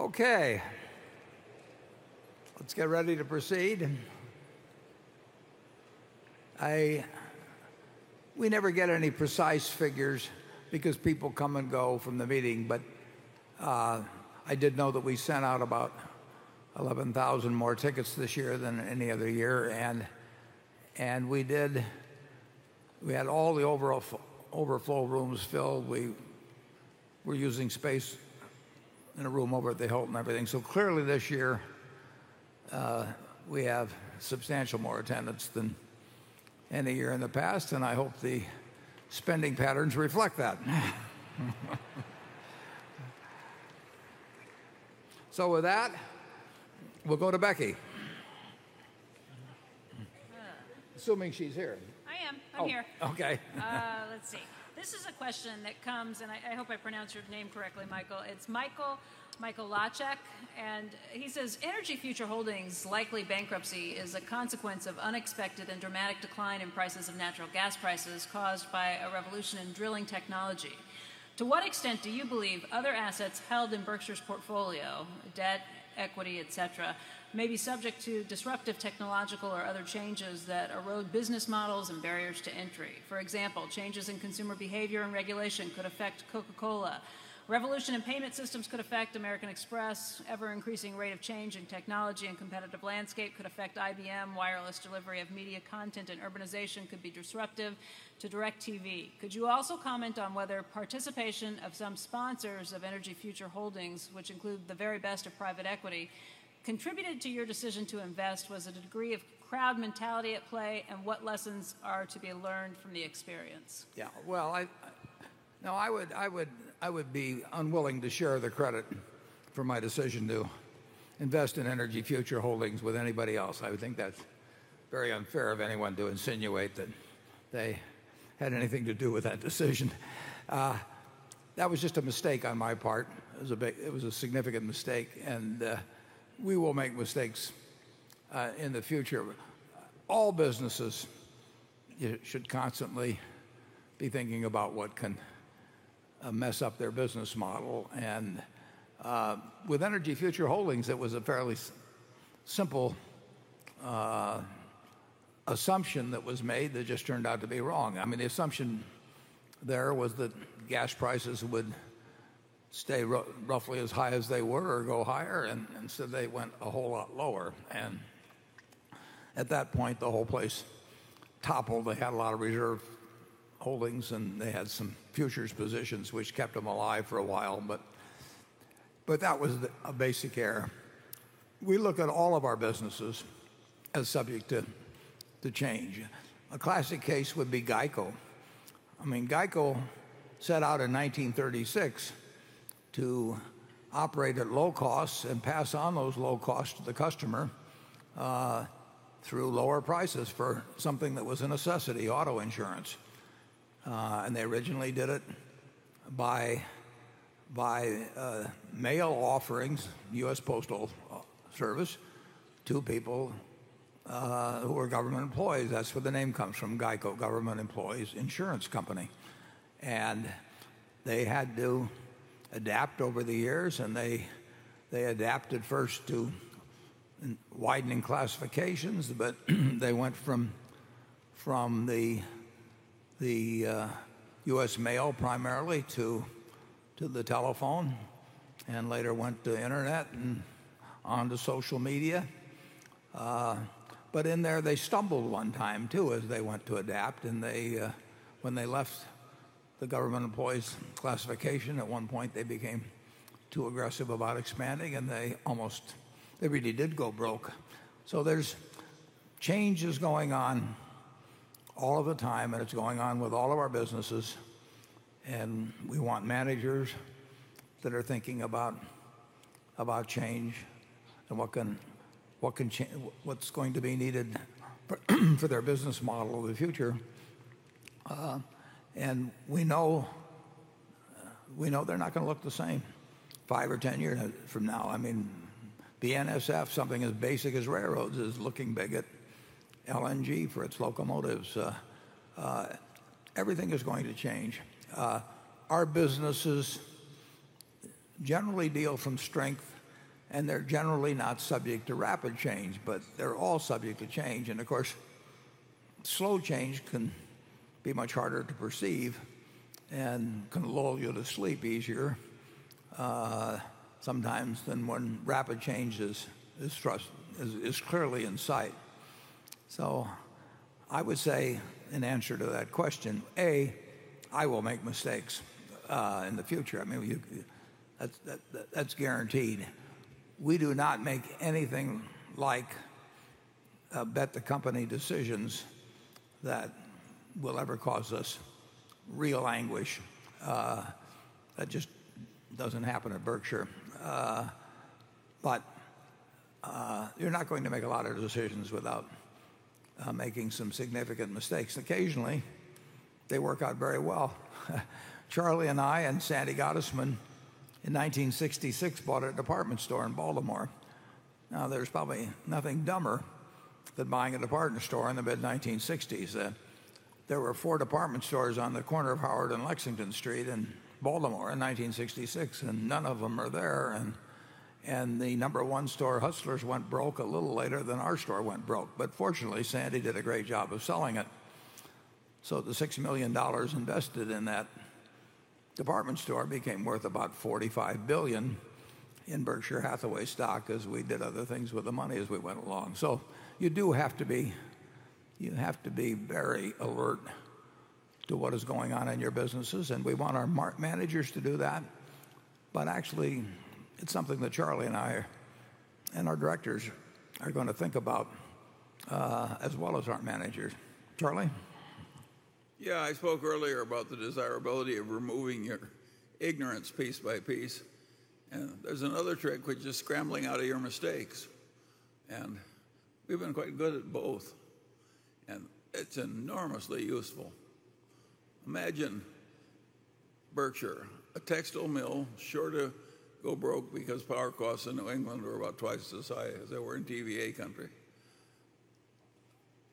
Okay. Let's get ready to proceed. We never get any precise figures because people come and go from the meeting. I did know that we sent out about 11,000 more tickets this year than any other year. We had all the overflow rooms filled. We're using space in a room over at the Hilton and everything. Clearly this year, we have substantial more attendance than any year in the past, and I hope the spending patterns reflect that. With that, we'll go to Becky. Assuming she's here. I am. I'm here. Oh, okay. Let's see. This is a question that comes. I hope I pronounce your name correctly, Michael. It's Michael Lachek. He says, "Energy Future Holdings' likely bankruptcy is a consequence of unexpected and dramatic decline in prices of natural gas prices caused by a revolution in drilling technology. To what extent do you believe other assets held in Berkshire's portfolio, debt, equity, et cetera, may be subject to disruptive technological or other changes that erode business models and barriers to entry? For example, changes in consumer behavior and regulation could affect Coca-Cola. Revolution in payment systems could affect American Express. Ever-increasing rate of change in technology and competitive landscape could affect IBM. Wireless delivery of media content and urbanization could be disruptive to DirecTV. Could you also comment on whether participation of some sponsors of Energy Future Holdings, which include the very best of private equity, contributed to your decision to invest? Was a degree of crowd mentality at play, and what lessons are to be learned from the experience? Yeah. No, I would be unwilling to share the credit for my decision to invest in Energy Future Holdings with anybody else. I would think that's very unfair of anyone to insinuate that they had anything to do with that decision. That was just a mistake on my part. It was a significant mistake, and we will make mistakes in the future. All businesses should constantly be thinking about what can mess up their business model. With Energy Future Holdings, it was a fairly simple assumption that was made that just turned out to be wrong. The assumption there was that gas prices would stay roughly as high as they were or go higher, and instead they went a whole lot lower. At that point, the whole place toppled. They had a lot of reserve holdings, and they had some futures positions, which kept them alive for a while, but that was a basic error. We look at all of our businesses as subject to change. A classic case would be GEICO. GEICO set out in 1936 to operate at low costs and pass on those low costs to the customer through lower prices for something that was a necessity, auto insurance. They originally did it by mail offerings, U.S. Postal Service, to people who were government employees. That's where the name comes from, GEICO, Government Employees Insurance Company. They had to adapt over the years, and they adapted first to widening classifications, but they went from the U.S. Mail primarily to the telephone and later went to the internet and onto social media. In there, they stumbled one time too as they went to adapt, and when they left the government employees classification, at one point they became too aggressive about expanding and they really did go broke. Change is going on all of the time, and it's going on with all of our businesses, and we want managers that are thinking about change and what's going to be needed for their business model of the future. We know they're not going to look the same five or 10 years from now. BNSF, something as basic as railroads, is looking big at LNG for its locomotives. Everything is going to change. Our businesses generally deal from strength, and they're generally not subject to rapid change, but they're all subject to change. Of course, slow change can be much harder to perceive and can lull you to sleep easier sometimes than when rapid change is clearly in sight. I would say in answer to that question, A, I will make mistakes in the future. That's guaranteed. We do not make anything like bet the company decisions that will ever cause us real anguish. That just doesn't happen at Berkshire. You're not going to make a lot of decisions without making some significant mistakes. Occasionally, they work out very well. Charlie and I and Sandy Gottesman in 1966 bought a department store in Baltimore. There's probably nothing dumber than buying a department store in the mid-1960s. There were four department stores on the corner of Howard and Lexington Street in Baltimore in 1966, and none of them are there. The number one store, Hutzler's, went broke a little later than our store went broke, but fortunately Sandy did a great job of selling it. The $6 million invested in that department store became worth about $45 billion in Berkshire Hathaway stock as we did other things with the money as we went along. You do have to be very alert to what is going on in your businesses and we want our managers to do that, but actually it's something that Charlie and I and our directors are going to think about, as well as our managers. Charlie? Yeah, I spoke earlier about the desirability of removing your ignorance piece by piece, there's another trick which is scrambling out of your mistakes, we've been quite good at both, it's enormously useful. Imagine Berkshire, a textile mill sure to go broke because power costs in New England were about twice as high as they were in TVA country.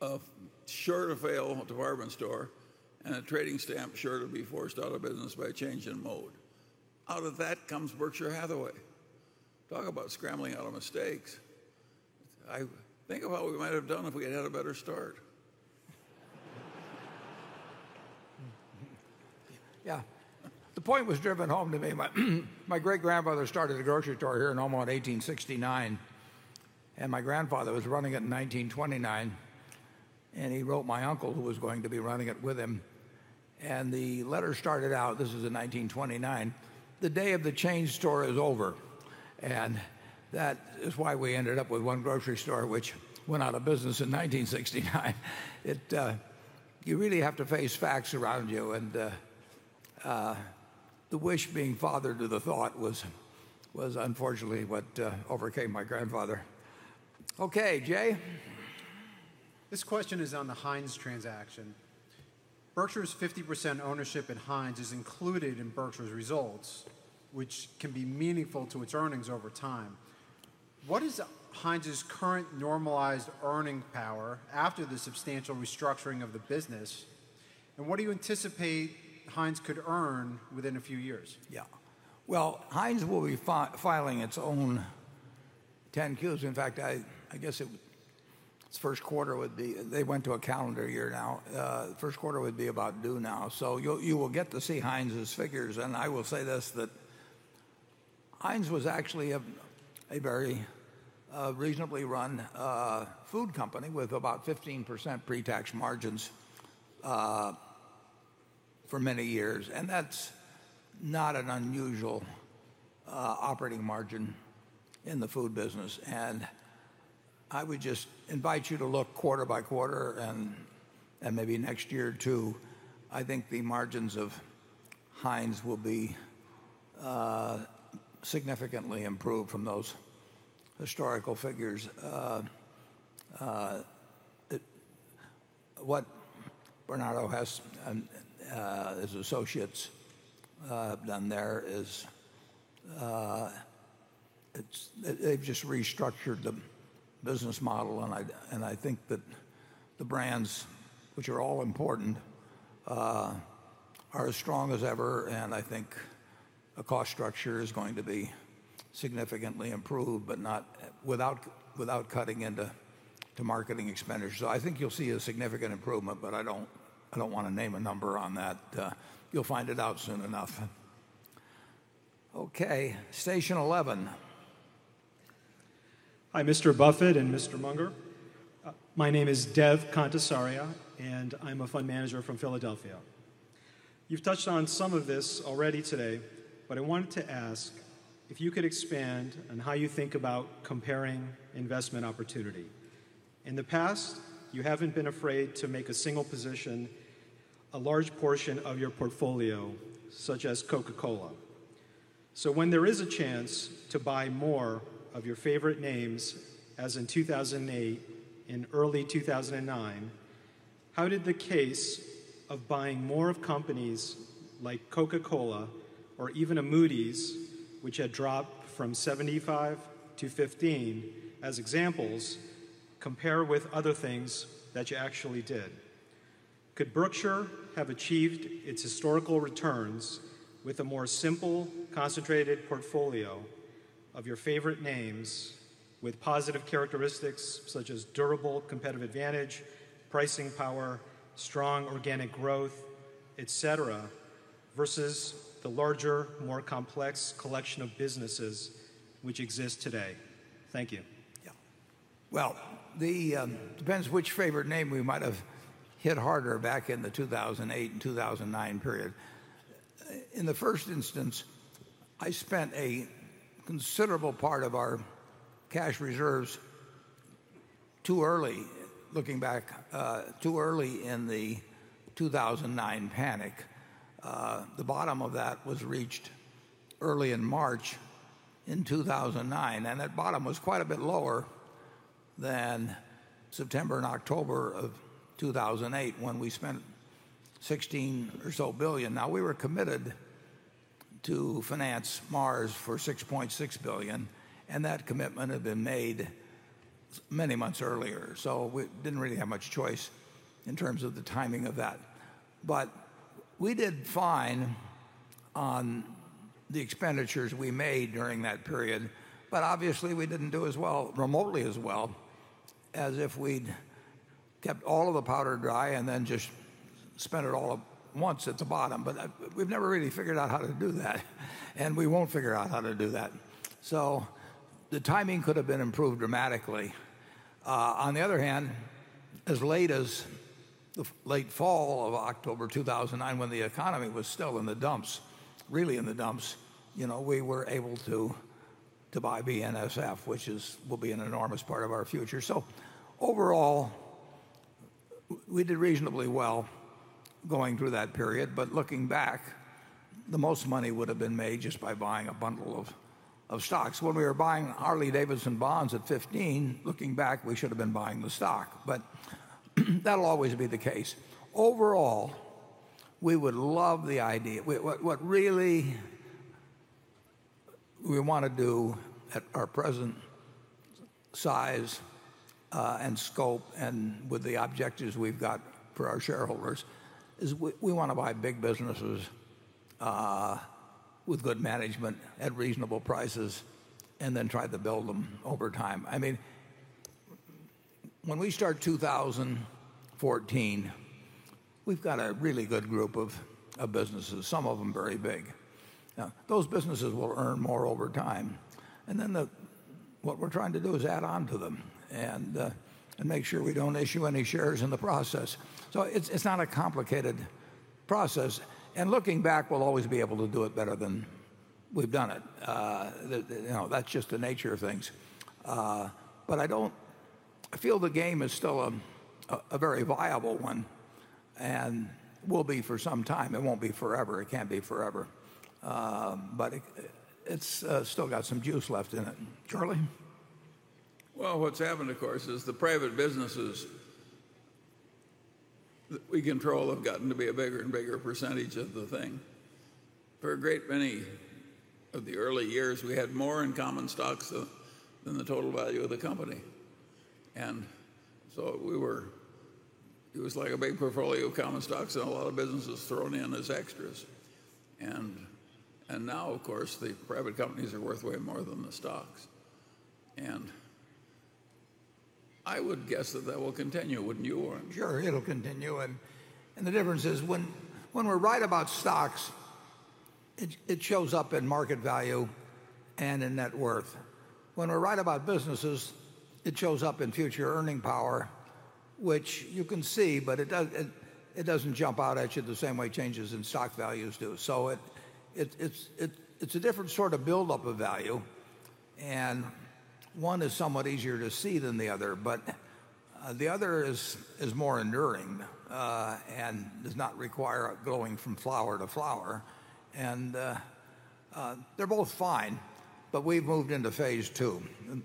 A sure to fail department store and a trading stamp sure to be forced out of business by change in mode. Out of that comes Berkshire Hathaway. Talk about scrambling out of mistakes. Think of what we might have done if we had had a better start. Yeah. The point was driven home to me. My great-grandfather started a grocery store here in Omaha in 1869. My grandfather was running it in 1929. He wrote my uncle, who was going to be running it with him. The letter started out, this was in 1929, "The day of the chain store is over." That is why we ended up with one grocery store, which went out of business in 1969. You really have to face facts around you and the wish being father to the thought was unfortunately what overcame my grandfather. Okay, Jay? This question is on the Heinz transaction. Berkshire's 50% ownership in Heinz is included in Berkshire's results, which can be meaningful to its earnings over time. What is Heinz's current normalized earning power after the substantial restructuring of the business, and what do you anticipate Heinz could earn within a few years? Well, Heinz will be filing its own 10-Qs. In fact, I guess its first quarter-- They went to a calendar year now. First quarter would be about due now. You will get to see Heinz's figures. I will say this, that Heinz was actually a very reasonably run food company with about 15% pretax margins for many years, and that's not an unusual operating margin in the food business. I would just invite you to look quarter by quarter and maybe next year too. I think the margins of Heinz will be significantly improved from those historical figures. What Bernardo and his associates have done there is they've just restructured the business model. I think that the brands, which are all important, are as strong as ever. I think the cost structure is going to be significantly improved, without cutting into marketing expenditures. I think you'll see a significant improvement, but I don't want to name a number on that. You'll find it out soon enough. Okay, station 11. Hi, Mr. Buffett and Mr. Munger. My name is Dev Kantesaria and I'm a fund manager from Philadelphia. You've touched on some of this already today. I wanted to ask if you could expand on how you think about comparing investment opportunity. In the past, you haven't been afraid to make a single position a large portion of your portfolio, such as Coca-Cola. When there is a chance to buy more of your favorite names, as in 2008 and early 2009, how did the case of buying more of companies like Coca-Cola or even a Moody's, which had dropped from 75 to 15 as examples, compare with other things that you actually did? Could Berkshire have achieved its historical returns with a more simple, concentrated portfolio of your favorite names with positive characteristics such as durable competitive advantage, pricing power, strong organic growth, et cetera, versus the larger, more complex collection of businesses which exist today? Thank you. Yeah. Well, depends which favorite name we might have hit harder back in the 2008 and 2009 period. In the first instance, I spent a considerable part of our cash reserves too early, looking back, too early in the 2009 panic. The bottom of that was reached early in March in 2009, and that bottom was quite a bit lower than September and October of 2008 when we spent $16 billion. We were committed to finance Mars for $6.6 billion, and that commitment had been made many months earlier. We didn't really have much choice in terms of the timing of that. We did fine on the expenditures we made during that period. Obviously, we didn't do as well, remotely as well, as if we'd kept all of the powder dry and then just spent it all at once at the bottom. We've never really figured out how to do that, and we won't figure out how to do that. The timing could have been improved dramatically. On the other hand, as late as the late fall of October 2009, when the economy was still in the dumps, really in the dumps, we were able to buy BNSF, which will be an enormous part of our future. Overall, we did reasonably well going through that period. Looking back, the most money would have been made just by buying a bundle of stocks. When we were buying Harley-Davidson bonds at 15, looking back, we should have been buying the stock. That'll always be the case. Overall, we would love the idea. What really we want to do at our present size and scope, and with the objectives we've got for our shareholders, is we want to buy big businesses with good management at reasonable prices, then try to build them over time. When we start 2014, we've got a really good group of businesses, some of them very big. Now, those businesses will earn more over time, then what we're trying to do is add on to them and make sure we don't issue any shares in the process. It's not a complicated process, looking back, we'll always be able to do it better than we've done it. That's just the nature of things. I feel the game is still a very viable one, will be for some time. It won't be forever. It can't be forever. It's still got some juice left in it. Charlie? Well, what's happened, of course, is the private businesses that we control have gotten to be a bigger and bigger percentage of the thing. For a great many of the early years, we had more in common stocks than the total value of the company. It was like a big portfolio of common stocks and a lot of businesses thrown in as extras. Now, of course, the private companies are worth way more than the stocks. I would guess that that will continue. Wouldn't you, Warren? Sure, it'll continue, the difference is when we're right about stocks, it shows up in market value and in net worth. It's a different sort of build up of value, one is somewhat easier to see than the other. The other is more enduring, does not require going from flower to flower, they're both fine, we've moved into phase 2. You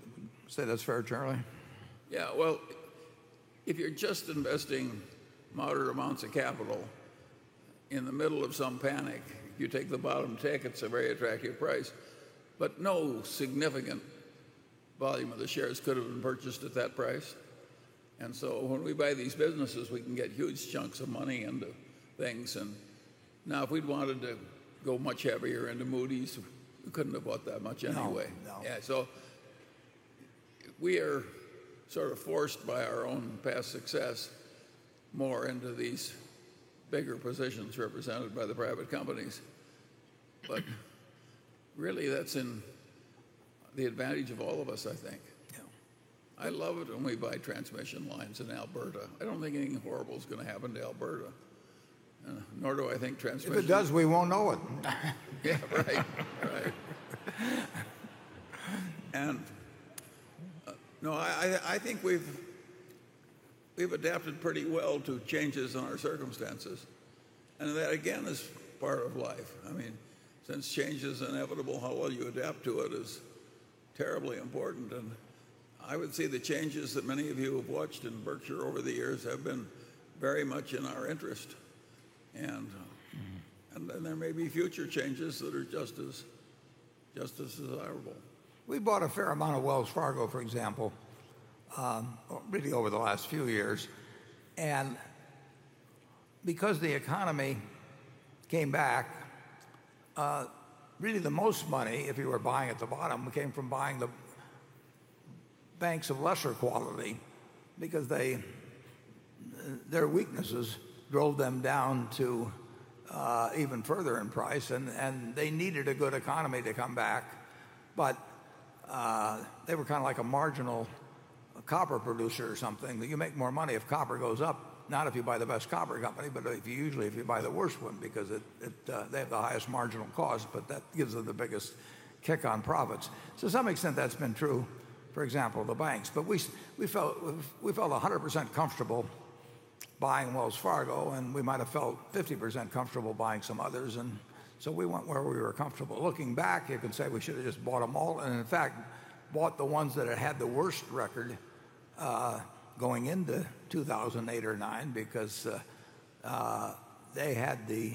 say that's fair, Charlie? Yeah. Well, if you're just investing moderate amounts of capital in the middle of some panic, you take the bottom tick, it's a very attractive price, but no significant volume of the shares could have been purchased at that price. When we buy these businesses, we can get huge chunks of money into things, now if we'd wanted to go much heavier into Moody's, we couldn't have bought that much anyway. No. Yeah. We are sort of forced by our own past success more into these bigger positions represented by the private companies. Really that's in the advantage of all of us, I think. Yeah. I love it when we buy transmission lines in Alberta. I don't think anything horrible is going to happen to Alberta, nor do I think. If it does, we won't know it. Yeah, right. No, I think we've adapted pretty well to changes in our circumstances, and that again, is part of life. Since change is inevitable, how well you adapt to it is terribly important, and I would say the changes that many of you have watched in Berkshire over the years have been very much in our interest. Then there may be future changes that are just as desirable. We bought a fair amount of Wells Fargo, for example, really over the last few years. Because the economy came back, really the most money, if you were buying at the bottom, came from buying the banks of lesser quality because their weaknesses drove them down to even further in price, and they needed a good economy to come back. They were kind of like a marginal copper producer or something, that you make more money if copper goes up, not if you buy the best copper company, but usually if you buy the worst one because they have the highest marginal cost, but that gives them the biggest kick on profits. To some extent, that's been true, for example, the banks. We felt 100% comfortable buying Wells Fargo, and we might have felt 50% comfortable buying some others, so we went where we were comfortable. Looking back, you can say we should have just bought them all, and in fact, bought the ones that had the worst record going into 2008 or 2009 because they had the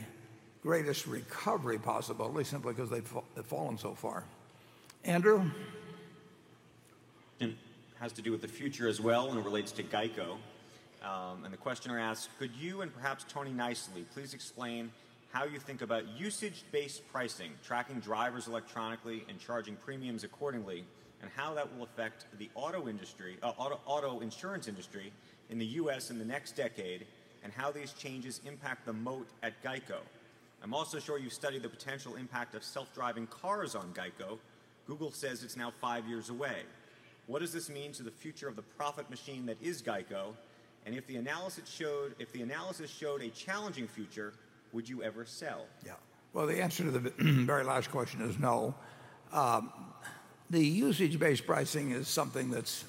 greatest recovery possible simply because they'd fallen so far. Andrew? It has to do with the future as well, and it relates to GEICO. The questioner asks, "Could you and perhaps Tony Nicely please explain how you think about usage-based pricing, tracking drivers electronically, and charging premiums accordingly, and how that will affect the auto insurance industry in the U.S. in the next decade, and how these changes impact the moat at GEICO? I'm also sure you've studied the potential impact of self-driving cars on GEICO. Google says it's now five years away. What does this mean to the future of the profit machine that is GEICO? If the analysis showed a challenging future, would you ever sell? Well, the answer to the very last question is no. The usage-based pricing is something that's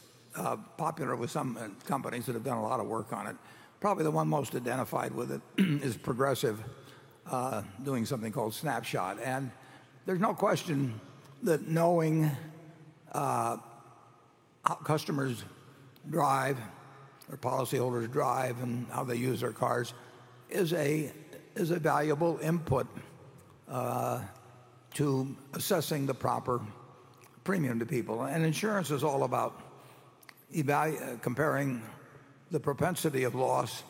popular with some companies that have done a lot of work on it. Probably the one most identified with it is Progressive doing something called Snapshot. There's no question that knowing how customers drive or policyholders drive and how they use their cars is a valuable input to assessing the proper premium to people. Insurance is all about evaluating the propensity of loss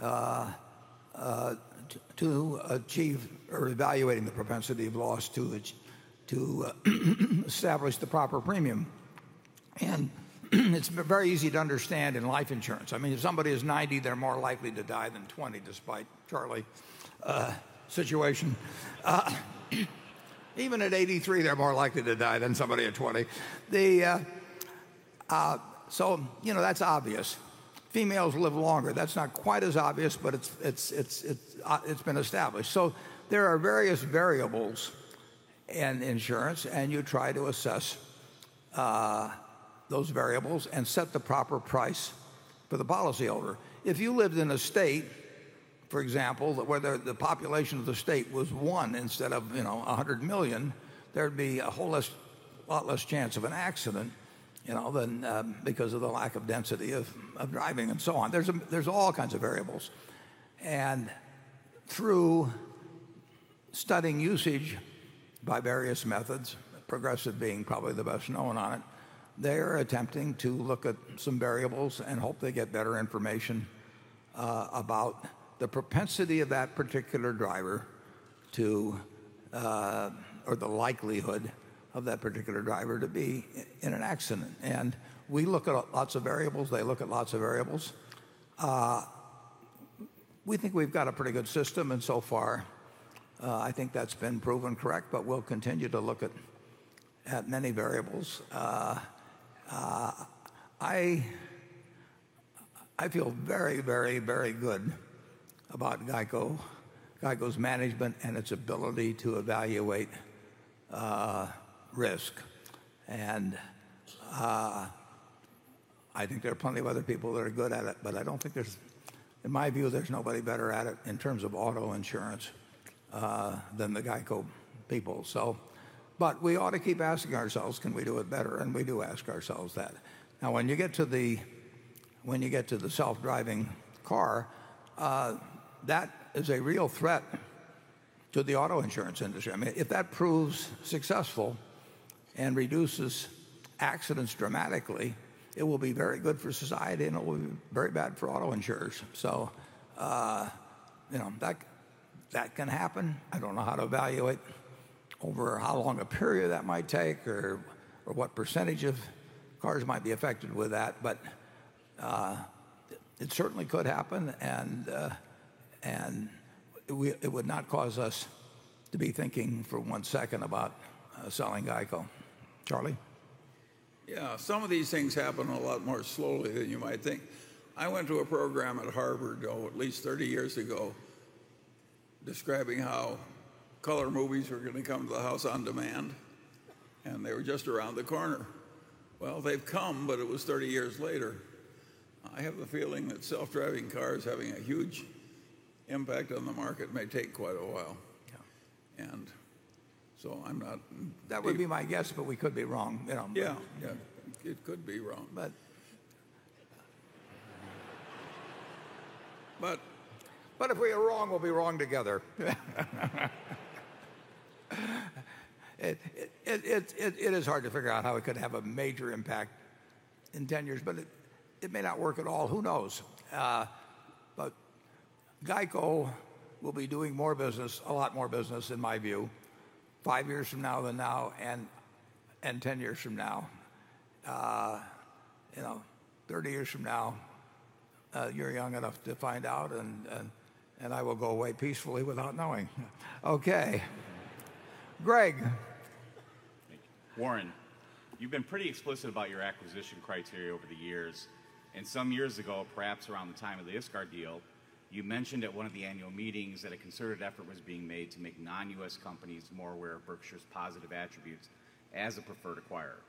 to establish the proper premium. It's very easy to understand in life insurance. If somebody is 90, they're more likely to die than 20, despite Charlie situation. Even at 83, they're more likely to die than somebody at 20. That's obvious. Females live longer. That's not quite as obvious, but it's been established. There are various variables in insurance, and you try to assess those variables and set the proper price for the policyholder. If you lived in a state, for example, where the population of the state was one instead of 100 million, there'd be a whole lot less chance of an accident because of the lack of density of driving and so on. There's all kinds of variables. Through studying usage by various methods, Progressive being probably the best known on it, they are attempting to look at some variables and hope they get better information about the propensity of that particular driver or the likelihood of that particular driver to be in an accident. We look at lots of variables. They look at lots of variables. We think we've got a pretty good system, and so far, I think that's been proven correct, but we'll continue to look at many variables. I feel very good about GEICO's management, and its ability to evaluate risk. I think there are plenty of other people that are good at it, but in my view, there's nobody better at it in terms of auto insurance than the GEICO people. We ought to keep asking ourselves, can we do it better? We do ask ourselves that. Now, when you get to the self-driving car, that is a real threat to the auto insurance industry. If that proves successful and reduces accidents dramatically, it will be very good for society, and it will be very bad for auto insurers. That can happen. I don't know how to evaluate over how long a period that might take or what percentage of cars might be affected with that, but it certainly could happen, and it would not cause us to be thinking for one second about selling GEICO. Charlie? Yeah. Some of these things happen a lot more slowly than you might think. I went to a program at Harvard at least 30 years ago describing how color movies were going to come to the house on demand, and they were just around the corner. Well, they've come, but it was 30 years later. I have a feeling that self-driving cars having a huge impact on the market may take quite a while. Yeah. I'm not. That would be my guess, but we could be wrong. Yeah. It could be wrong. If we are wrong, we'll be wrong together. It is hard to figure out how it could have a major impact in 10 years, but it may not work at all. Who knows? GEICO will be doing more business, a lot more business in my view, five years from now than now and 10 years from now. 30 years from now you're young enough to find out, and I will go away peacefully without knowing. Okay. Greg. Thank you. Warren, you've been pretty explicit about your acquisition criteria over the years, and some years ago, perhaps around the time of the ISCAR deal, you mentioned at one of the annual meetings that a concerted effort was being made to make non-U.S. companies more aware of Berkshire's positive attributes as a preferred acquirer.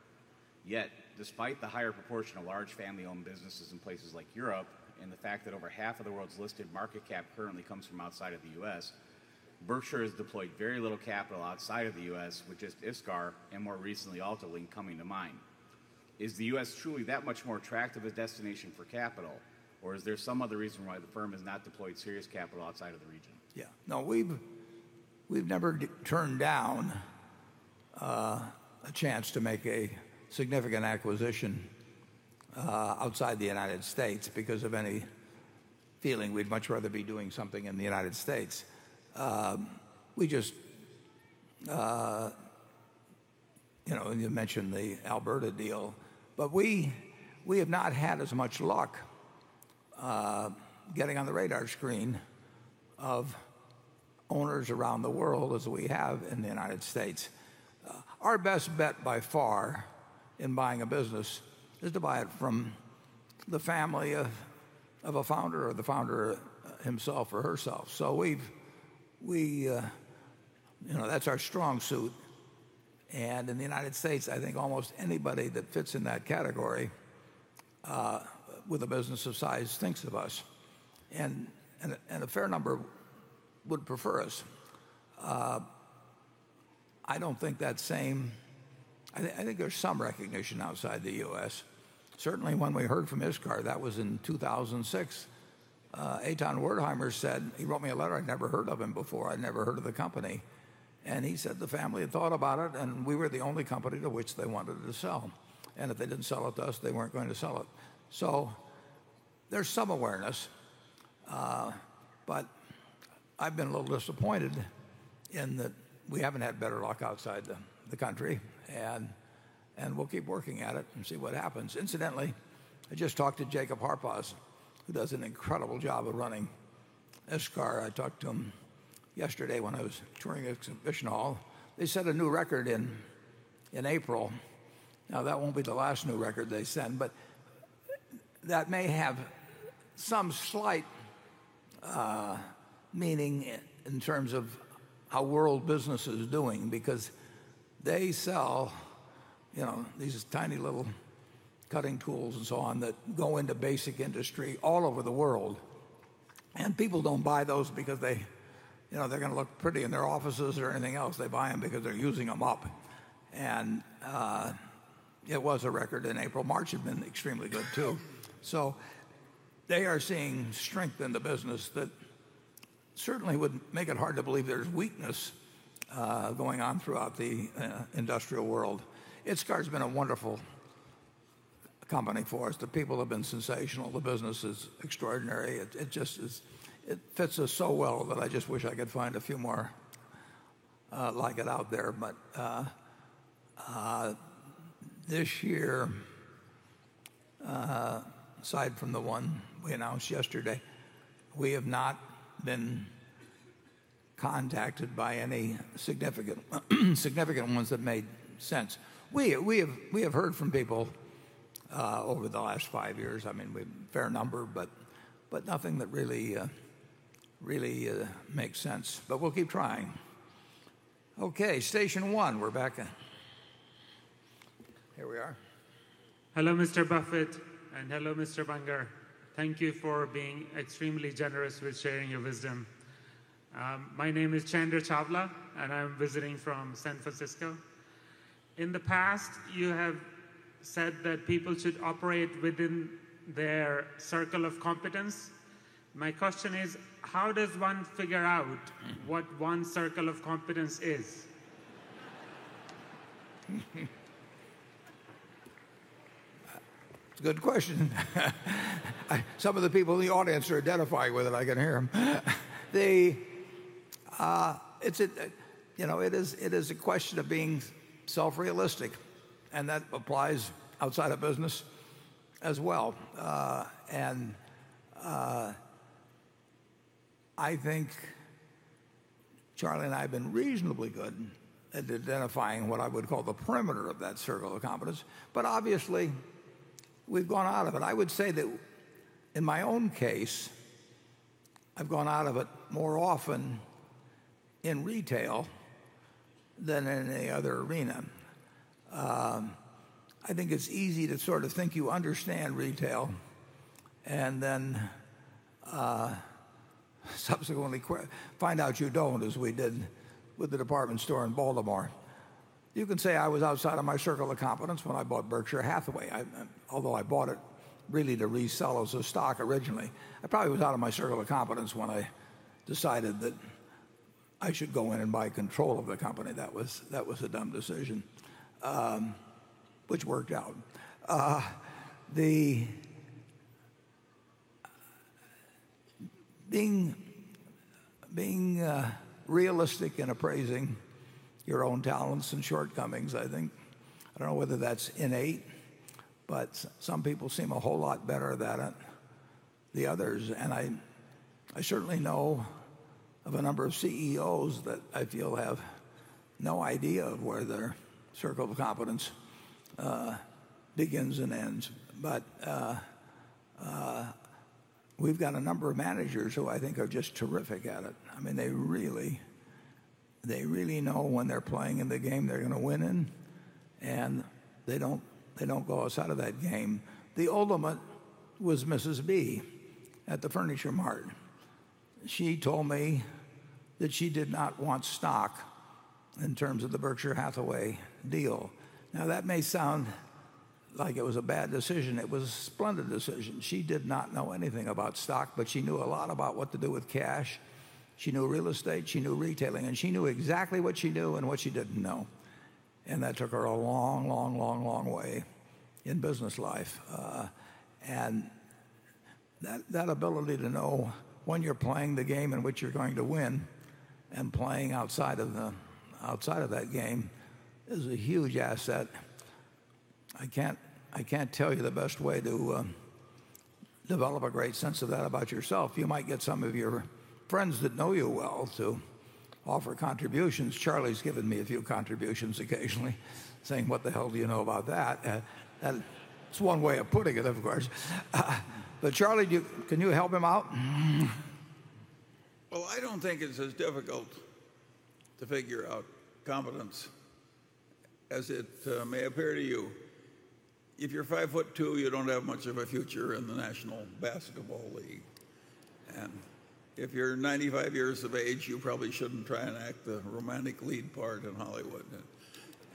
Despite the higher proportion of large family-owned businesses in places like Europe and the fact that over half of the world's listed market cap currently comes from outside of the U.S. Berkshire has deployed very little capital outside of the U.S., with just ISCAR, and more recently, AltaLink coming to mind. Is the U.S. truly that much more attractive a destination for capital, or is there some other reason why the firm has not deployed serious capital outside of the region? Yeah. We've never turned down a chance to make a significant acquisition outside the United States because of any feeling we'd much rather be doing something in the United States. You mentioned the Alberta deal, but we have not had as much luck getting on the radar screen of owners around the world as we have in the United States. Our best bet by far in buying a business is to buy it from the family of a founder or the founder himself or herself. That's our strong suit. In the United States, I think almost anybody that fits in that category with a business of size thinks of us, and a fair number would prefer us. I think there's some recognition outside the U.S. Certainly, when we heard from ISCAR, that was in 2006. Eitan Wertheimer, he wrote me a letter. I'd never heard of him before. I'd never heard of the company. He said the family had thought about it, and we were the only company to which they wanted to sell. If they didn't sell it to us, they weren't going to sell it. There's some awareness, but I've been a little disappointed in that we haven't had better luck outside the country, and we'll keep working at it and see what happens. Incidentally, I just talked to Jacob Harpaz, who does an incredible job of running ISCAR. I talked to him yesterday when I was touring the exhibition hall. They set a new record in April. That won't be the last new record they set, but that may have some slight meaning in terms of how world business is doing because they sell these tiny little cutting tools and so on that go into basic industry all over the world, and people don't buy those because they're going to look pretty in their offices or anything else. They buy them because they're using them up. It was a record in April. March had been extremely good, too. They are seeing strength in the business that certainly would make it hard to believe there's weakness going on throughout the industrial world. ISCAR's been a wonderful company for us. The people have been sensational. The business is extraordinary. It fits us so well that I just wish I could find a few more like it out there. Aside from the one we announced yesterday, this year we have not been contacted by any significant ones that made sense. We have heard from people over the last five years, a fair number, but nothing that really makes sense. We'll keep trying. Okay. Station one. Here we are. Hello, Mr. Buffett, and hello, Mr. Munger. Thank you for being extremely generous with sharing your wisdom. My name is Chandra Chawla, and I'm visiting from San Francisco. In the past, you have said that people should operate within their circle of competence. My question is, how does one figure out what one's circle of competence is? It's a good question. Some of the people in the audience are identifying with it, I can hear them. It is a question of being self-realistic, and that applies outside of business as well. I think Charlie and I have been reasonably good at identifying what I would call the perimeter of that circle of competence. Obviously, we've gone out of it. I would say that in my own case, I've gone out of it more often in retail than in any other arena. I think it's easy to sort of think you understand retail and then subsequently find out you don't, as we did with the department store in Baltimore. You could say I was outside of my circle of competence when I bought Berkshire Hathaway, although I bought it really to resell as a stock originally. I probably was out of my circle of competence when I decided that I should go in and buy control of the company. That was a dumb decision, which worked out. Being realistic in appraising your own talents and shortcomings, I think, I don't know whether that's innate, but some people seem a whole lot better at it than the others. I certainly know of a number of CEOs that I feel have no idea of where their circle of competence begins and ends. We've got a number of managers who I think are just terrific at it. They really know when they're playing in the game they're going to win in, and they don't go outside of that game. The ultimate was Mrs. B at the Furniture Mart. She told me that she did not want stock in terms of the Berkshire Hathaway deal. That may sound like it was a bad decision. It was a splendid decision. She did not know anything about stock, but she knew a lot about what to do with cash. She knew real estate, she knew retailing, she knew exactly what she knew and what she didn't know. That took her a long, long, long, long way in business life. That ability to know when you're playing the game in which you're going to win and playing outside of that game is a huge asset. I can't tell you the best way to develop a great sense of that about yourself. You might get some of your friends that know you well to offer contributions. Charlie's given me a few contributions occasionally, saying, "What the hell do you know about that?" That's one way of putting it, of course. Charlie, can you help him out? Well, I don't think it's as difficult to figure out competence as it may appear to you. If you're 5'2", you don't have much of a future in the National Basketball Association. If you're 95 years of age, you probably shouldn't try and act the romantic lead part in Hollywood.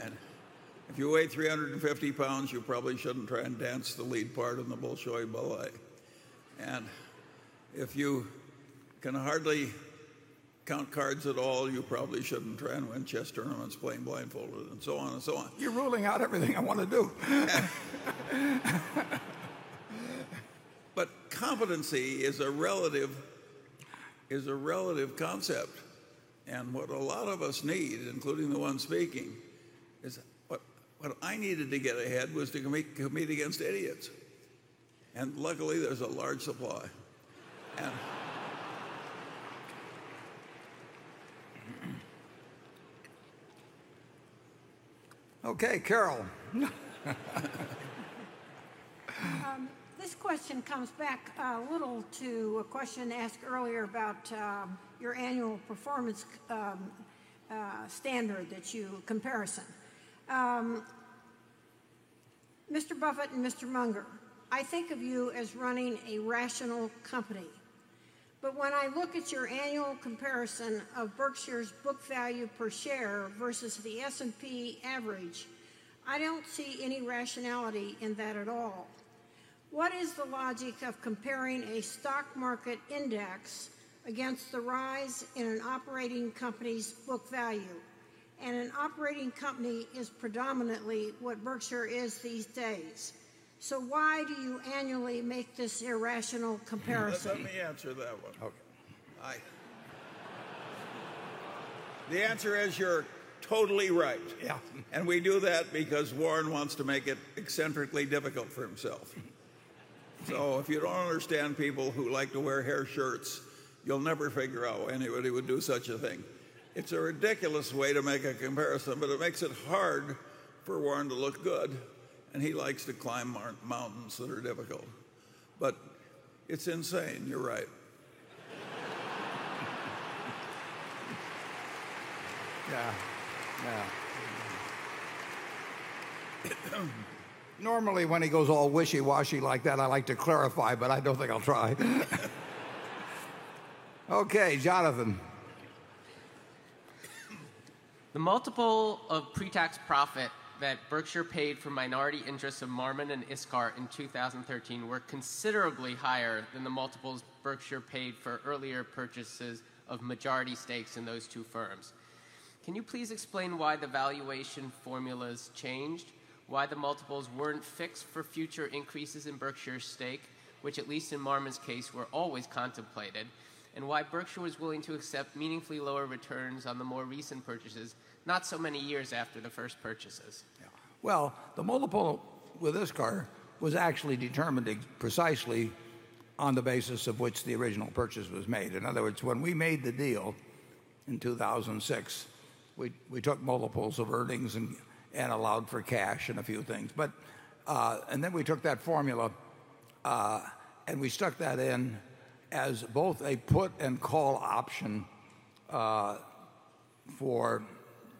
If you weigh 350 pounds, you probably shouldn't try and dance the lead part in the Bolshoi Ballet. If you can hardly count cards at all, you probably shouldn't try and win chess tournaments playing blindfolded, and so on. You're ruling out everything I want to do. Competency is a relative concept, what a lot of us need, including the one speaking, is what I needed to get ahead was to compete against idiots. Luckily, there's a large supply. Okay, Carol. This question comes back a little to a question asked earlier about your annual performance standard comparison. Mr. Buffett and Mr. Munger, I think of you as running a rational company. When I look at your annual comparison of Berkshire's book value per share versus the S&P average, I don't see any rationality in that at all. What is the logic of comparing a stock market index against the rise in an operating company's book value? An operating company is predominantly what Berkshire is these days. Why do you annually make this irrational comparison? Let me answer that one. Okay. The answer is you're totally right. Yeah. We do that because Warren wants to make it eccentrically difficult for himself. If you don't understand people who like to wear hair shirts, you'll never figure out why anybody would do such a thing. It's a ridiculous way to make a comparison, but it makes it hard for Warren to look good, and he likes to climb mountains that are difficult. It's insane, you're right. Yeah. Normally, when he goes all wishy-washy like that, I like to clarify, but I don't think I'll try. Okay, Jonathan. The multiple of pre-tax profit that Berkshire paid for minority interests of Marmon and ISCAR in 2013 were considerably higher than the multiples Berkshire paid for earlier purchases of majority stakes in those two firms. Can you please explain why the valuation formulas changed, why the multiples weren't fixed for future increases in Berkshire's stake, which at least in Marmon's case, were always contemplated, and why Berkshire was willing to accept meaningfully lower returns on the more recent purchases, not so many years after the first purchases? Yeah. Well, the multiple with ISCAR was actually determined precisely on the basis of which the original purchase was made. In other words, when we made the deal in 2006, we took multiples of earnings and allowed for cash and a few things. Then we took that formula, and we stuck that in as both a put and call option for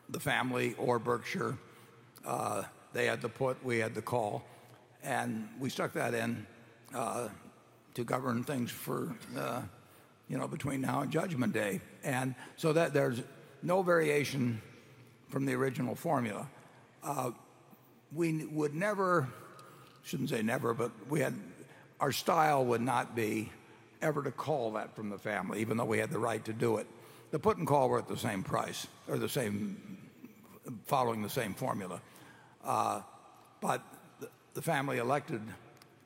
the family or Berkshire. They had the put, we had the call. We stuck that in to govern things for between now and Judgment Day. There's no variation from the original formula. We would never, shouldn't say never, but our style would not be ever to call that from the family, even though we had the right to do it. The put and call were at the same price or following the same formula. The family elected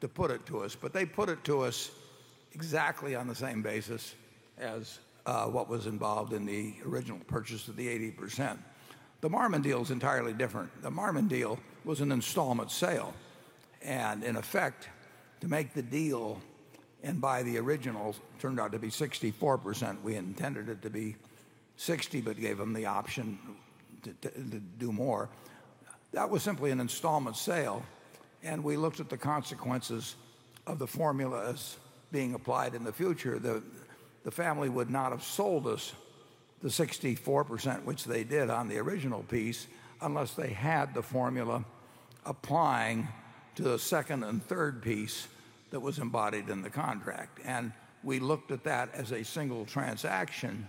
to put it to us, they put it to us exactly on the same basis as what was involved in the original purchase of the 80%. The Marmon deal is entirely different. The Marmon deal was an installment sale, in effect, to make the deal and buy the original, turned out to be 64%. We intended it to be 60 but gave them the option to do more. That was simply an installment sale, we looked at the consequences of the formula as being applied in the future. The family would not have sold us the 64%, which they did on the original piece, unless they had the formula applying to the second and third piece that was embodied in the contract. We looked at that as a single transaction,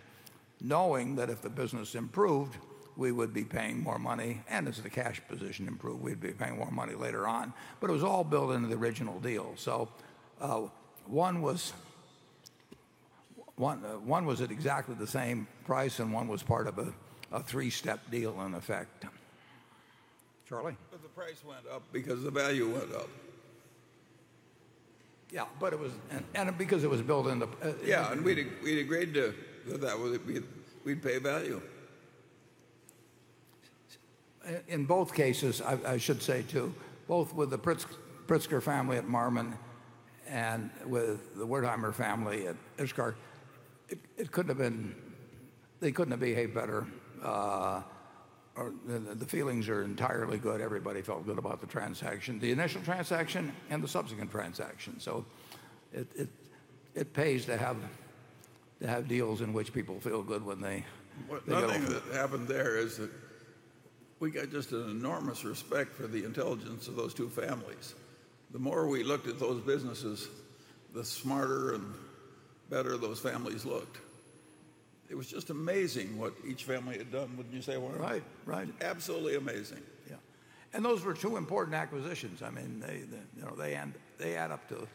knowing that if the business improved, we would be paying more money, as the cash position improved, we'd be paying more money later on. It was all built into the original deal. One was at exactly the same price, one was part of a three-step deal, in effect. Charlie? The price went up because the value went up. Yeah. Yeah, we'd agreed to that, we'd pay value. In both cases, I should say too, both with the Pritzker family at Marmon and with the Wertheimer family at ISCAR, they couldn't have behaved better. The feelings are entirely good. Everybody felt good about the transaction, the initial transaction and the subsequent transaction. It pays to have deals in which people feel good when they go into it. One thing that happened there is that we got just an enormous respect for the intelligence of those two families. The more we looked at those businesses, the smarter and better those families looked. It was just amazing what each family had done. Wouldn't you say, Warren? Right. Absolutely amazing. Yeah. Those were two important acquisitions. They add up to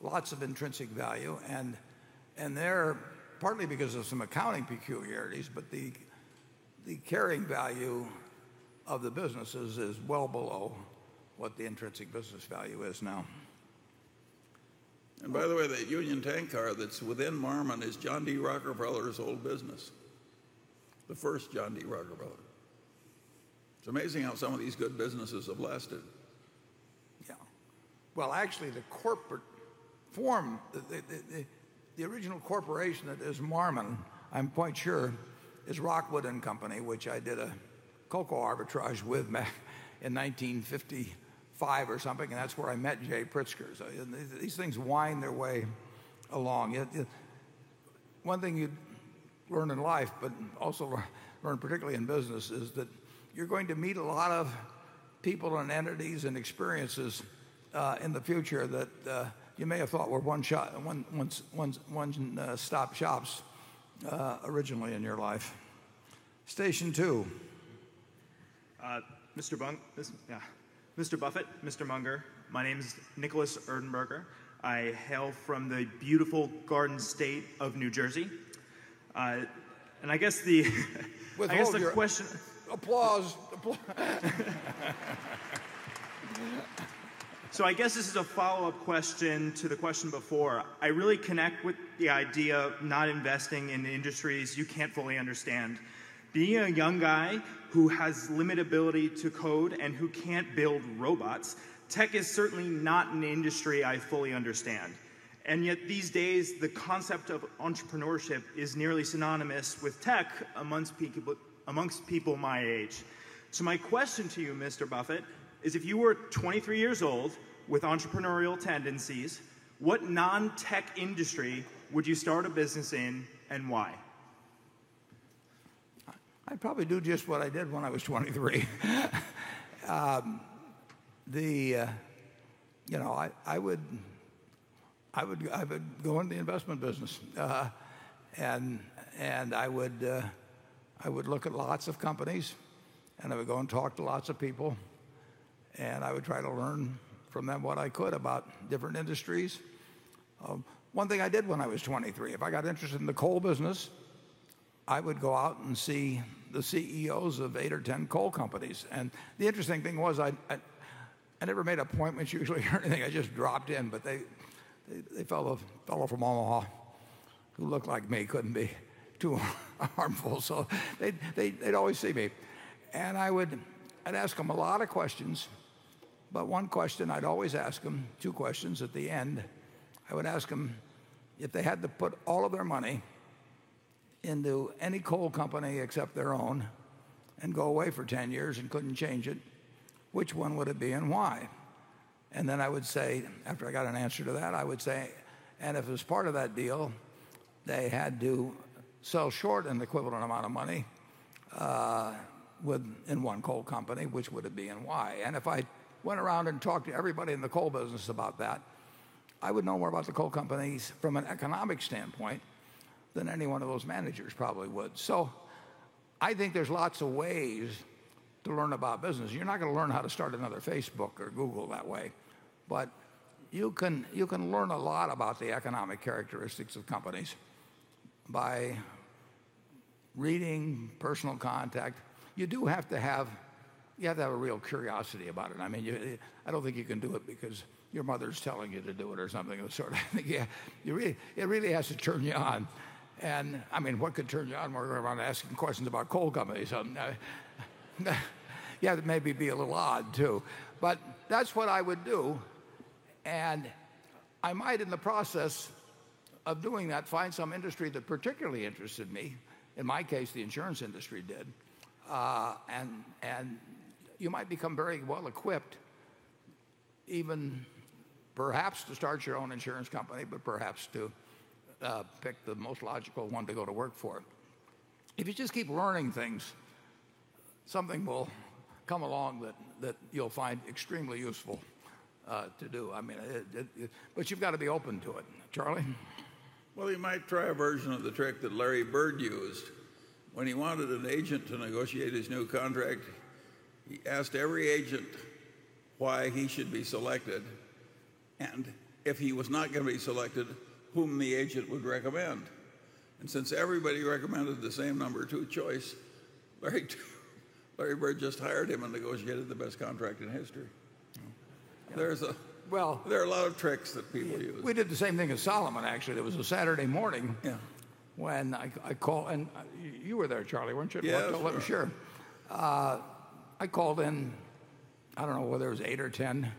lots of intrinsic value, and there, partly because of some accounting peculiarities, but the carrying value of the businesses is well below what the intrinsic business value is now. By the way, that Union Tank Car that's within Marmon is John D. Rockefeller's old business, the first John D. Rockefeller. It's amazing how some of these good businesses have lasted. Yeah. Well, actually, the corporate form, the original corporation that is Marmon, I'm quite sure, is Rockwood & Company, which I did a cocoa arbitrage with in 1955 or something, and that's where I met Jay Pritzker. These things wind their way along. One thing you learn in life, but also learn particularly in business, is that you're going to meet a lot of people and entities and experiences in the future that you may have thought were one-stop shops originally in your life. Station two. Mr. Buffett, Mr. Munger, my name is Nicholas Erdenberger. I hail from the beautiful Garden State of New Jersey. Withhold your applause. I guess this is a follow-up question to the question before. I really connect with the idea of not investing in industries you can't fully understand. Being a young guy who has limited ability to code and who can't build robots, tech is certainly not an industry I fully understand. Yet these days, the concept of entrepreneurship is nearly synonymous with tech amongst people my age. My question to you, Mr. Buffett, is if you were 23 years old with entrepreneurial tendencies, what non-tech industry would you start a business in and why? I'd probably do just what I did when I was 23. I would go into the investment business. I would look at lots of companies, and I would go and talk to lots of people, and I would try to learn from them what I could about different industries. One thing I did when I was 23, if I got interested in the coal business, I would go out and see the CEOs of eight or 10 coal companies. The interesting thing was I never made appointments usually or anything. I just dropped in, but the fellow from Omaha who looked like me couldn't be too harmful. They'd always see me. I'd ask them a lot of questions, one question I'd always ask them, two questions at the end, I would ask them if they had to put all of their money into any coal company except their own and go away for 10 years and couldn't change it, which one would it be and why? After I got an answer to that, I would say, if it was part of that deal, they had to sell short an equivalent amount of money in one coal company, which would it be and why? If I went around and talked to everybody in the coal business about that, I would know more about the coal companies from an economic standpoint than any one of those managers probably would. I think there's lots of ways to learn about business. You're not going to learn how to start another Facebook or Google that way, you can learn a lot about the economic characteristics of companies by reading, personal contact. You have to have a real curiosity about it. I don't think you can do it because your mother's telling you to do it or something of the sort. It really has to turn you on, and what could turn you on more than asking questions about coal companies? Yeah, it may be a little odd too. That's what I would do. I might, in the process of doing that, find some industry that particularly interested me. In my case, the insurance industry did. You might become very well-equipped, even perhaps to start your own insurance company, but perhaps to pick the most logical one to go to work for. If you just keep learning things, something will come along that you'll find extremely useful to do. You've got to be open to it. Charlie? You might try a version of the trick that Larry Bird used. When he wanted an agent to negotiate his new contract, he asked every agent why he should be selected, and if he was not going to be selected, whom the agent would recommend. Since everybody recommended the same number 2 choice, Larry Bird just hired him and negotiated the best contract in history. Yeah. There are a lot of tricks that people use. We did the same thing as Salomon, actually. It was a Saturday morning. Yeah When I call, you were there, Charlie, weren't you? Yes, sure. Sure. I called in, I don't know whether it was 8 or 10.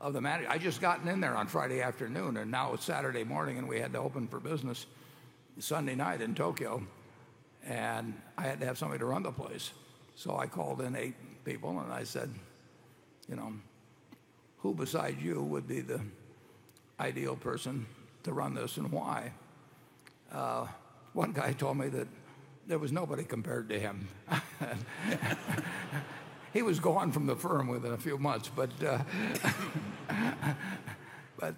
I'd just gotten in there on Friday afternoon. Now it's Saturday morning, and we had to open for business Sunday night in Tokyo, and I had to have somebody to run the place. I called in eight people, and I said, "Who besides you would be the ideal person to run this and why?" One guy told me that there was nobody compared to him. He was gone from the firm within a few months.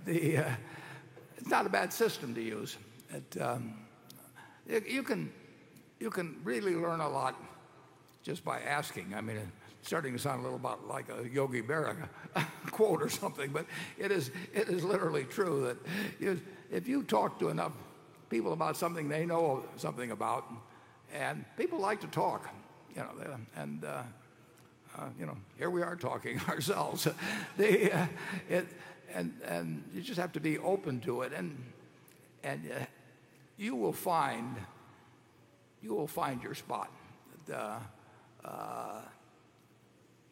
It's not a bad system to use. You can really learn a lot just by asking. Starting to sound a little about like a Yogi Berra quote or something. It is literally true that if you talk to enough people about something they know something about, and people like to talk. Here we are talking ourselves. You just have to be open to it, and you will find your spot. You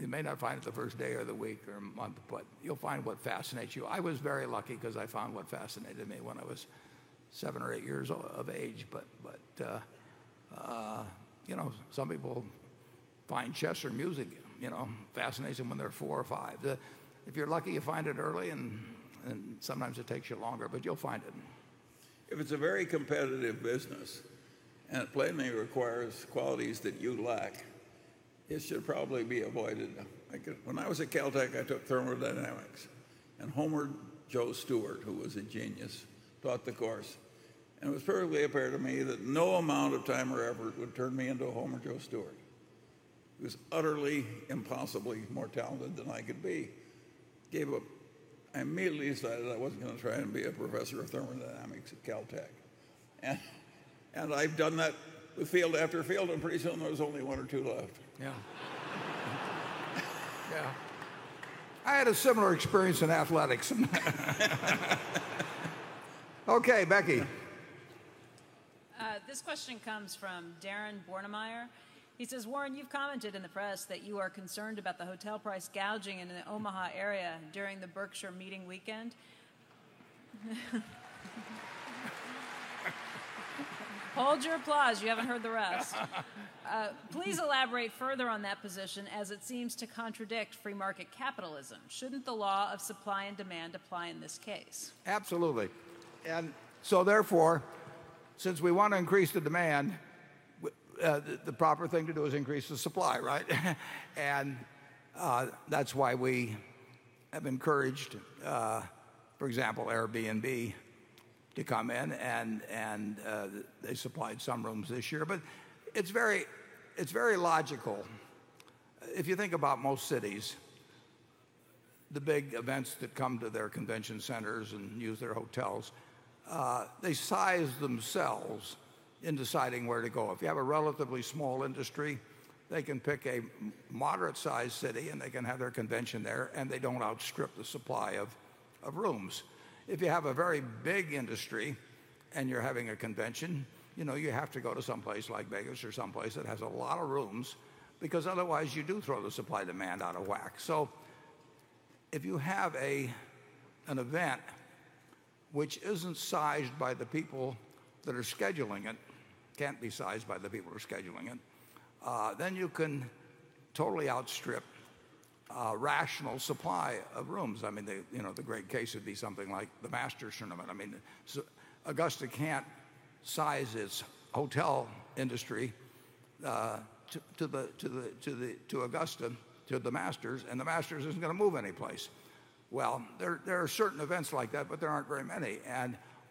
may not find it the first day or the week or month. You'll find what fascinates you. I was very lucky because I found what fascinated me when I was seven or eight years of age. Some people find chess or music fascinates them when they're four or five. If you're lucky, you find it early, and sometimes it takes you longer, but you'll find it. If it's a very competitive business and it plainly requires qualities that you lack, it should probably be avoided. When I was at Caltech, I took thermodynamics, and Homer Joe Stewart, who was a genius, taught the course. It was perfectly apparent to me that no amount of time or effort would turn me into a Homer Joe Stewart, who was utterly, impossibly more talented than I could be. Gave up. I immediately decided I wasn't going to try to be a professor of thermodynamics at Caltech. I've done that with field after field, and pretty soon there was only one or two left. Yeah. Yeah. I had a similar experience in athletics. Okay, Becky. This question comes from Darren Bornemeier. He says, "Warren, you've commented in the press that you are concerned about the hotel price gouging in the Omaha area during the Berkshire meeting weekend." Hold your applause. You haven't heard the rest. "Please elaborate further on that position as it seems to contradict free market capitalism. Shouldn't the law of supply and demand apply in this case? Absolutely. Therefore, since we want to increase the demand, the proper thing to do is increase the supply, right? That's why we have encouraged, for example, Airbnb to come in, and they supplied some rooms this year. It's very logical. If you think about most cities, the big events that come to their convention centers and use their hotels, they size themselves in deciding where to go. If you have a relatively small industry, they can pick a moderate size city, and they can have their convention there, and they don't outstrip the supply of rooms. If you have a very big industry and you're having a convention, you have to go to some place like Vegas or some place that has a lot of rooms, because otherwise you do throw the supply-demand out of whack. If you have an event which isn't sized by the people that are scheduling it, can't be sized by the people who are scheduling it, then you can totally outstrip a rational supply of rooms. The great case would be something like the Masters Tournament. Augusta can't size its hotel industry to Augusta, to the Masters, and the Masters isn't going to move any place. There are certain events like that, but there aren't very many.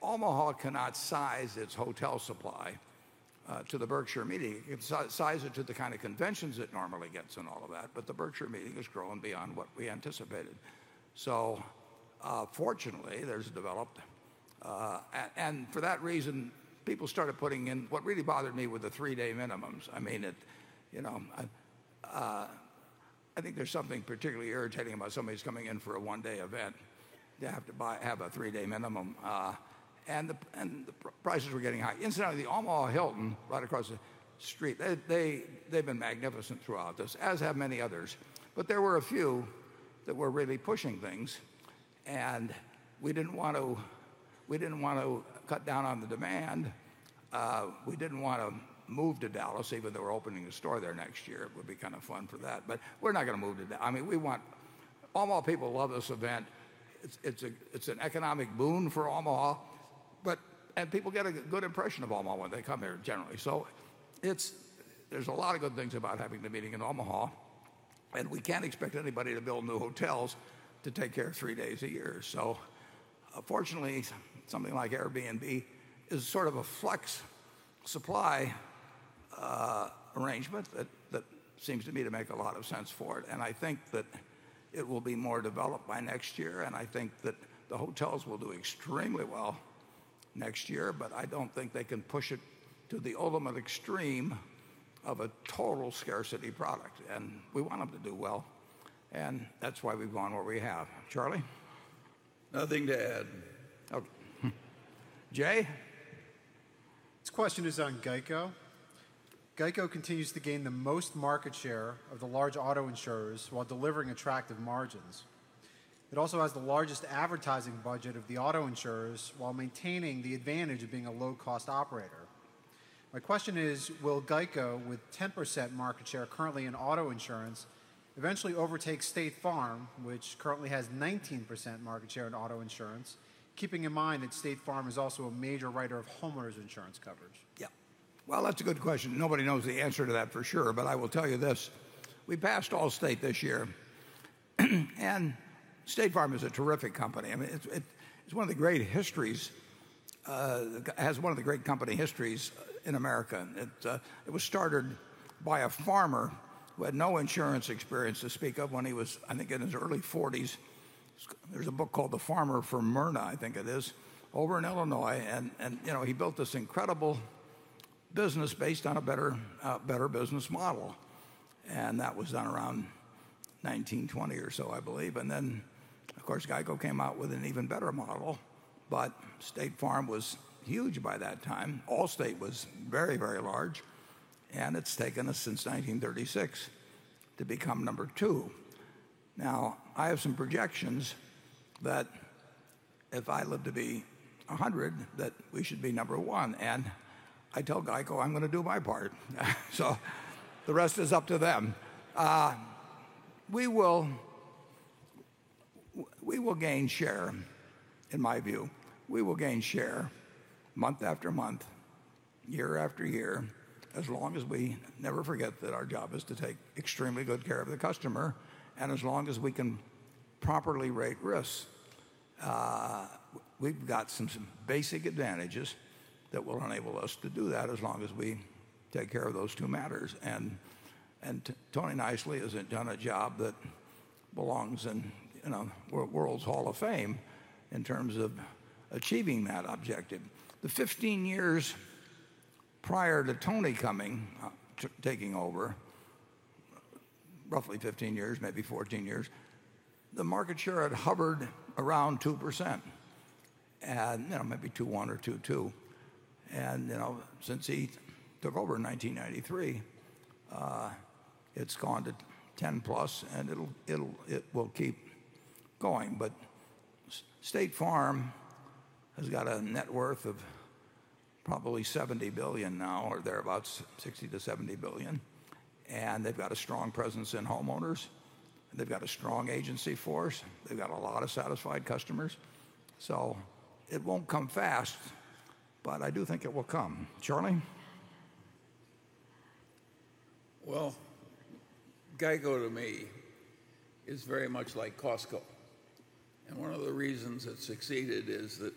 Omaha cannot size its hotel supply to the Berkshire meeting. It size it to the kind of conventions it normally gets and all of that, but the Berkshire meeting has grown beyond what we anticipated. Fortunately, for that reason, people started putting in. What really bothered me were the three-day minimums. I think there's something particularly irritating about somebody who's coming in for a one-day event to have to have a three-day minimum. The prices were getting high. Incidentally, the Omaha Hilton right across the street, they've been magnificent throughout this, as have many others. There were a few that were really pushing things, and we didn't want to cut down on the demand. We didn't want to move to Dallas, even though we're opening a store there next year. It would be kind of fun for that, but we're not going to move to Dallas. Omaha people love this event. It's an economic boon for Omaha, and people get a good impression of Omaha when they come here, generally. There's a lot of good things about having the meeting in Omaha, and we can't expect anybody to build new hotels to take care of three days a year. Fortunately, something like Airbnb is sort of a flex supply arrangement that seems to me to make a lot of sense for it. I think that it will be more developed by next year, and I think that the hotels will do extremely well next year. I don't think they can push it to the ultimate extreme of a total scarcity product, and we want them to do well, and that's why we've gone where we have. Charlie? Nothing to add. Okay. Jay? This question is on GEICO. GEICO continues to gain the most market share of the large auto insurers while delivering attractive margins. It also has the largest advertising budget of the auto insurers while maintaining the advantage of being a low-cost operator. My question is, will GEICO, with 10% market share currently in auto insurance, eventually overtake State Farm, which currently has 19% market share in auto insurance, keeping in mind that State Farm is also a major writer of homeowners insurance coverage? That's a good question. Nobody knows the answer to that for sure, I will tell you this. We passed Allstate this year, State Farm is a terrific company. It has one of the great company histories in America. It was started by a farmer who had no insurance experience to speak of when he was, I think, in his early 40s. There's a book called "The Farmer from Merna," I think it is, over in Illinois. He built this incredible business based on a better business model. That was done around 1920 or so, I believe. Of course, GEICO came out with an even better model, State Farm was huge by that time. Allstate was very large, it's taken us since 1936 to become number two. I have some projections that if I live to be 100, that we should be number one, I tell GEICO I'm going to do my part. The rest is up to them. We will gain share, in my view. We will gain share month after month, year after year, as long as we never forget that our job is to take extremely good care of the customer, as long as we can properly rate risks. We've got some basic advantages that will enable us to do that as long as we take care of those two matters, Tony Nicely has done a job that belongs in a world's hall of fame in terms of achieving that objective. The 15 years prior to Tony coming, taking over, roughly 15 years, maybe 14 years, the market share had hovered around 2%, maybe 2.1 or 2.2. Since he took over in 1993, it's gone to 10 plus, it will keep going. State Farm has got a net worth of probably $70 billion now, or thereabouts, $60 billion-$70 billion, they've got a strong presence in homeowners. They've got a strong agency force. They've got a lot of satisfied customers. It won't come fast, I do think it will come. Charlie? GEICO, to me, is very much like Costco, one of the reasons it's succeeded is that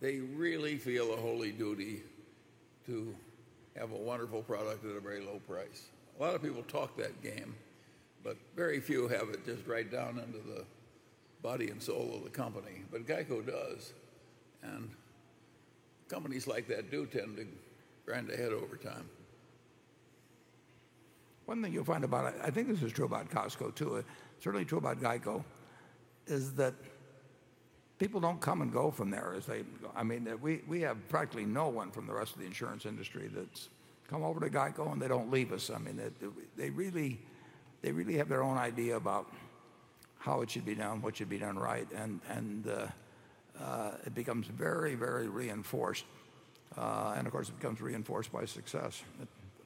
they really feel a holy duty to have a wonderful product at a very low price. A lot of people talk that game, very few have it just right down into the body and soul of the company. GEICO does, companies like that do tend to grind ahead over time. One thing you'll find about it, I think this is true about Costco, too. It's certainly true about GEICO, is that people don't come and go from there. We have practically no one from the rest of the insurance industry that's come over to GEICO, and they don't leave us. They really have their own idea about how it should be done, what should be done right, and it becomes very reinforced. Of course, it becomes reinforced by success.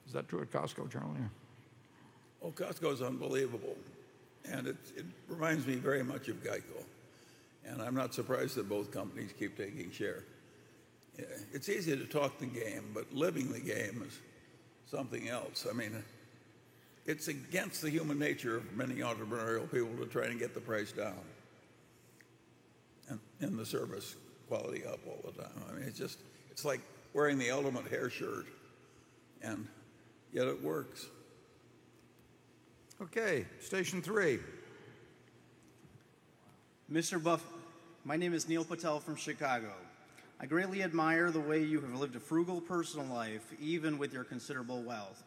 Is that true at Costco, Charlie? Oh, Costco is unbelievable. It reminds me very much of GEICO. I'm not surprised that both companies keep taking share. It's easy to talk the game, but living the game is something else. It's against the human nature of many entrepreneurial people to try and get the price down and the service quality up all the time. It's like wearing the element hair shirt, yet it works. Okay, station 3. Mr. Buffett, my name is Neil Patel from Chicago. I greatly admire the way you have lived a frugal personal life, even with your considerable wealth.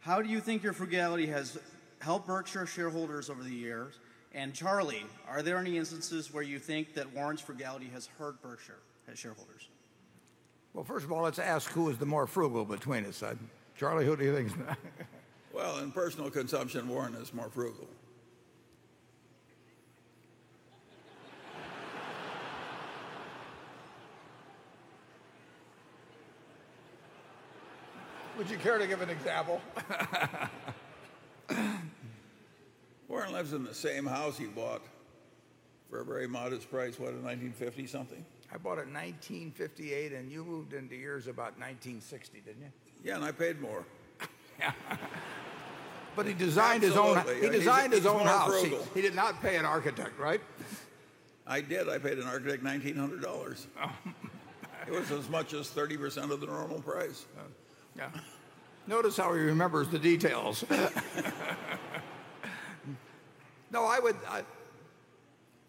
How do you think your frugality has helped Berkshire shareholders over the years? Charlie, are there any instances where you think that Warren's frugality has hurt Berkshire as shareholders? Well, first of all, let's ask who is the more frugal between us. Charlie, who do you think is? Well, in personal consumption, Warren is more frugal. Would you care to give an example? Warren lives in the same house he bought for a very modest price, what, in 1950-something? I bought it in 1958, and you moved in to yours about 1960, didn't you? Yeah, I paid more. He designed his own house. Absolutely. He's more frugal. He did not pay an architect, right? I did. I paid an architect $1,900. Oh. It was as much as 30% of the normal price. Yeah. Notice how he remembers the details. I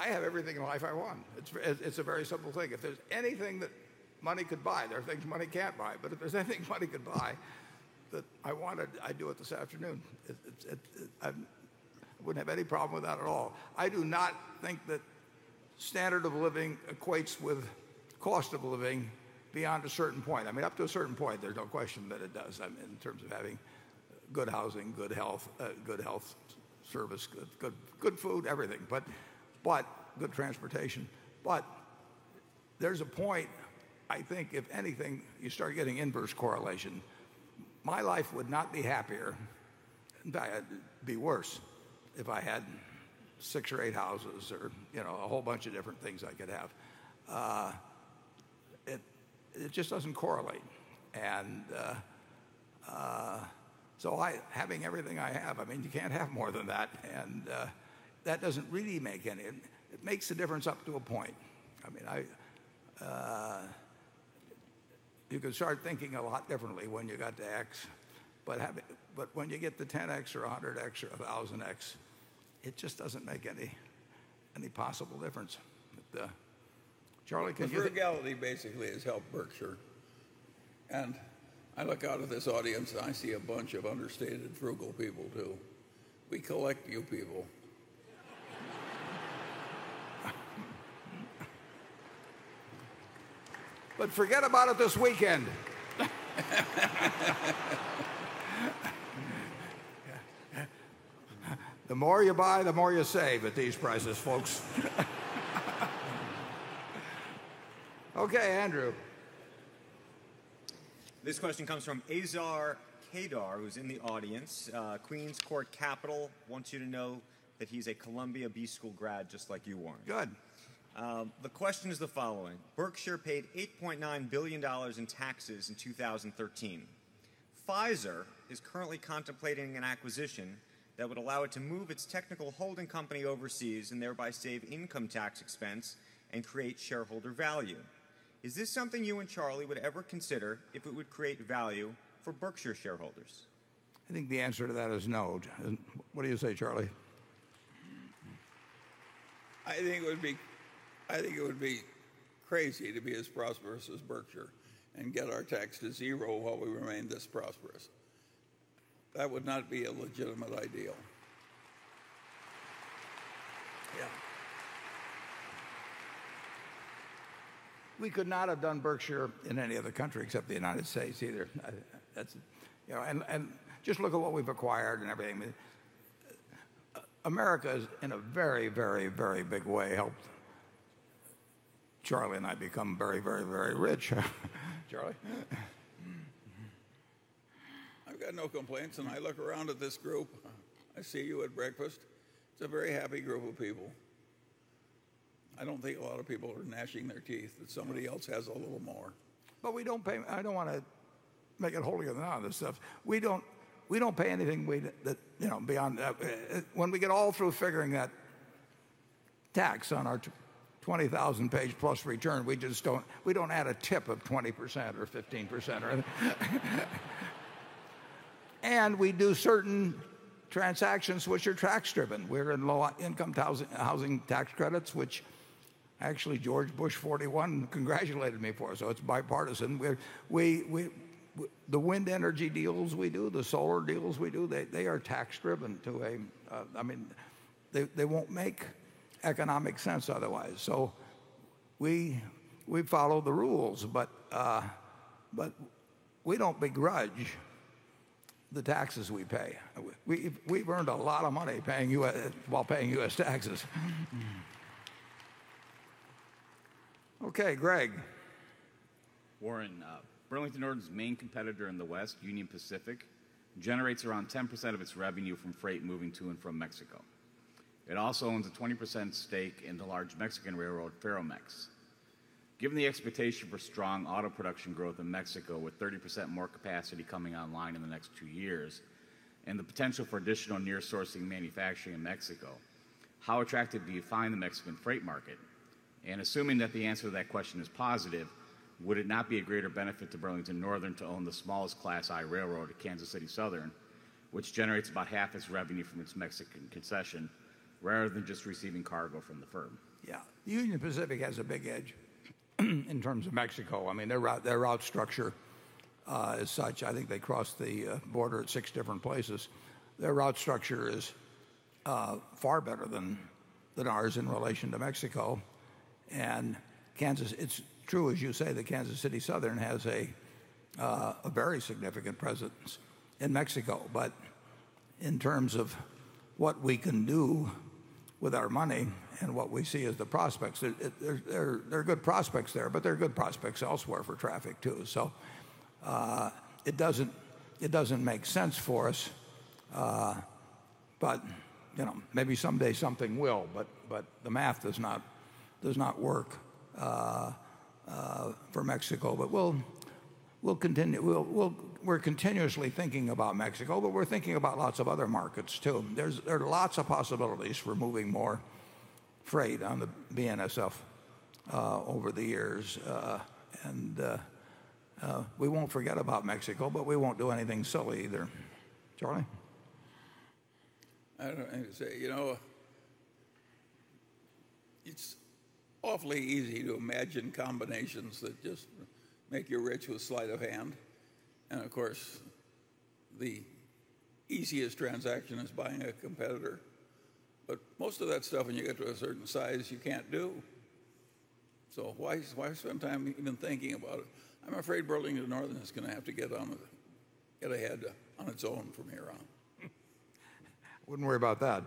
have everything in life I want. It's a very simple thing. If there's anything that money could buy, there are things money can't buy, if there's anything money could buy that I wanted, I'd do it this afternoon. I wouldn't have any problem with that at all. I do not think that standard of living equates with cost of living beyond a certain point. Up to a certain point, there's no question that it does, in terms of having good housing, good health, good health service, good food, everything. Good transportation. There's a point, I think if anything, you start getting inverse correlation. My life would not be happier, in fact it'd be worse, if I had six or eight houses or a whole bunch of different things I could have. It just doesn't correlate. Having everything I have, you can't have more than that. It makes a difference up to a point. You can start thinking a lot differently when you got to X. When you get to 10X or 100X or 1,000X, it just doesn't make any possible difference. Charlie, can you- His frugality basically has helped Berkshire. I look out at this audience and I see a bunch of understated, frugal people, too. We collect you people. Forget about it this weekend. The more you buy, the more you save at these prices, folks. Okay, Andrew. This question comes from Ajay Kadar, who's in the audience. Queens Court Capital wants you to know that he's a Columbia Business School grad, just like you, Warren. Good. The question is the following. Berkshire paid $8.9 billion in taxes in 2013. Pfizer is currently contemplating an acquisition that would allow it to move its technical holding company overseas and thereby save income tax expense and create shareholder value. Is this something you and Charlie would ever consider if it would create value for Berkshire shareholders? I think the answer to that is no. What do you say, Charlie? I think it would be crazy to be as prosperous as Berkshire and get our tax to zero while we remain this prosperous. That would not be a legitimate ideal. Yeah. We could not have done Berkshire in any other country except the United States either. Just look at what we've acquired and everything. America has, in a very, very, very big way, helped Charlie and I become very, very, very rich. Charlie? I've got no complaints. I look around at this group. I see you at breakfast. It's a very happy group of people. I don't think a lot of people are gnashing their teeth that somebody else has a little more. We don't pay I don't want to make it holier than thou, this stuff. We don't pay anything beyond that. When we get all through figuring that tax on our 20,000-page plus return, we don't add a tip of 20% or 15% or anything. We do certain transactions which are tax driven. We're in low income housing tax credits, which actually George Bush 41 congratulated me for, so it's bipartisan. The wind energy deals we do, the solar deals we do, they are tax driven. They won't make economic sense otherwise. We follow the rules, but we don't begrudge the taxes we pay. We've earned a lot of money while paying U.S. taxes. Okay, Greg. Warren, Burlington Northern's main competitor in the West, Union Pacific, generates around 10% of its revenue from freight moving to and from Mexico. It also owns a 20% stake in the large Mexican railroad, Ferromex. Given the expectation for strong auto production growth in Mexico, with 30% more capacity coming online in the next 2 years, and the potential for additional near sourcing manufacturing in Mexico, how attractive do you find the Mexican freight market? Assuming that the answer to that question is positive, would it not be a greater benefit to Burlington Northern to own the smallest Class I railroad at Kansas City Southern, which generates about half its revenue from its Mexican concession, rather than just receiving cargo from the firm? Yeah. Union Pacific has a big edge in terms of Mexico, their route structure is such. I think they cross the border at 6 different places. Their route structure is far better than ours in relation to Mexico. It's true, as you say that Kansas City Southern has a very significant presence in Mexico. In terms of what we can do with our money and what we see as the prospects, there are good prospects there, but there are good prospects elsewhere for traffic too. It doesn't make sense for us. Maybe someday something will. The math does not work for Mexico. We're continuously thinking about Mexico, but we're thinking about lots of other markets too. There are lots of possibilities for moving more freight on the BNSF over the years. We won't forget about Mexico, but we won't do anything silly either. Charlie? I don't have anything to say. It's awfully easy to imagine combinations that just make you rich with sleight of hand. Of course, the easiest transaction is buying a competitor. Most of that stuff when you get to a certain size, you can't do. Why spend time even thinking about it? I'm afraid Burlington Northern is going to have to get ahead on its own from here on. Wouldn't worry about that.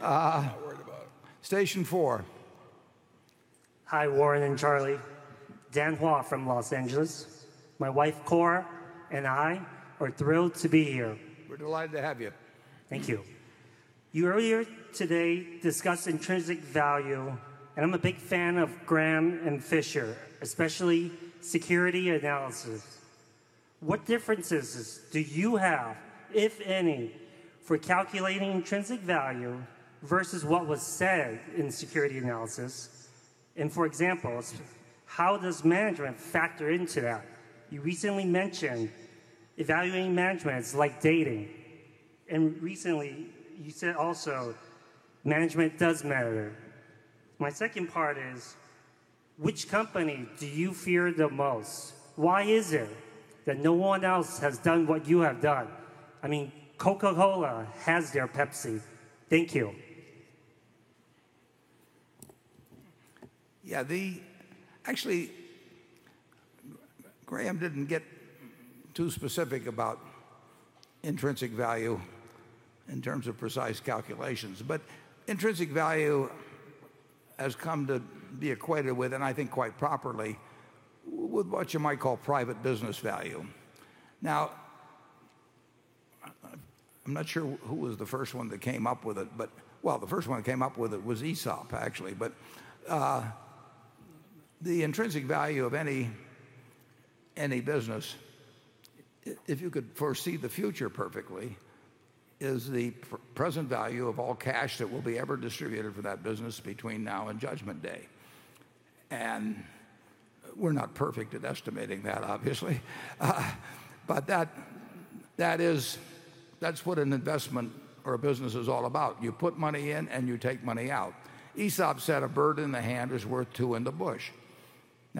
Not worried about it. Station four. Hi, Warren and Charlie. Dan Hua from L.A. My wife Cora and I are thrilled to be here. We're delighted to have you. Thank you. You earlier today discussed intrinsic value. I'm a big fan of Graham and Fisher, especially Security Analysis. What differences do you have, if any, for calculating intrinsic value versus what was said in Security Analysis? For examples, how does management factor into that? You recently mentioned evaluating management is like dating, and recently you said also management does matter. My second part is, which company do you fear the most? Why is it that no one else has done what you have done? I mean, Coca-Cola has their Pepsi. Thank you. Yeah. Actually, Graham didn't get too specific about intrinsic value in terms of precise calculations. Intrinsic value has come to be equated with, and I think quite properly, with what you might call private business value. I'm not sure who was the first one that came up with it. Well, the first one that came up with it was Aesop, actually. The intrinsic value of any business, if you could foresee the future perfectly, is the present value of all cash that will be ever distributed for that business between now and Judgment Day. We're not perfect at estimating that, obviously. That's what an investment or a business is all about. You put money in and you take money out. Aesop said, "A bird in the hand is worth two in the bush."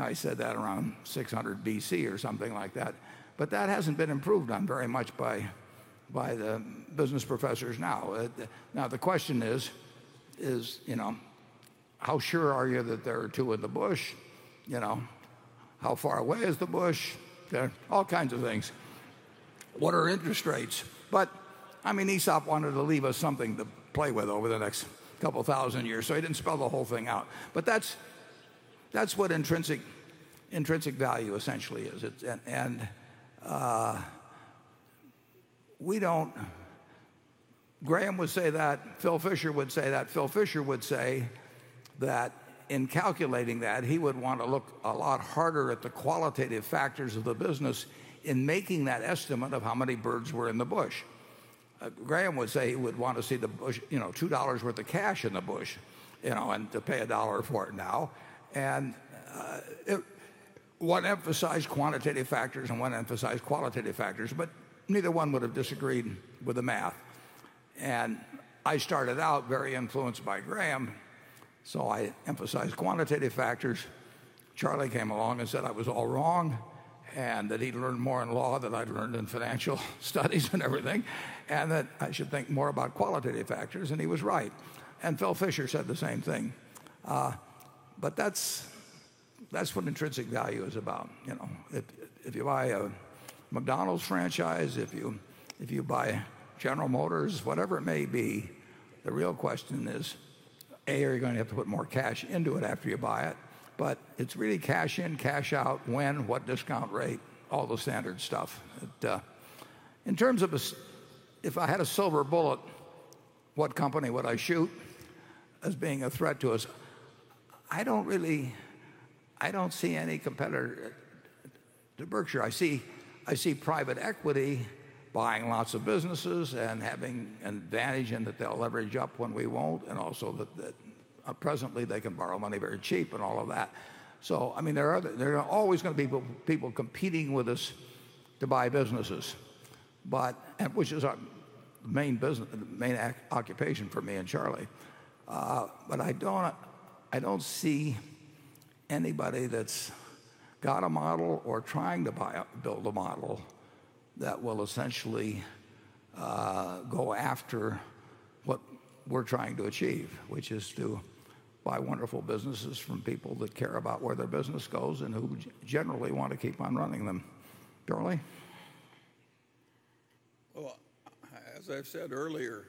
He said that around 600 BC or something like that. That hasn't been improved on very much by the business professors now. The question is, how sure are you that there are two in the bush? How far away is the bush? All kinds of things. What are interest rates? I mean, Aesop wanted to leave us something to play with over the next couple of thousand years, so he didn't spell the whole thing out. That's what intrinsic value essentially is. Graham would say that, Phil Fisher would say that. Phil Fisher would say that in calculating that, he would want to look a lot harder at the qualitative factors of the business in making that estimate of how many birds were in the bush. Graham would say he would want to see the bush, $2 worth of cash in the bush, and to pay a dollar for it now. One emphasized quantitative factors and one emphasized qualitative factors, but neither one would have disagreed with the math. I started out very influenced by Graham, so I emphasized quantitative factors. Charlie came along and said I was all wrong and that he'd learned more in law than I'd learned in financial studies and everything, and that I should think more about qualitative factors, and he was right. Phil Fisher said the same thing. That's what intrinsic value is about. If you buy a McDonald's franchise, if you buy General Motors, whatever it may be, the real question is, A, are you going to have to put more cash into it after you buy it? It's really cash in, cash out, when, what discount rate, all the standard stuff. If I had a silver bullet, what company would I shoot as being a threat to us? I don't see any competitor to Berkshire. I see private equity buying lots of businesses and having an advantage in that they'll leverage up when we won't, and also that presently they can borrow money very cheap and all of that. There are always going to be people competing with us to buy businesses. Which is our main occupation for me and Charlie. I don't see anybody that's got a model or trying to build a model that will essentially go after what we're trying to achieve, which is to buy wonderful businesses from people that care about where their business goes and who generally want to keep on running them. Charlie? Well, as I've said earlier,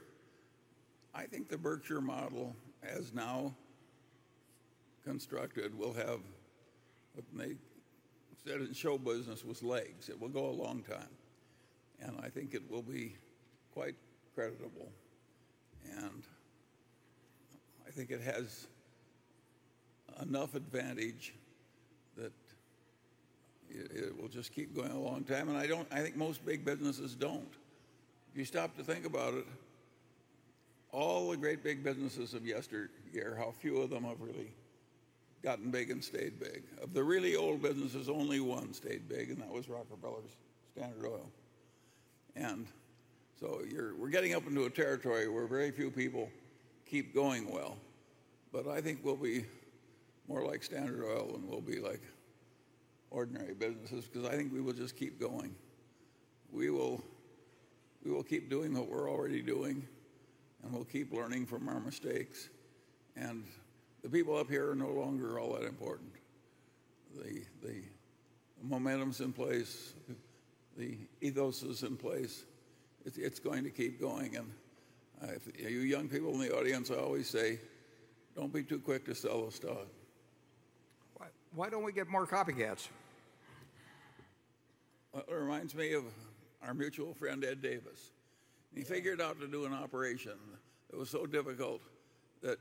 I think the Berkshire model, as now constructed, will have what they said in show business was legs. It will go a long time, and I think it will be quite creditable, and I think it has enough advantage that it will just keep going a long time, and I think most big businesses don't. If you stop to think about it, all the great big businesses of yesteryear, how few of them have really gotten big and stayed big. Of the really old businesses, only one stayed big, and that was Rockefeller's Standard Oil. We're getting up into a territory where very few people keep going well. I think we'll be more like Standard Oil than we'll be like ordinary businesses because I think we will just keep going. We will keep doing what we're already doing, we'll keep learning from our mistakes. The people up here are no longer all that important. The momentum is in place. The ethos is in place. It's going to keep going. To you young people in the audience, I always say, "Don't be too quick to sell the stock. Why don't we get more copycats? Well, it reminds me of our mutual friend, Edwin Davis. Yeah. He figured out to do an operation that was so difficult that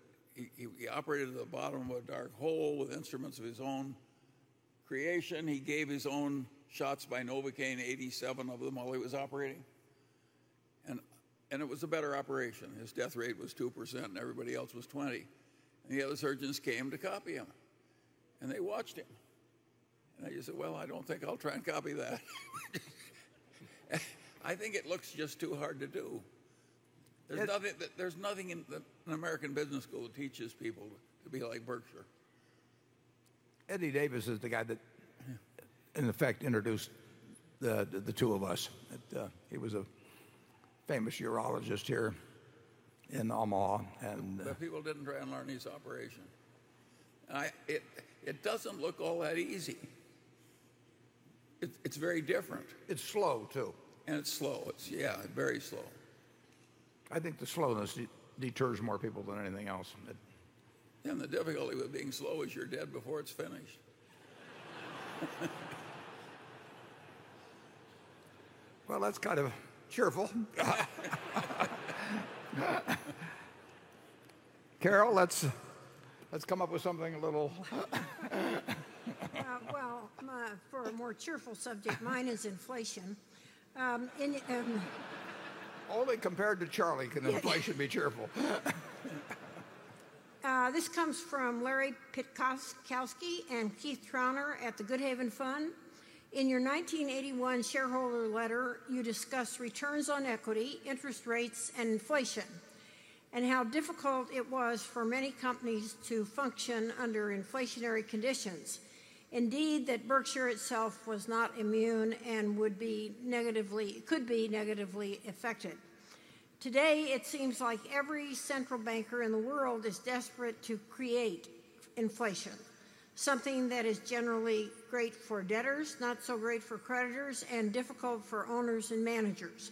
he operated at the bottom of a dark hole with instruments of his own creation. He gave his own shots by Novocaine, 87 of them, while he was operating, and it was a better operation. His death rate was 2%, and everybody else was 20%. The other surgeons came to copy him, and they watched him. They just said, "Well, I don't think I'll try and copy that." I think it looks just too hard to do. There's nothing in an American business school that teaches people to be like Berkshire. Eddie Davis is the guy that, in effect, introduced the two of us. He was a famous urologist here in Omaha. People didn't try and learn his operation. It doesn't look all that easy. It's very different. It's slow, too. It's slow. Yeah, very slow. I think the slowness deters more people than anything else. Yeah, the difficulty with being slow is you're dead before it's finished. Well, that's kind of cheerful. Carol, let's come up with something a little Well, for a more cheerful subject, mine is inflation. Only compared to Charlie can inflation be cheerful. This comes from Larry Pitkowsky and Keith Trauner at the GoodHaven Fund. "In your 1981 shareholder letter, you discussed returns on equity, interest rates, and inflation, and how difficult it was for many companies to function under inflationary conditions. Indeed, that Berkshire itself was not immune and could be negatively affected. Today, it seems like every central banker in the world is desperate to create inflation, something that is generally great for debtors, not so great for creditors, and difficult for owners and managers.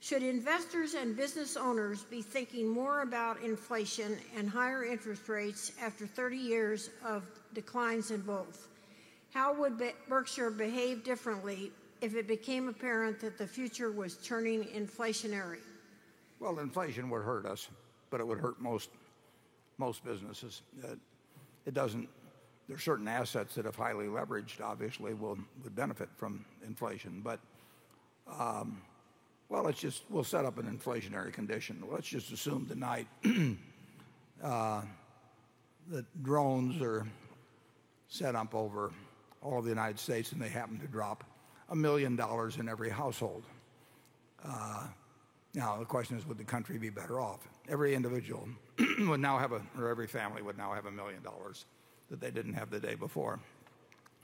Should investors and business owners be thinking more about inflation and higher interest rates after 30 years of declines in both? How would Berkshire behave differently if it became apparent that the future was turning inflationary? Well, inflation would hurt us, but it would hurt most businesses. There are certain assets that, if highly leveraged, obviously, would benefit from inflation. We'll set up an inflationary condition. Let's just assume tonight that drones are set up over all of the U.S., and they happen to drop $1 million in every household. Now, the question is, would the country be better off? Every individual or every family would now have $1 million that they didn't have the day before.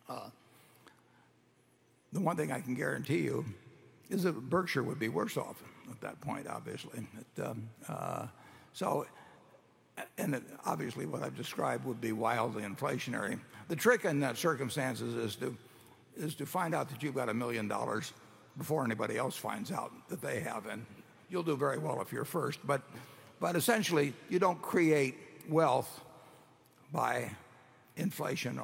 The one thing I can guarantee you is that Berkshire would be worse off at that point, obviously. Obviously what I've described would be wildly inflationary. The trick in that circumstance is to find out that you've got $1 million before anybody else finds out that they have, and you'll do very well if you're first. Essentially, you don't create wealth by inflation.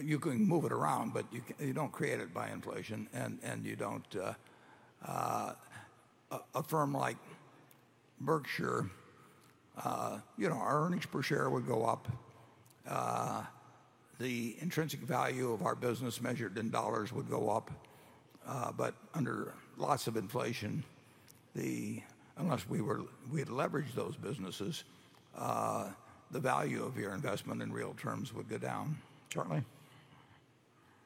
You can move it around, but you don't create it by inflation. A firm like Berkshire, our earnings per share would go up. The intrinsic value of our business measured in dollars would go up. Under lots of inflation. Unless we had leveraged those businesses, the value of your investment in real terms would go down. Charlie?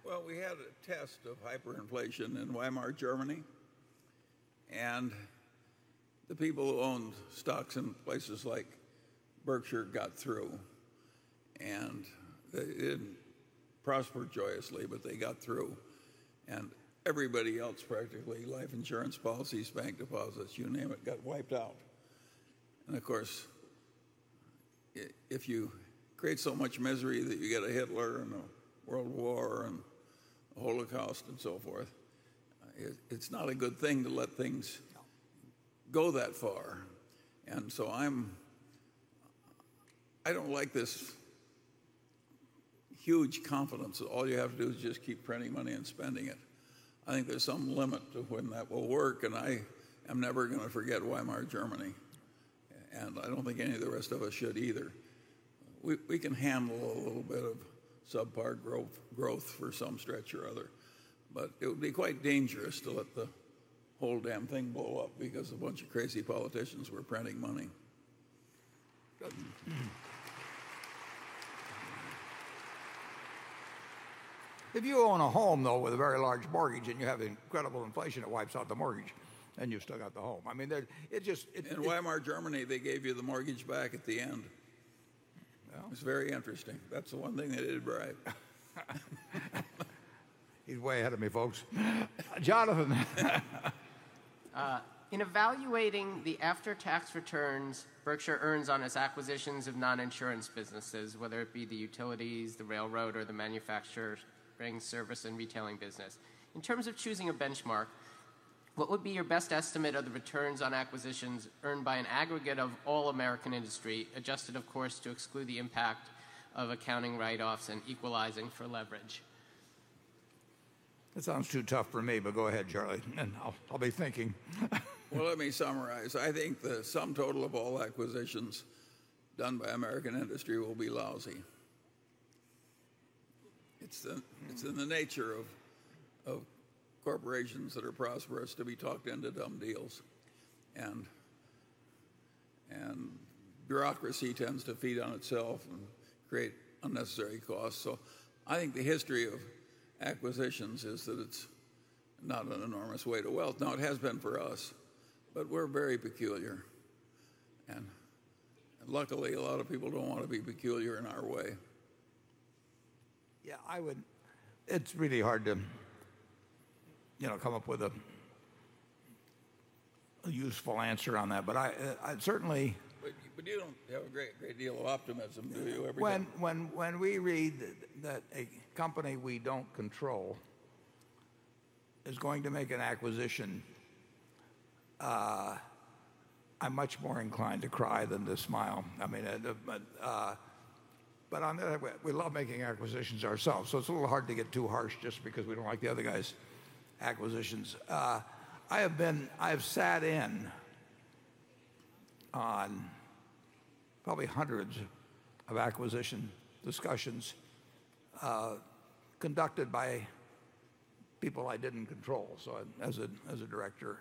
Well, we had a test of hyperinflation in Weimar, Germany, and the people who owned stocks in places like Berkshire got through. They didn't prosper joyously, but they got through. Everybody else, practically, life insurance policies, bank deposits, you name it, got wiped out. Of course, if you create so much misery that you get a Hitler and a World War and a Holocaust and so forth, it's not a good thing to let things go that far. So I don't like this huge confidence that all you have to do is just keep printing money and spending it. I think there's some limit to when that will work, and I am never going to forget Weimar, Germany. I don't think any of the rest of us should either. We can handle a little bit of subpar growth for some stretch or other, it would be quite dangerous to let the whole damn thing blow up because a bunch of crazy politicians were printing money. If you own a home, though, with a very large mortgage and you have incredible inflation, it wipes out the mortgage, and you've still got the home. In Weimar, Germany, they gave you the mortgage back at the end. Well It's very interesting. That's the one thing they did right. He's way ahead of me, folks. Jonathan. In evaluating the after-tax returns Berkshire earns on its acquisitions of non-insurance businesses, whether it be the utilities, the railroad, or the manufacturing, service, and retailing business. In terms of choosing a benchmark, what would be your best estimate of the returns on acquisitions earned by an aggregate of all American industry, adjusted, of course, to exclude the impact of accounting write-offs and equalizing for leverage? That sounds too tough for me, but go ahead, Charlie, and I'll be thinking. Well, let me summarize. I think the sum total of all acquisitions done by American industry will be lousy. It's in the nature of corporations that are prosperous to be talked into dumb deals, and bureaucracy tends to feed on itself and create unnecessary costs. I think the history of acquisitions is that it's not an enormous way to wealth. Now, it has been for us, but we're very peculiar, and luckily, a lot of people don't want to be peculiar in our way. Yeah, it's really hard to come up with a useful answer on that. You don't have a great deal of optimism, do you, every day? When we read that a company we don't control is going to make an acquisition, I'm much more inclined to cry than to smile. On the other hand, we love making acquisitions ourselves, it's a little hard to get too harsh just because we don't like the other guy's acquisitions. I have sat in on probably hundreds of acquisition discussions conducted by people I didn't control as a director,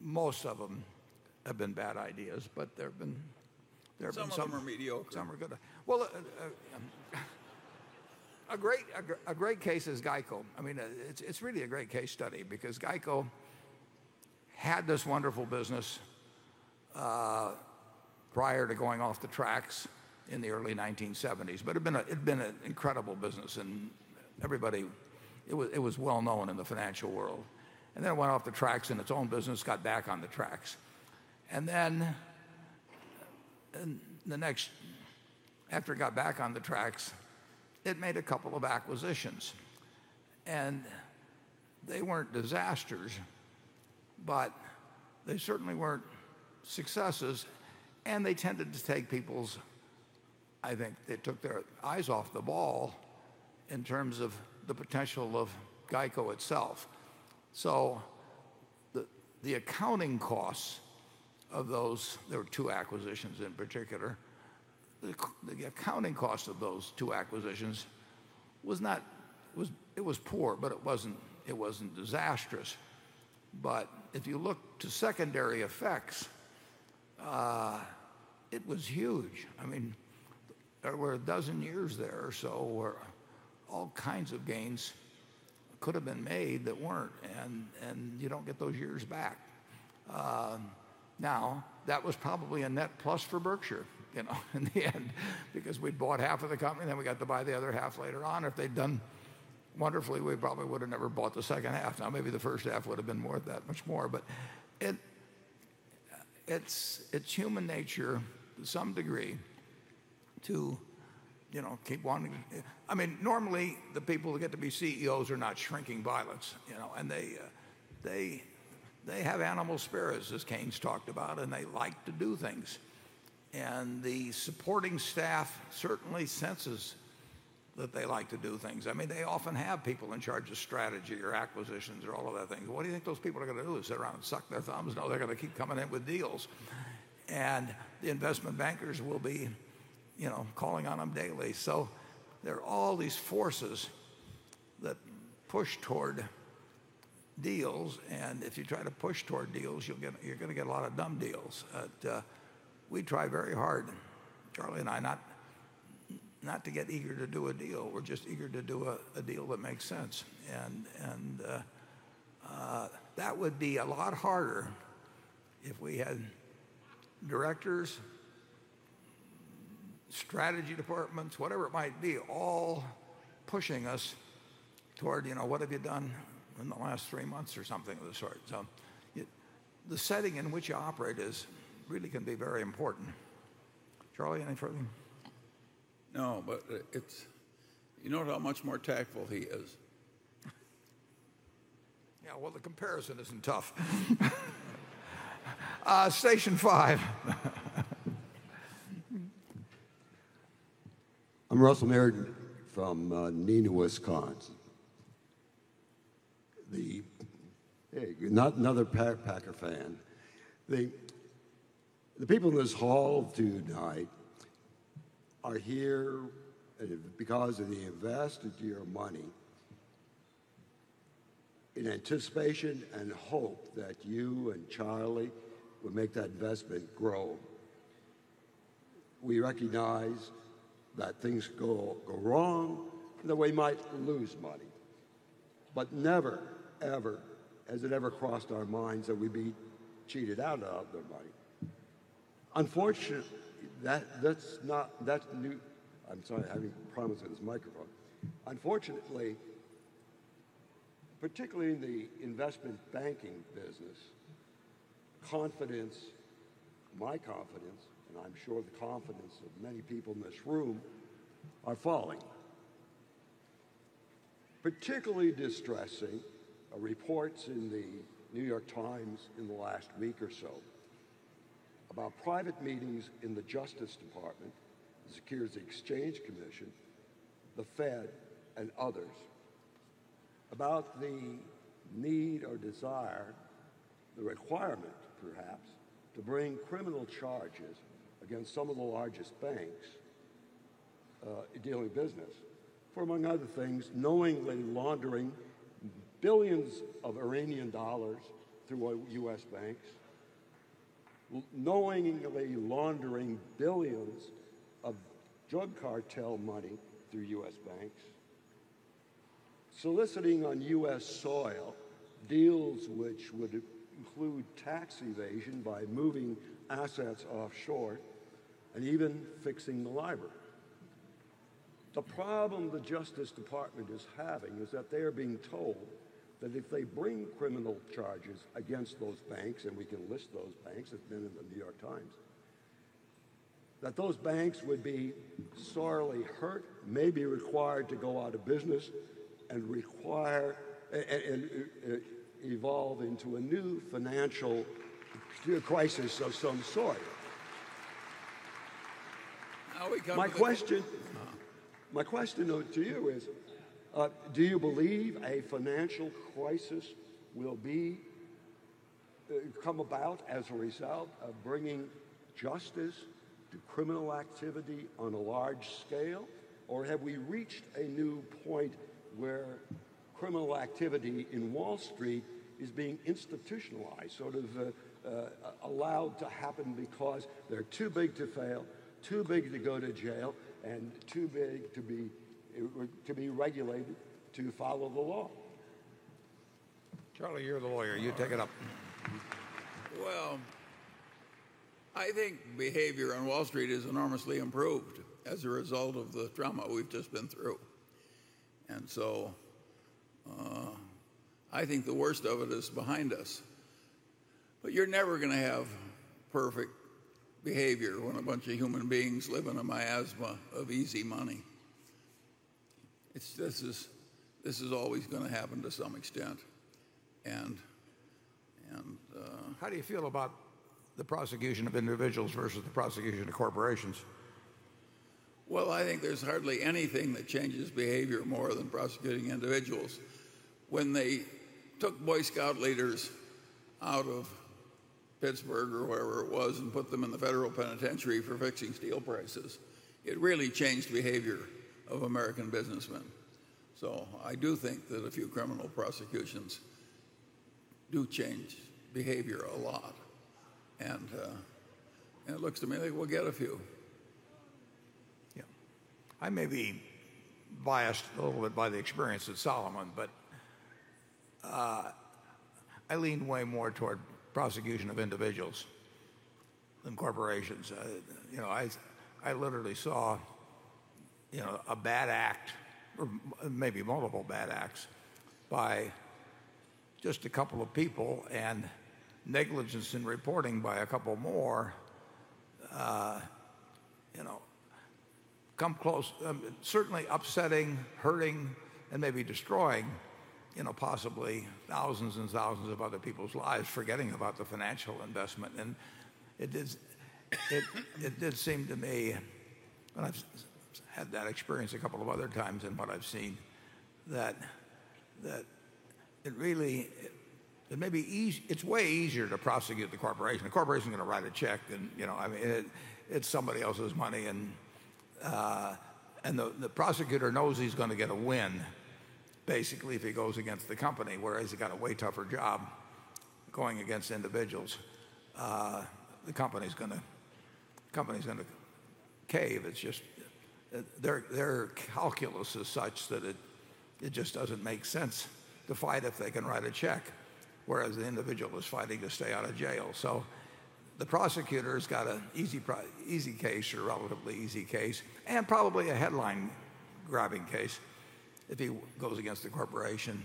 most of them have been bad ideas. Some of them are mediocre some are good. A great case is GEICO. I mean, it's really a great case study because GEICO had this wonderful business prior to going off the tracks in the early 1970s. It'd been an incredible business, and it was well-known in the financial world. It went off the tracks in its own business, got back on the tracks. After it got back on the tracks, it made a couple of acquisitions. They weren't disasters, but they certainly weren't successes, and they tended to take people's. I think they took their eyes off the ball in terms of the potential of GEICO itself. The accounting costs of those, there were two acquisitions in particular. The accounting cost of those two acquisitions, it was poor, but it wasn't disastrous. If you look to secondary effects, it was huge. I mean, there were 12 years there or so where all kinds of gains could have been made that weren't, and you don't get those years back. That was probably a net plus for Berkshire in the end because we'd bought half of the company, then we got to buy the other half later on. If they'd done wonderfully, we probably would have never bought the second half. Maybe the first half would have been worth that much more. It's human nature to some degree to keep wanting. I mean, normally the people who get to be CEOs are not shrinking violets. They have animal spirits, as Keynes talked about, and they like to do things. The supporting staff certainly senses that they like to do things. I mean, they often have people in charge of strategy or acquisitions or all of that thing. What do you think those people are going to do, sit around and suck their thumbs? No, they're going to keep coming in with deals. The investment bankers will be calling on them daily. There are all these forces that push toward deals, and if you try to push toward deals, you're going to get a lot of dumb deals. We try very hard, Charlie and I, not to get eager to do a deal. We're just eager to do a deal that makes sense. That would be a lot harder if we had directors, strategy departments, whatever it might be, all pushing us toward what have you done in the last three months or something of the sort. The setting in which you operate really can be very important. Charlie, anything? No, you note how much more tactful he is. Yeah. Well, the comparison isn't tough. Station five. I'm Russell Meriton from Neenah, Wisconsin. Another Packer fan. The people in this hall tonight are here because they invested their money in anticipation and hope that you and Charlie would make that investment grow. We recognize that things go wrong, and that we might lose money. Never, ever, has it ever crossed our minds that we'd be cheated out of our money. Unfortunately, particularly in the investment banking business, confidence, my confidence, and I'm sure the confidence of many people in this room, are falling. Particularly distressing are reports in The New York Times in the last week or so about private meetings in the Justice Department, the Securities and Exchange Commission, the Fed, and others about the need or desire, the requirement perhaps, to bring criminal charges against some of the largest banks doing business for, among other things, knowingly laundering billions of Iranian dollars through U.S. banks, knowingly laundering billions of drug cartel money through U.S. banks, soliciting on U.S. soil deals which would include tax evasion by moving assets offshore, and even fixing the Libor. The problem the Justice Department is having is that they are being told that if they bring criminal charges against those banks, and we can list those banks, they've been in the "New York Times," that those banks would be sorely hurt, may be required to go out of business, and evolve into a new financial crisis of some sort. we come to- My question to you is, do you believe a financial crisis will come about as a result of bringing justice to criminal activity on a large scale? Have we reached a new point where criminal activity in Wall Street is being institutionalized, sort of allowed to happen because they're too big to fail, too big to go to jail, and too big to be regulated to follow the law? Charlie, you're the lawyer. You take it up. Well, I think behavior on Wall Street is enormously improved as a result of the trauma we've just been through. I think the worst of it is behind us. You're never going to have perfect behavior when a bunch of human beings live in a miasma of easy money. This is always going to happen to some extent. How do you feel about the prosecution of individuals versus the prosecution of corporations? Well, I think there's hardly anything that changes behavior more than prosecuting individuals. When they took Boy Scout leaders out of Pittsburgh or wherever it was and put them in the federal penitentiary for fixing steel prices, I do think that a few criminal prosecutions do change behavior a lot, and it looks to me like we'll get a few. Yeah. I may be biased a little bit by the experience at Salomon, I lean way more toward prosecution of individuals than corporations. I literally saw a bad act, or maybe multiple bad acts, by just a couple of people, and negligence in reporting by a couple more come close, certainly upsetting, hurting, and maybe destroying possibly thousands and thousands of other people's lives, forgetting about the financial investment. It did seem to me when I had that experience a couple of other times in what I've seen, that it's way easier to prosecute the corporation. The corporation's going to write a check, and it's somebody else's money, and the prosecutor knows he's going to get a win, basically, if he goes against the company, whereas he's got a way tougher job going against individuals. The company's going to cave. Their calculus is such that it just doesn't make sense to fight if they can write a check, whereas the individual is fighting to stay out of jail. The prosecutor's got an easy case or a relatively easy case, and probably a headline-grabbing case if he goes against the corporation,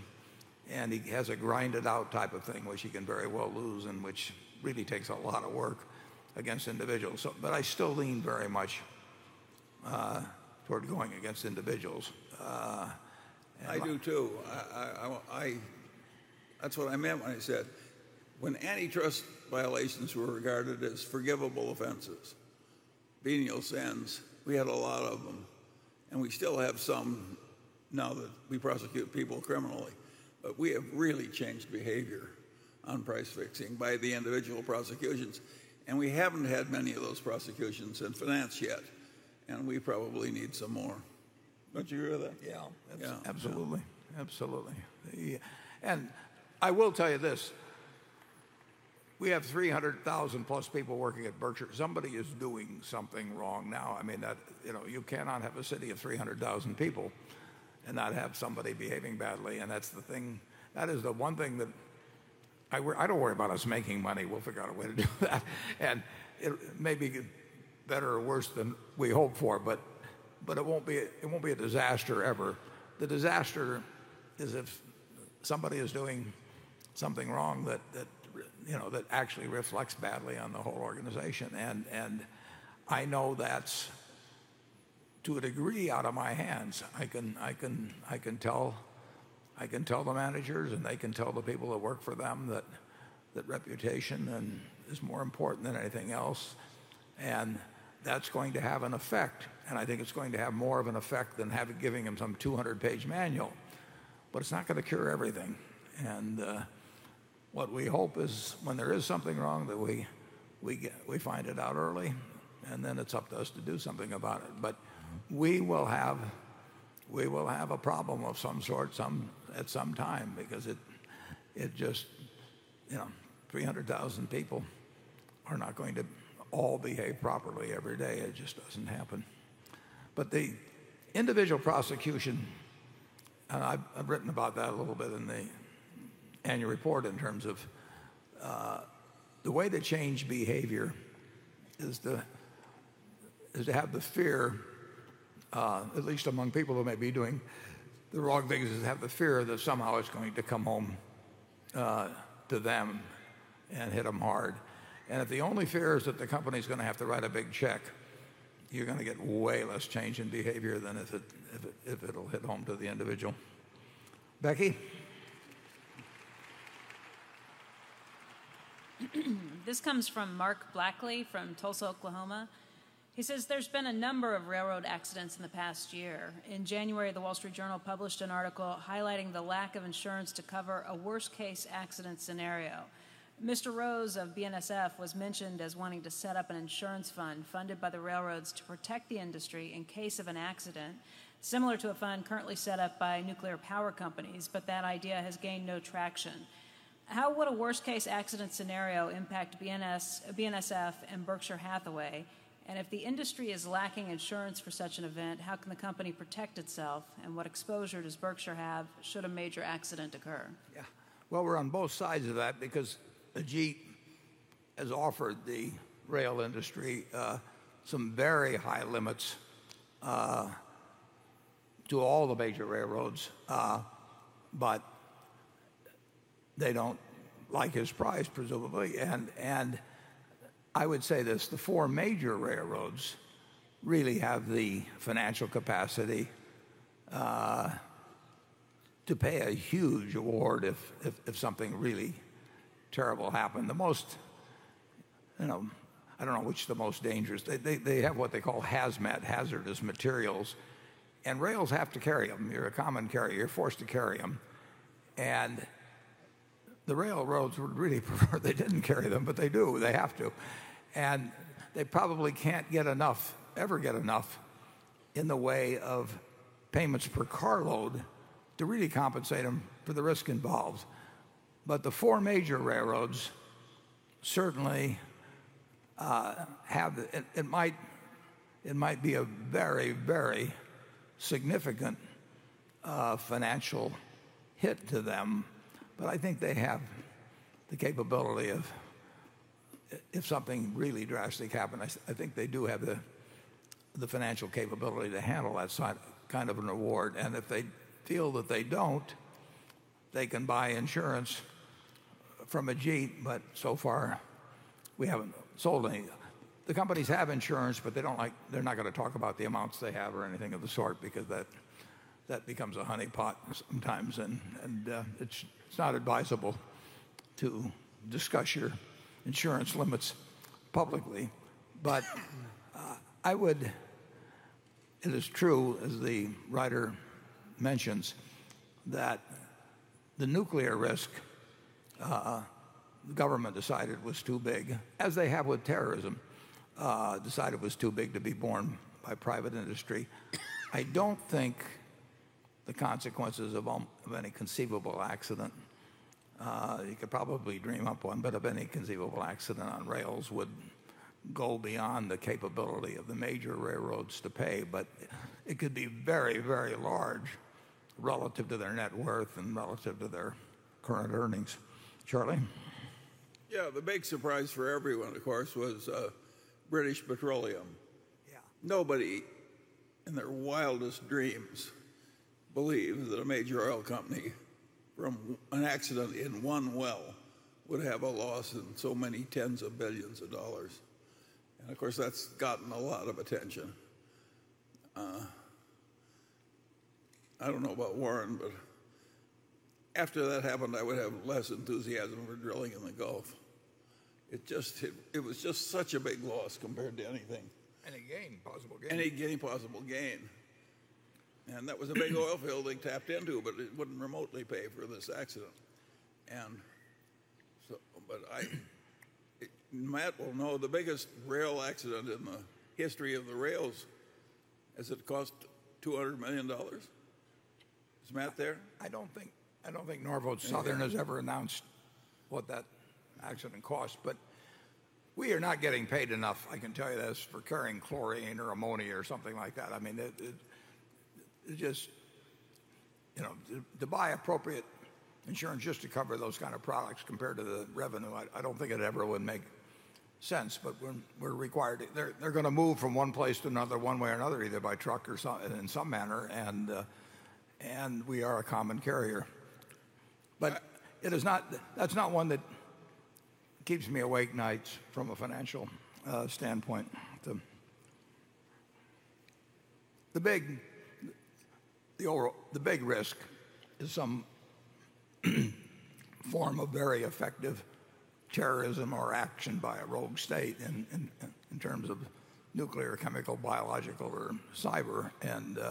and he has a grind-it-out type of thing, which he can very well lose, and which really takes a lot of work against individuals. I still lean very much toward going against individuals. I do too. That's what I meant when I said when antitrust violations were regarded as forgivable offenses, venial sins, we had a lot of them, and we still have some now that we prosecute people criminally. We have really changed behavior on price fixing by the individual prosecutions, and we haven't had many of those prosecutions in finance yet, and we probably need some more. Don't you agree with that? Yeah. Yeah. Absolutely. I will tell you this, we have 300,000-plus people working at Berkshire. Somebody is doing something wrong. You cannot have a city of 300,000 people and not have somebody behaving badly, and that is the one thing that I don't worry about us making money. We'll figure out a way to do that and it may be better or worse than we hope for, but it won't be a disaster ever. The disaster is if somebody is doing something wrong that actually reflects badly on the whole organization. I know that's, to a degree, out of my hands. I can tell the managers, and they can tell the people that work for them that reputation is more important than anything else, and that's going to have an effect. I think it's going to have more of an effect than giving them some 200-page manual, it's not going to cure everything. What we hope is when there is something wrong, that we find it out early, and then it's up to us to do something about it. We will have a problem of some sort at some time because 300,000 people are not going to all behave properly every day. It just doesn't happen. The individual prosecution, and I've written about that a little bit in the annual report in terms of the way to change behavior is to have the fear, at least among people who may be doing the wrong things, is to have the fear that somehow it's going home to them and hit them hard. If the only fear is that the company's going to have to write a big check, you're going to get way less change in behavior than if it'll hit home to the individual. Becky? This comes from Mark Blackley from Tulsa, Oklahoma. He says, "There's been a number of railroad accidents in the past year. In January, The Wall Street Journal published an article highlighting the lack of insurance to cover a worst case accident scenario. Mr. Rose of BNSF was mentioned as wanting to set up an insurance fund funded by the railroads to protect the industry in case of an accident, similar to a fund currently set up by nuclear power companies, but that idea has gained no traction. How would a worst case accident scenario impact BNSF and Berkshire Hathaway? If the industry is lacking insurance for such an event, how can the company protect itself, and what exposure does Berkshire have should a major accident occur? Yeah. Well, we're on both sides of that because Ajit has offered the rail industry some very high limits to all the major railroads. They don't like his price, presumably. I would say this, the four major railroads really have the financial capacity to pay a huge award if something really terrible happened. I don't know which is the most dangerous. They have what they call hazmat, hazardous materials, and rails have to carry them. You're a common carrier. You're forced to carry them, and the railroads would really prefer they didn't carry them, but they do. They have to. They probably can't ever get enough in the way of payments per carload to really compensate them for the risk involved. The four major railroads certainly have the-- It might be a very, very significant financial hit to them. I think they have the capability of if something really drastic happened, I think they do have the financial capability to handle that kind of an award. If they feel that they don't, they can buy insurance from Ajit. So far we haven't sold any. The companies have insurance, but they're not going to talk about the amounts they have or anything of the sort because that becomes a honeypot sometimes, and it's not advisable to discuss your insurance limits publicly. It is true, as the writer mentions, that the nuclear risk, the government decided was too big, as they have with terrorism, decided was too big to be borne by private industry. I don't think the consequences of any conceivable accident, you could probably dream up one, but of any conceivable accident on rails would go beyond the capability of the major railroads to pay. It could be very large relative to their net worth and relative to their current earnings. Charlie? Yeah. The big surprise for everyone, of course, was BP p.l.c.. Yeah. Nobody in their wildest dreams believed that a major oil company, from an accident in one well, would have a loss in so many tens of billions of dollars. Of course, that's gotten a lot of attention. I don't know about Warren, but after that happened, I would have less enthusiasm for drilling in the Gulf. It was just such a big loss compared to anything. A gain, possible gain. A gain, possible gain. That was a big oil field they tapped into, but it wouldn't remotely pay for this accident. Matt will know the biggest rail accident in the history of the rails, has it cost $200 million? Is Matt there? I don't think Norfolk Southern has ever announced what that accident cost, we are not getting paid enough, I can tell you this, for carrying chlorine or ammonia or something like that. To buy appropriate insurance just to cover those kind of products compared to the revenue, I don't think it ever would make sense. They're going to move from one place to another, one way or another, either by truck or in some manner, and we are a common carrier. That's not one that keeps me awake nights from a financial standpoint. The big risk is some form of very effective terrorism or action by a rogue state in terms of nuclear, chemical, biological, or cyber, and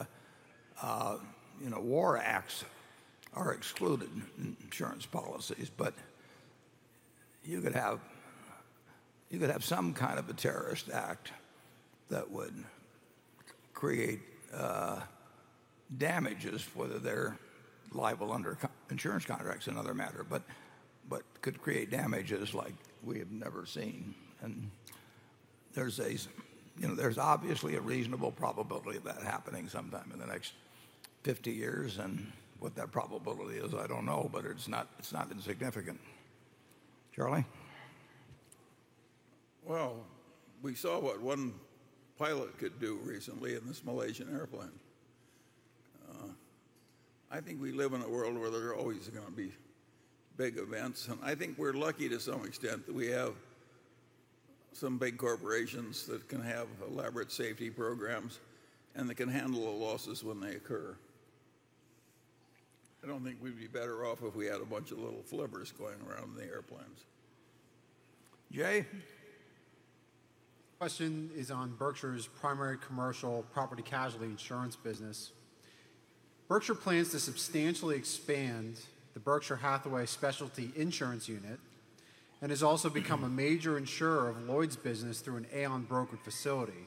war acts are excluded in insurance policies. You could have some kind of a terrorist act that would create damages, whether they're liable under insurance contracts is another matter, but could create damages like we have never seen. There's obviously a reasonable probability of that happening sometime in the next 50 years, and what that probability is, I don't know, but it's not insignificant. Charlie? Well, we saw what one pilot could do recently in this Malaysian airplane. I think we live in a world where there are always going to be big events, and I think we're lucky to some extent that we have some big corporations that can have elaborate safety programs and that can handle the losses when they occur. I don't think we'd be better off if we had a bunch of little flibbers going around in the airplanes. Jay? Question is on Berkshire's primary commercial property casualty insurance business. Berkshire plans to substantially expand the Berkshire Hathaway Specialty Insurance unit and has also become a major insurer of Lloyd's business through an Aon brokered facility.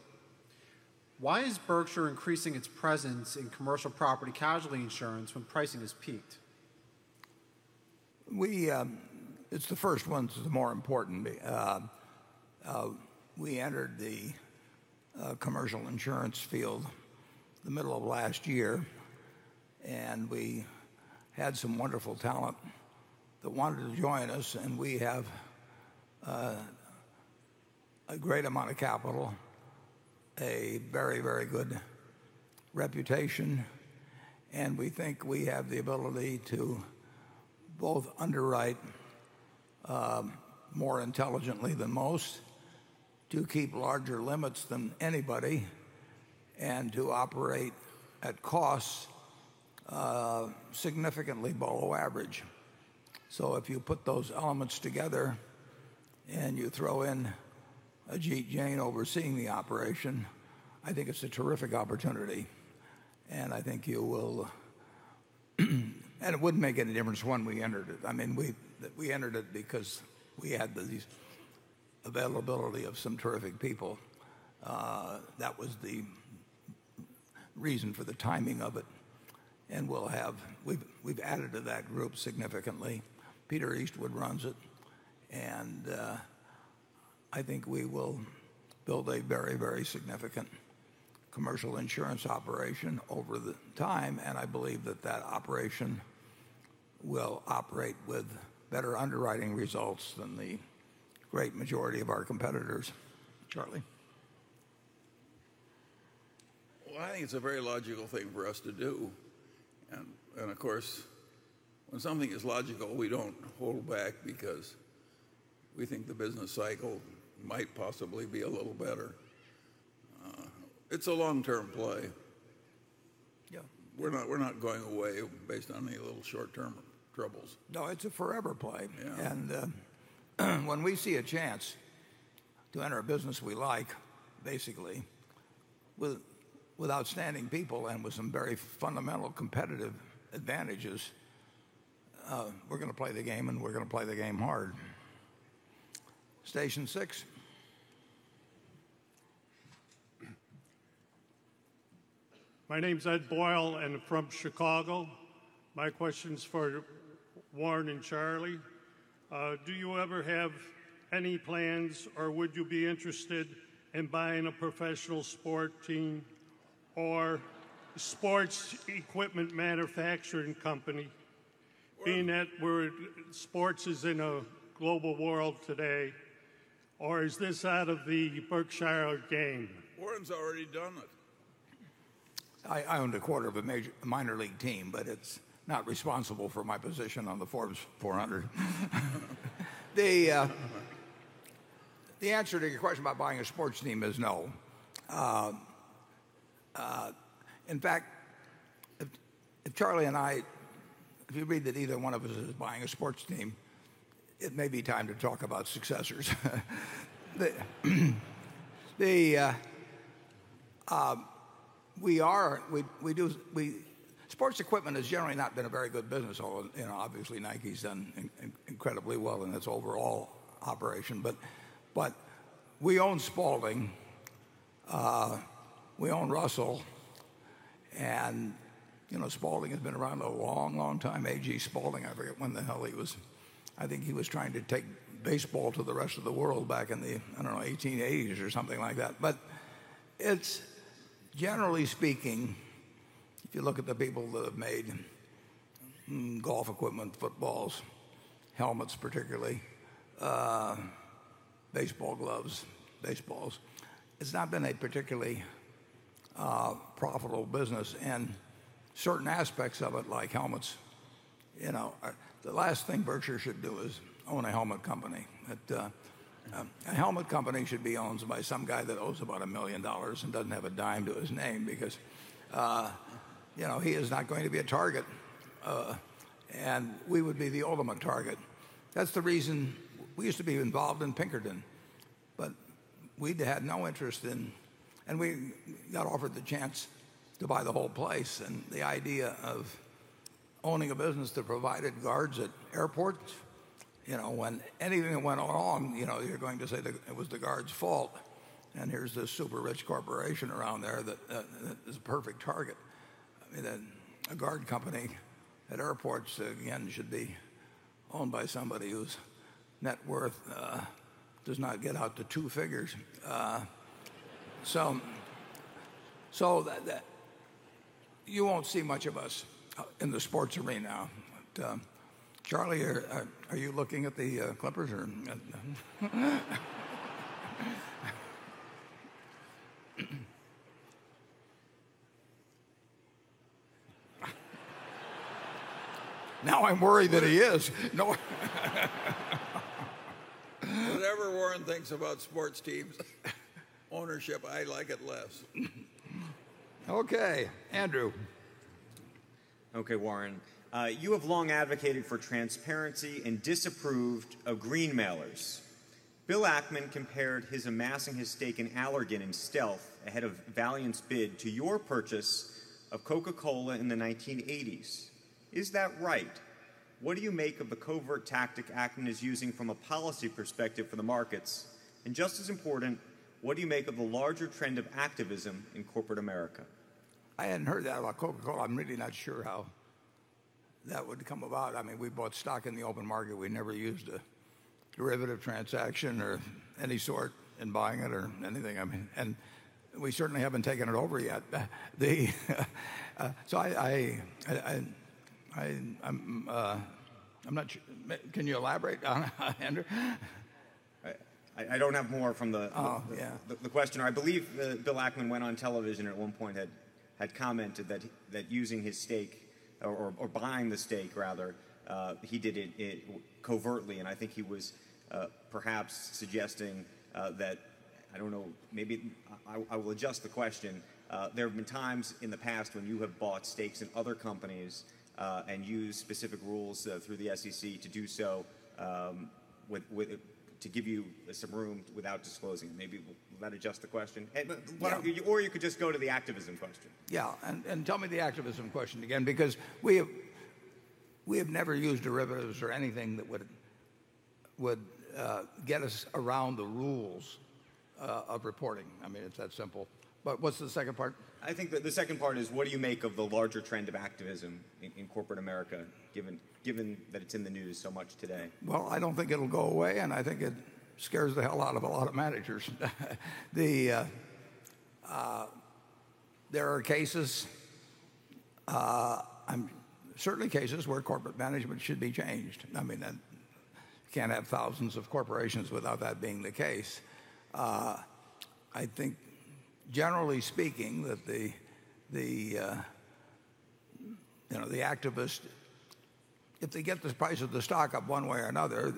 Why is Berkshire increasing its presence in commercial property casualty insurance when pricing has peaked? It's the first one that's more important. We entered the commercial insurance field the middle of last year. We had some wonderful talent that wanted to join us. We have a great amount of capital, a very good reputation, and we think we have the ability to both underwrite more intelligently than most, to keep larger limits than anybody, and to operate at costs significantly below average. If you put those elements together and you throw in Ajit Jain overseeing the operation, I think it's a terrific opportunity. It wouldn't make any difference when we entered it. We entered it because we had the availability of some terrific people. That was the reason for the timing of it, and we've added to that group significantly. Peter Eastwood runs it. I think we will build a very significant commercial insurance operation over time, and I believe that that operation will operate with better underwriting results than the great majority of our competitors. Charlie? Well, I think it's a very logical thing for us to do. Of course, when something is logical, we don't hold back because we think the business cycle might possibly be a little better. It's a long-term play. Yeah. We're not going away based on any little short-term troubles. No, it's a forever play. Yeah. When we see a chance to enter a business we like, basically, with outstanding people and with some very fundamental competitive advantages, we're going to play the game, and we're going to play the game hard. Station six. My name's Ed Boyle, and I'm from Chicago. My question's for Warren and Charlie. Do you ever have any plans, or would you be interested in buying a professional sport team or sports equipment manufacturing company, being that sports is in a global world today, or is this out of the Berkshire game? Warren's already done it. I owned a quarter of a minor league team, it's not responsible for my position on the Forbes 400. The answer to your question about buying a sports team is no. In fact, if Charlie and I-- If you read that either one of us is buying a sports team, it may be time to talk about successors. Sports equipment has generally not been a very good business, although obviously Nike's done incredibly well in its overall operation. We own Spalding. We own Russell. Spalding has been around a long, long time. A.G. Spalding, I forget when the hell he was-- I think he was trying to take baseball to the rest of the world back in the, I don't know, 1880s or something like that. It's, generally speaking, if you look at the people that have made golf equipment, footballs, helmets particularly, baseball gloves, baseballs, it's not been a particularly profitable business. Certain aspects of it, like helmets, the last thing Berkshire should do is own a helmet company. A helmet company should be owned by some guy that owns about $1 million and doesn't have a dime to his name because he is not going to be a target, and we would be the ultimate target. That's the reason we used to be involved in Pinkerton, but we'd had no interest in. We got offered the chance to buy the whole place. The idea of owning a business that provided guards at airports, when anything went wrong, you're going to say that it was the guard's fault, and here's this super rich corporation around there that is a perfect target. A guard company at airports, again, should be owned by somebody whose net worth does not get out to two figures. You won't see much of us in the sports arena. Charlie, are you looking at the Clippers or? Now I'm worried that he is. No. Whatever Warren thinks about sports teams ownership, I like it less. Okay, Andrew. Okay, Warren, you have long advocated for transparency and disapproved of greenmailers. Bill Ackman compared his amassing his stake in Allergan in stealth ahead of Valeant's bid to your purchase of Coca-Cola in the 1980s. Is that right? What do you make of the covert tactic Ackman is using from a policy perspective for the markets? Just as important, what do you make of the larger trend of activism in corporate America? I hadn't heard that about Coca-Cola. I'm really not sure how that would come about. We bought stock in the open market. We never used a derivative transaction of any sort in buying it or anything. We certainly haven't taken it over yet. I'm not sure. Can you elaborate on it, Andrew? I don't have more from the Oh, yeah the questioner. I believe that Bill Ackman went on television at one point, had commented that using his stake or buying the stake, rather, he did it covertly, and I think he was perhaps suggesting that I don't know. Maybe I will adjust the question. There have been times in the past when you have bought stakes in other companies, and used specific rules through the SEC to do so, to give you some room without disclosing. Maybe will that adjust the question? Yeah. You could just go to the activism question. Tell me the activism question again because we have never used derivatives or anything that would get us around the rules of reporting. It's that simple. What's the second part? I think that the second part is what do you make of the larger trend of activism in corporate America, given that it's in the news so much today? Well, I don't think it'll go away. I think it scares the hell out of a lot of managers. There are certainly cases where corporate management should be changed. You can't have thousands of corporations without that being the case. I think, generally speaking, that the activist, if they get the price of the stock up one way or another,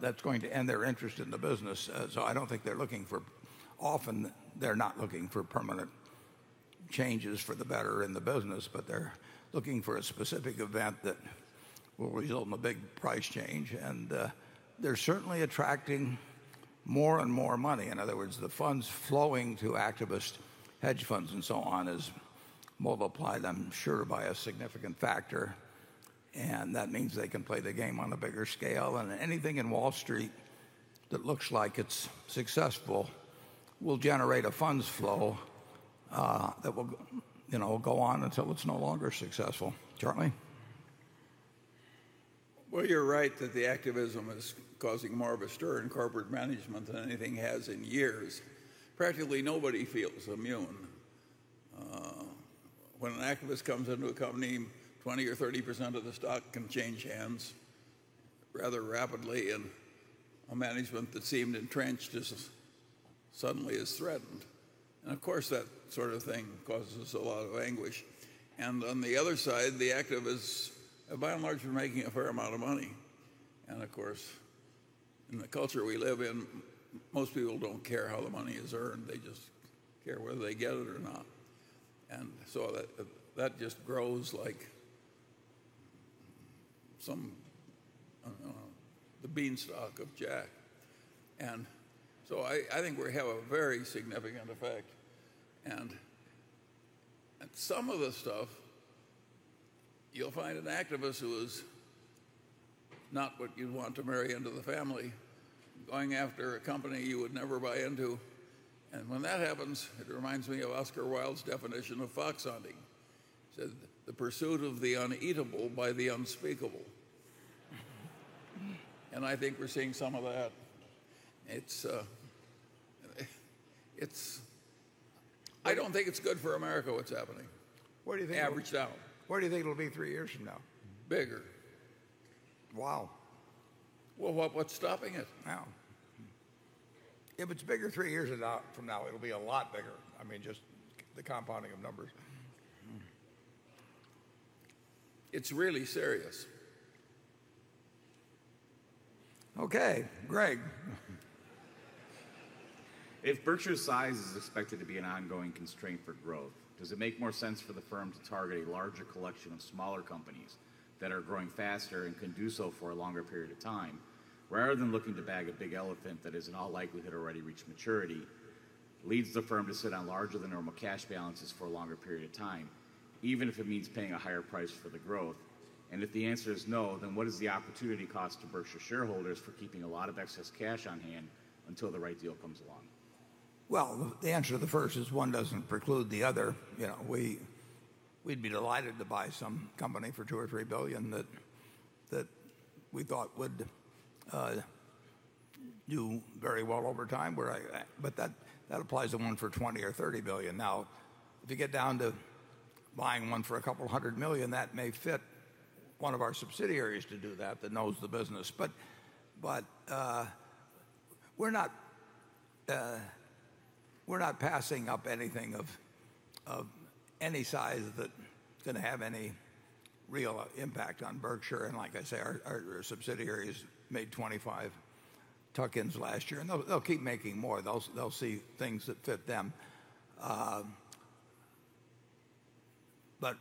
that's going to end their interest in the business. Often they're not looking for permanent changes for the better in the business, they're looking for a specific event that will result in a big price change, they're certainly attracting more and more money. In other words, the funds flowing to activist hedge funds and so on is multiplied, I'm sure, by a significant factor. That means they can play the game on a bigger scale. Anything in Wall Street that looks like it's successful will generate a funds flow that will go on until it's no longer successful. Charlie? Well, you're right that the activism is causing more of a stir in corporate management than anything has in years. Practically nobody feels immune. When an activist comes into a company, 20% or 30% of the stock can change hands rather rapidly, and a management that seemed entrenched just suddenly is threatened. Of course, that sort of thing causes a lot of anguish. On the other side, the activists, by and large, are making a fair amount of money. Of course, in the culture we live in, most people don't care how the money is earned. They just care whether they get it or not. So that just grows like the beanstalk of Jack. So I think we have a very significant effect. Some of the stuff you'll find an activist who is not what you'd want to marry into the family, going after a company you would never buy into. When that happens, it reminds me of Oscar Wilde's definition of fox hunting, he said, "The pursuit of the uneatable by the unspeakable." I think we're seeing some of that. I don't think it's good for America, what's happening. Where do you think? Averaged out Where do you think it'll be three years from now? Bigger. Wow. Well, what's stopping it? Wow. If it's bigger three years from now, it'll be a lot bigger. Just the compounding of numbers. It's really serious. Okay, Greg. If Berkshire's size is expected to be an ongoing constraint for growth, does it make more sense for the firm to target a larger collection of smaller companies that are growing faster and can do so for a longer period of time, rather than looking to bag a big elephant that is in all likelihood already reached maturity, leads the firm to sit on larger than normal cash balances for a longer period of time, even if it means paying a higher price for the growth? If the answer is no, what is the opportunity cost to Berkshire shareholders for keeping a lot of excess cash on hand until the right deal comes along? Well, the answer to the first is one doesn't preclude the other. We'd be delighted to buy some company for $2 billion or $3 billion that we thought would do very well over time, but that applies to one for $20 billion or $30 billion. Now, if you get down to buying one for a couple of $200 million, that may fit one of our subsidiaries to do that knows the business. We're not passing up anything of any size that's going to have any real impact on Berkshire. Like I say, our subsidiaries made 25 tuck-ins last year, and they'll keep making more. They'll see things that fit them.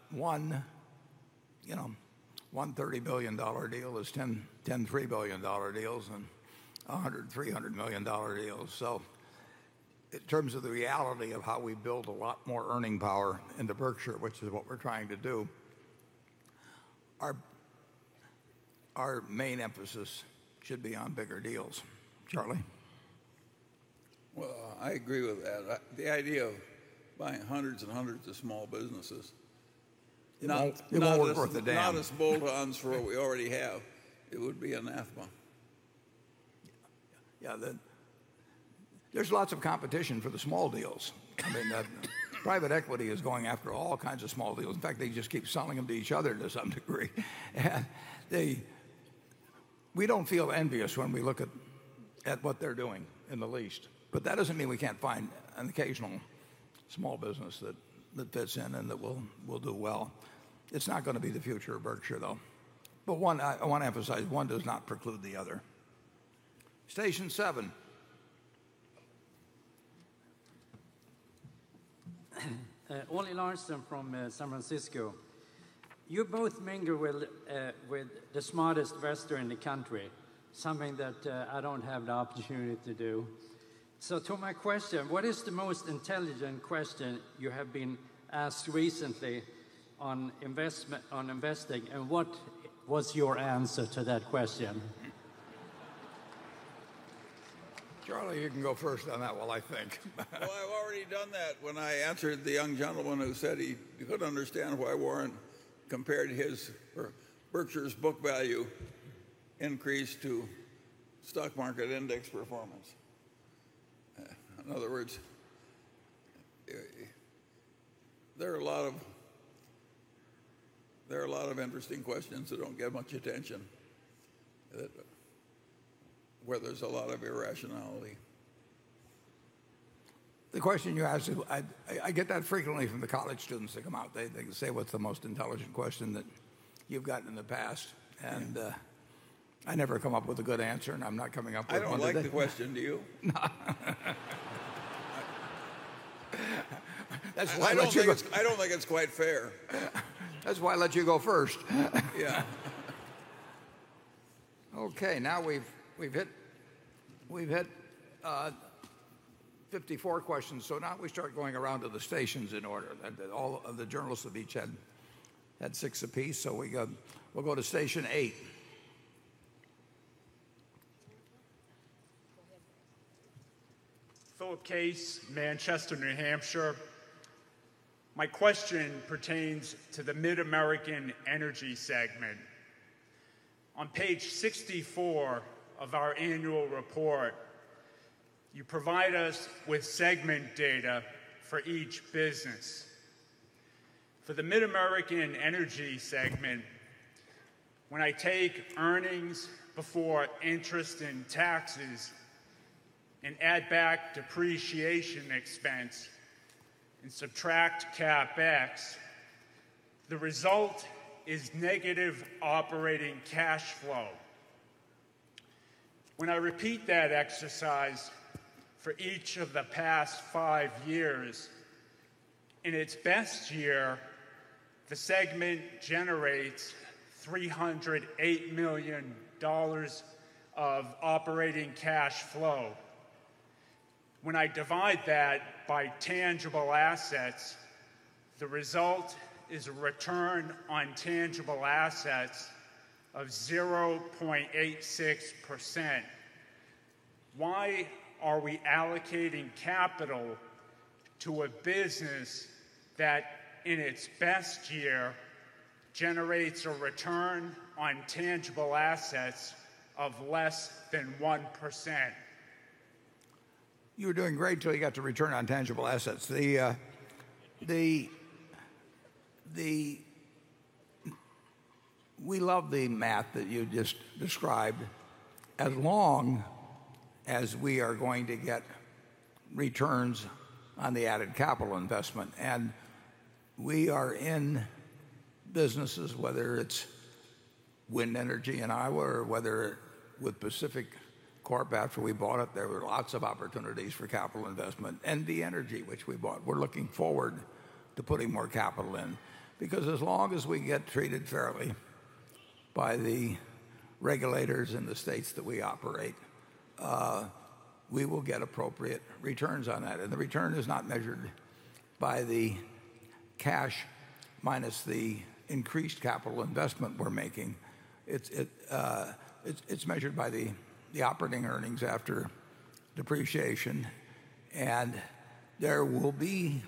One $30 billion deal is 10 $3 billion deals and 100 $300 million deals. In terms of the reality of how we build a lot more earning power into Berkshire, which is what we're trying to do, our main emphasis should be on bigger deals. Charlie? Well, I agree with that. The idea of buying hundreds and hundreds of small businesses. It wouldn't work worth a damn. Not as bolt-ons for what we already have, it would be anathema. Yeah. There's lots of competition for the small deals. Private equity is going after all kinds of small deals. In fact, they just keep selling them to each other to some degree. We don't feel envious when we look at what they're doing in the least. That doesn't mean we can't find an occasional small business that fits in and that will do well. It's not going to be the future of Berkshire, though. I want to emphasize, one does not preclude the other. Station seven. Ollie Larson from San Francisco. You both mingle with the smartest investor in the country, something that I don't have the opportunity to do. To my question, what is the most intelligent question you have been asked recently on investing, and what was your answer to that question? Charlie, you can go first on that while I think. Well, I've already done that when I answered the young gentleman who said he couldn't understand why Warren compared Berkshire's book value increase to stock market index performance. In other words, there are a lot of interesting questions that don't get much attention, where there's a lot of irrationality. The question you asked, I get that frequently from the college students that come out. They say, "What's the most intelligent question that you've gotten in the past?" I never come up with a good answer, I'm not coming up with one today. I don't like the question, do you? No. I don't think it's quite fair. That's why I let you go first. Yeah. Okay, now we've hit 54 questions. Now we start going around to the stations in order. All of the journalists have each had six apiece, we'll go to station eight. Philip Case, Manchester, New Hampshire. My question pertains to the MidAmerican Energy segment. On page 64 of our annual report, you provide us with segment data for each business. For the MidAmerican Energy segment, when I take earnings before interest and taxes and add back depreciation expense and subtract CapEx, the result is negative operating cash flow. When I repeat that exercise for each of the past five years, in its best year, the segment generates $308 million of operating cash flow. When I divide that by tangible assets, the result is a return on tangible assets of 0.86%. Why are we allocating capital to a business that, in its best year, generates a return on tangible assets of less than 1%? You were doing great till you got to return on tangible assets. We love the math that you just described as long as we are going to get returns on the added capital investment. We are in businesses, whether it's wind energy in Iowa or whether with PacifiCorp, after we bought it, there were lots of opportunities for capital investment. The energy which we bought, we're looking forward to putting more capital in because as long as we get treated fairly by the regulators in the states that we operate, we will get appropriate returns on that. The return is not measured by the cash minus the increased capital investment we're making. It's measured by the operating earnings after depreciation. There will be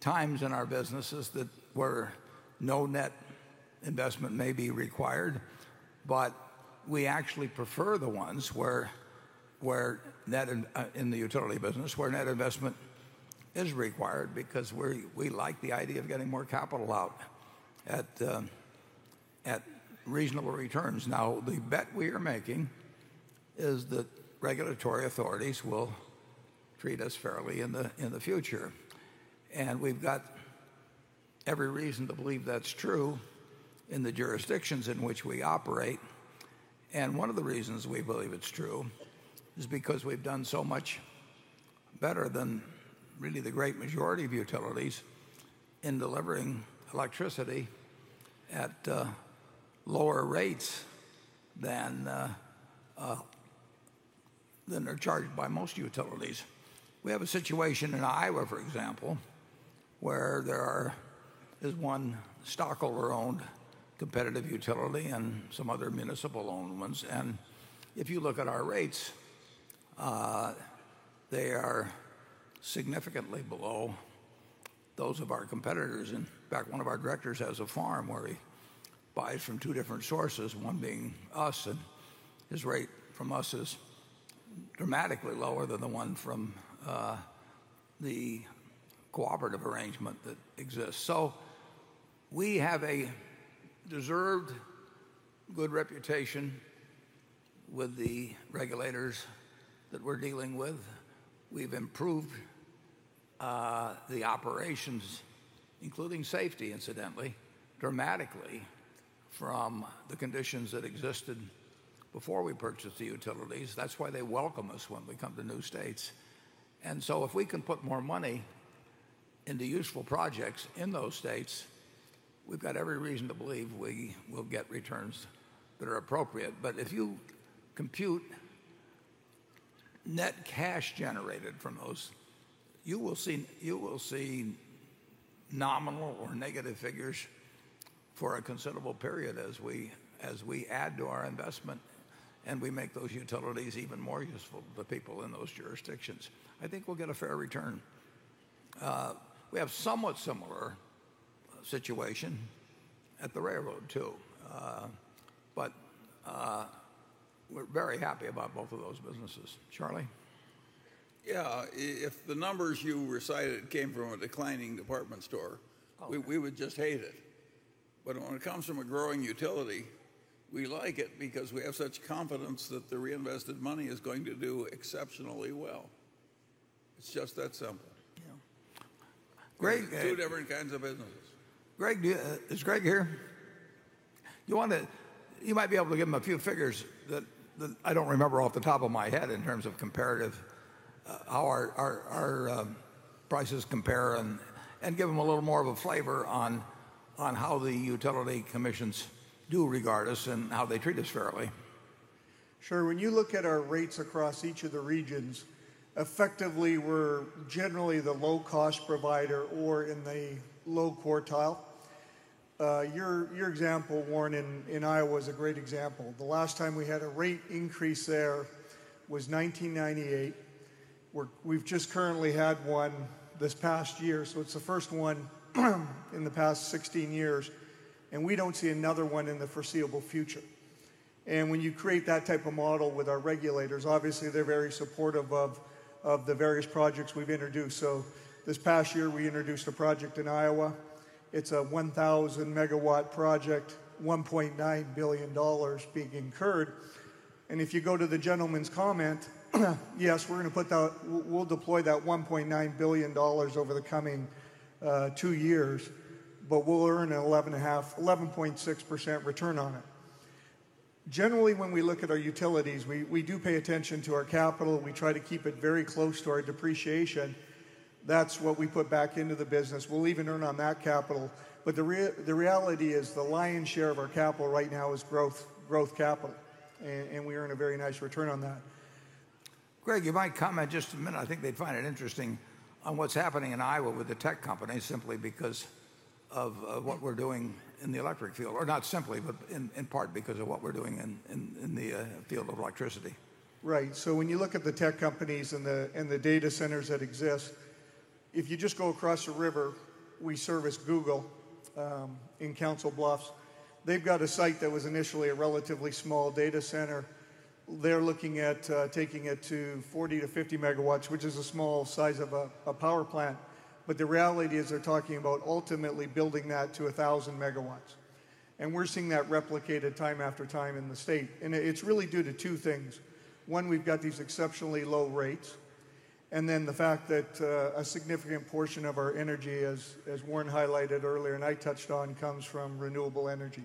times in our businesses where no net investment may be required, but we actually prefer the ones, in the utility business, where net investment is required because we like the idea of getting more capital out at reasonable returns. Now, the bet we are making is that regulatory authorities will treat us fairly in the future. We've got every reason to believe that's true in the jurisdictions in which we operate. One of the reasons we believe it's true is because we've done so much better than really the great majority of utilities in delivering electricity at lower rates than they're charged by most utilities. We have a situation in Iowa, for example, where there is one stockholder-owned competitive utility and some other municipal-owned ones. If you look at our rates, they are significantly below those of our competitors. In fact, one of our directors has a farm where he buys from two different sources, one being us, and his rate from us is dramatically lower than the one from the cooperative arrangement that exists. We have a deserved good reputation with the regulators that we're dealing with. We've improved the operations, including safety incidentally, dramatically from the conditions that existed before we purchased the utilities. That's why they welcome us when we come to new states. If we can put more money into useful projects in those states, we've got every reason to believe we will get returns that are appropriate. If you compute net cash generated from those, you will see nominal or negative figures for a considerable period as we add to our investment, and we make those utilities even more useful to the people in those jurisdictions. I think we'll get a fair return. We have a somewhat similar situation at the railroad, too. We're very happy about both of those businesses. Charlie? Yeah. If the numbers you recited came from a declining department store- Oh we would just hate it. When it comes from a growing utility, we like it because we have such confidence that the reinvested money is going to do exceptionally well. It's just that simple. Yeah. Greg- Two different kinds of businesses. Greg, is Greg here? You might be able to give him a few figures that I don't remember off the top of my head in terms of comparative, how our prices compare, and give him a little more of a flavor on how the utility commissions do regard us and how they treat us fairly. Sure. When you look at our rates across each of the regions, effectively, we're generally the low-cost provider or in the low quartile. Your example, Warren, in Iowa is a great example. The last time we had a rate increase there was 1998. We've just currently had one this past year, so it's the first one in the past 16 years, and we don't see another one in the foreseeable future. When you create that type of model with our regulators, obviously, they're very supportive of the various projects we've introduced. This past year, we introduced a project in Iowa. It's a 1,000-megawatt project, $1.9 billion being incurred. If you go to the gentleman's comment, yes, we'll deploy that $1.9 billion over the coming two years, but we'll earn 11.6% return on it. Generally, when we look at our utilities, we do pay attention to our capital. We try to keep it very close to our depreciation. That's what we put back into the business. We'll even earn on that capital. The reality is the lion's share of our capital right now is growth capital, and we earn a very nice return on that. Greg, you might comment just a minute. I think they'd find it interesting on what's happening in Iowa with the tech companies simply because of what we're doing in the electric field, or not simply, but in part because of what we're doing in the field of electricity. When you look at the tech companies and the data centers that exist, if you just go across the river, we service Google in Council Bluffs. They've got a site that was initially a relatively small data center. They're looking at taking it to 40-50 MW, which is a small size of a power plant. The reality is they're talking about ultimately building that to 1,000 MW. We're seeing that replicated time after time in the state. It's really due to two things. One, we've got these exceptionally low rates, and then the fact that a significant portion of our energy, as Warren highlighted earlier and I touched on, comes from renewable energy.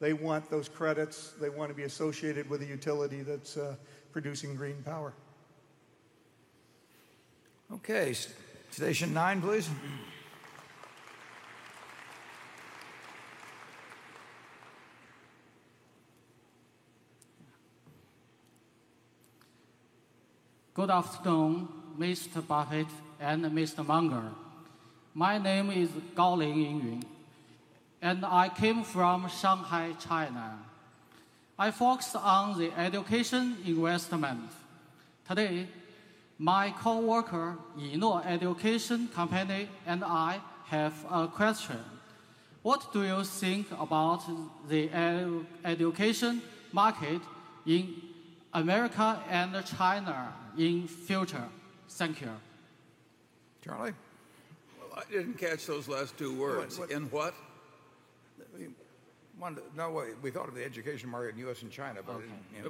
They want those credits. They want to be associated with a utility that's producing green power. Okay. Station 9, please. Good afternoon, Mr. Buffett and Mr. Munger. My name is Gaolin Yingyun, and I came from Shanghai, China. I focus on the education investment. Today, my coworker, Yino Education LLC, and I have a question. What do you think about the education market in America and China in future? Thank you. Charlie? Well, I didn't catch those last two words. What? What? In what? No, we thought of the education market in U.S. and China,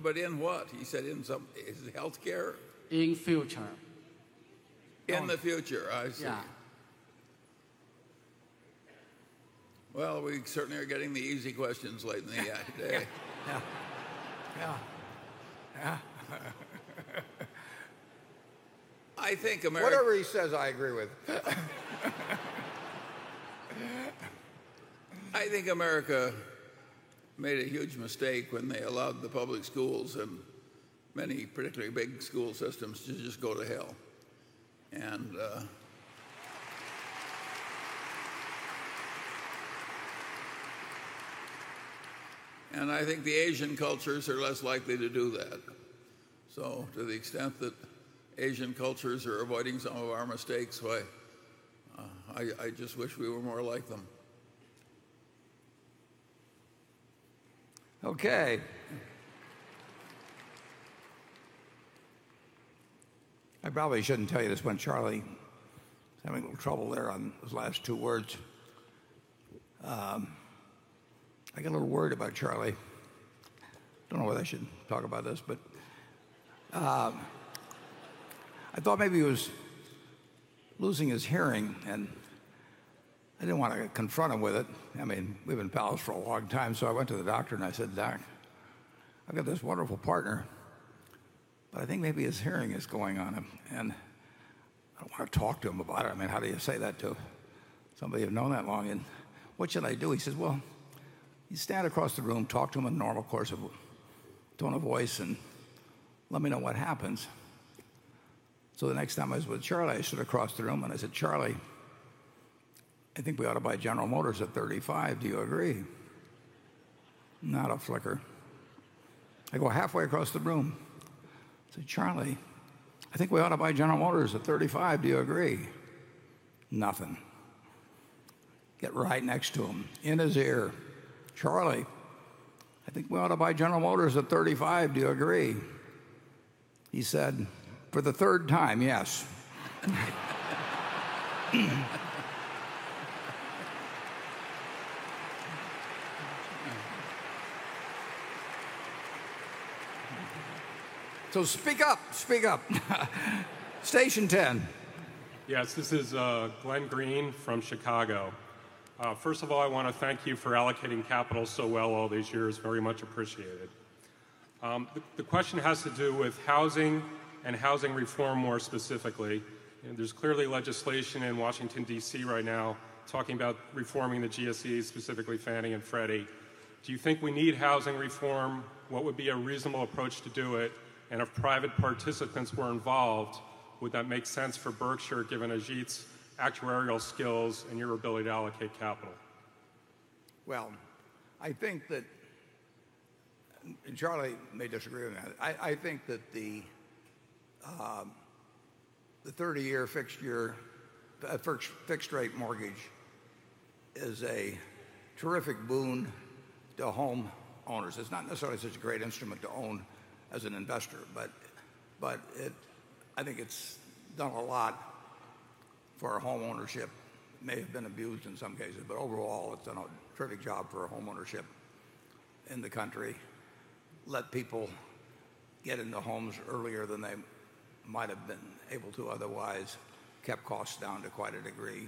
but in- In what? Is it healthcare? In future. In the future. I see. Yeah. Well, we certainly are getting the easy questions late in the day. Yeah. I think America. Whatever he says, I agree with. I think America made a huge mistake when they allowed the public schools and many particularly big school systems to just go to hell. I think the Asian cultures are less likely to do that. To the extent that Asian cultures are avoiding some of our mistakes, well, I just wish we were more like them. Okay. I probably shouldn't tell you this, when Charlie was having a little trouble there on his last two words, I got a little worried about Charlie. Don't know whether I should talk about this, I thought maybe he was losing his hearing, and I didn't want to confront him with it. We've been pals for a long time, I went to the doctor and I said, "Doc, I've got this wonderful partner, I think maybe his hearing is going on him, and I don't want to talk to him about it." How do you say that to somebody you've known that long? What should I do?" He says, "Well, you stand across the room, talk to him in a normal tone of voice, let me know what happens." The next time I was with Charlie, I stood across the room and I said, "Charlie, I think we ought to buy General Motors at 35. Do you agree?" Not a flicker. I go halfway across the room, say, "Charlie, I think we ought to buy General Motors at 35. Do you agree?" Nothing. Get right next to him, in his ear. "Charlie, I think we ought to buy General Motors at 35. Do you agree?" He said, "For the third time, yes." Speak up. Station 10. Yes, this is Glenn Green from Chicago. First of all, I want to thank you for allocating capital so well all these years. Very much appreciated. The question has to do with housing and housing reform more specifically. There's clearly legislation in Washington, D.C. right now talking about reforming the GSEs, specifically Fannie and Freddie. Do you think we need housing reform? What would be a reasonable approach to do it? If private participants were involved, would that make sense for Berkshire, given Ajit's actuarial skills and your ability to allocate capital? Well, Charlie may disagree with me on this, I think that the 30-year fixed rate mortgage is a terrific boon to homeowners. It's not necessarily such a great instrument to own as an investor, but I think it's done a lot for homeownership. May have been abused in some cases, but overall, it's done a terrific job for homeownership in the country. Let people get into homes earlier than they might have been able to otherwise, kept costs down to quite a degree.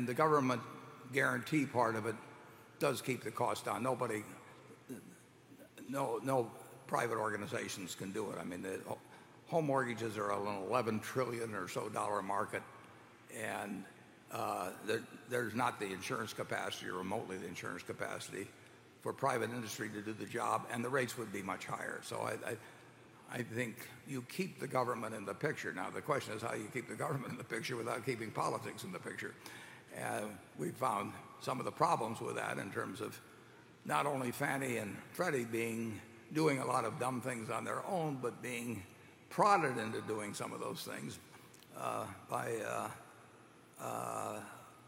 The government guarantee part of it does keep the cost down. No private organizations can do it. Home mortgages are an $11 trillion or so market, and there's not the insurance capacity or remotely the insurance capacity for private industry to do the job, and the rates would be much higher. I think you keep the government in the picture. Now, the question is how you keep the government in the picture without keeping politics in the picture. We found some of the problems with that in terms of not only Fannie and Freddie doing a lot of dumb things on their own, but being prodded into doing some of those things by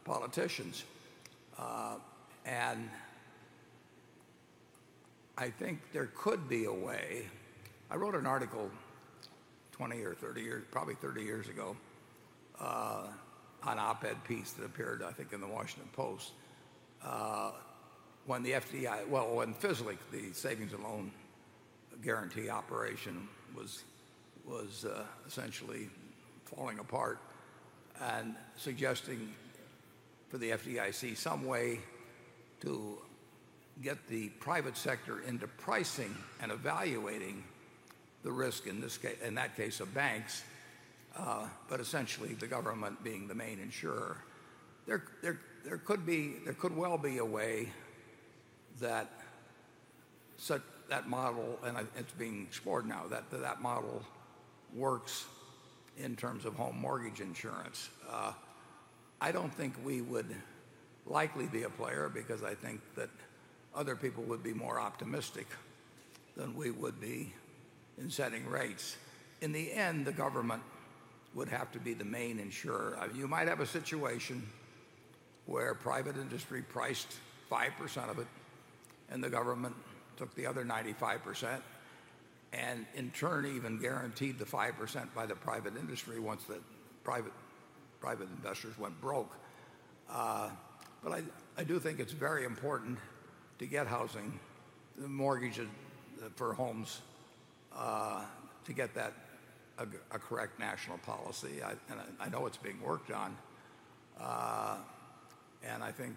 politicians. I think there could be a way. I wrote an article 20 or 30 years, probably 30 years ago, an op-ed piece that appeared, I think, in "The Washington Post," when the savings and loan guarantee operation was essentially falling apart, and suggesting for the FDIC some way to get the private sector into pricing and evaluating the risk, in that case, of banks, but essentially the government being the main insurer. There could well be a way that such that model, and it's being explored now, that that model works in terms of home mortgage insurance. I don't think we would likely be a player because I think that other people would be more optimistic than we would be in setting rates. In the end, the government would have to be the main insurer. You might have a situation where private industry priced 5% of it and the government took the other 95%, and in turn even guaranteed the 5% by the private industry once the private investors went broke. I do think it's very important to get housing mortgages for homes, to get that a correct national policy. I know it's being worked on. I think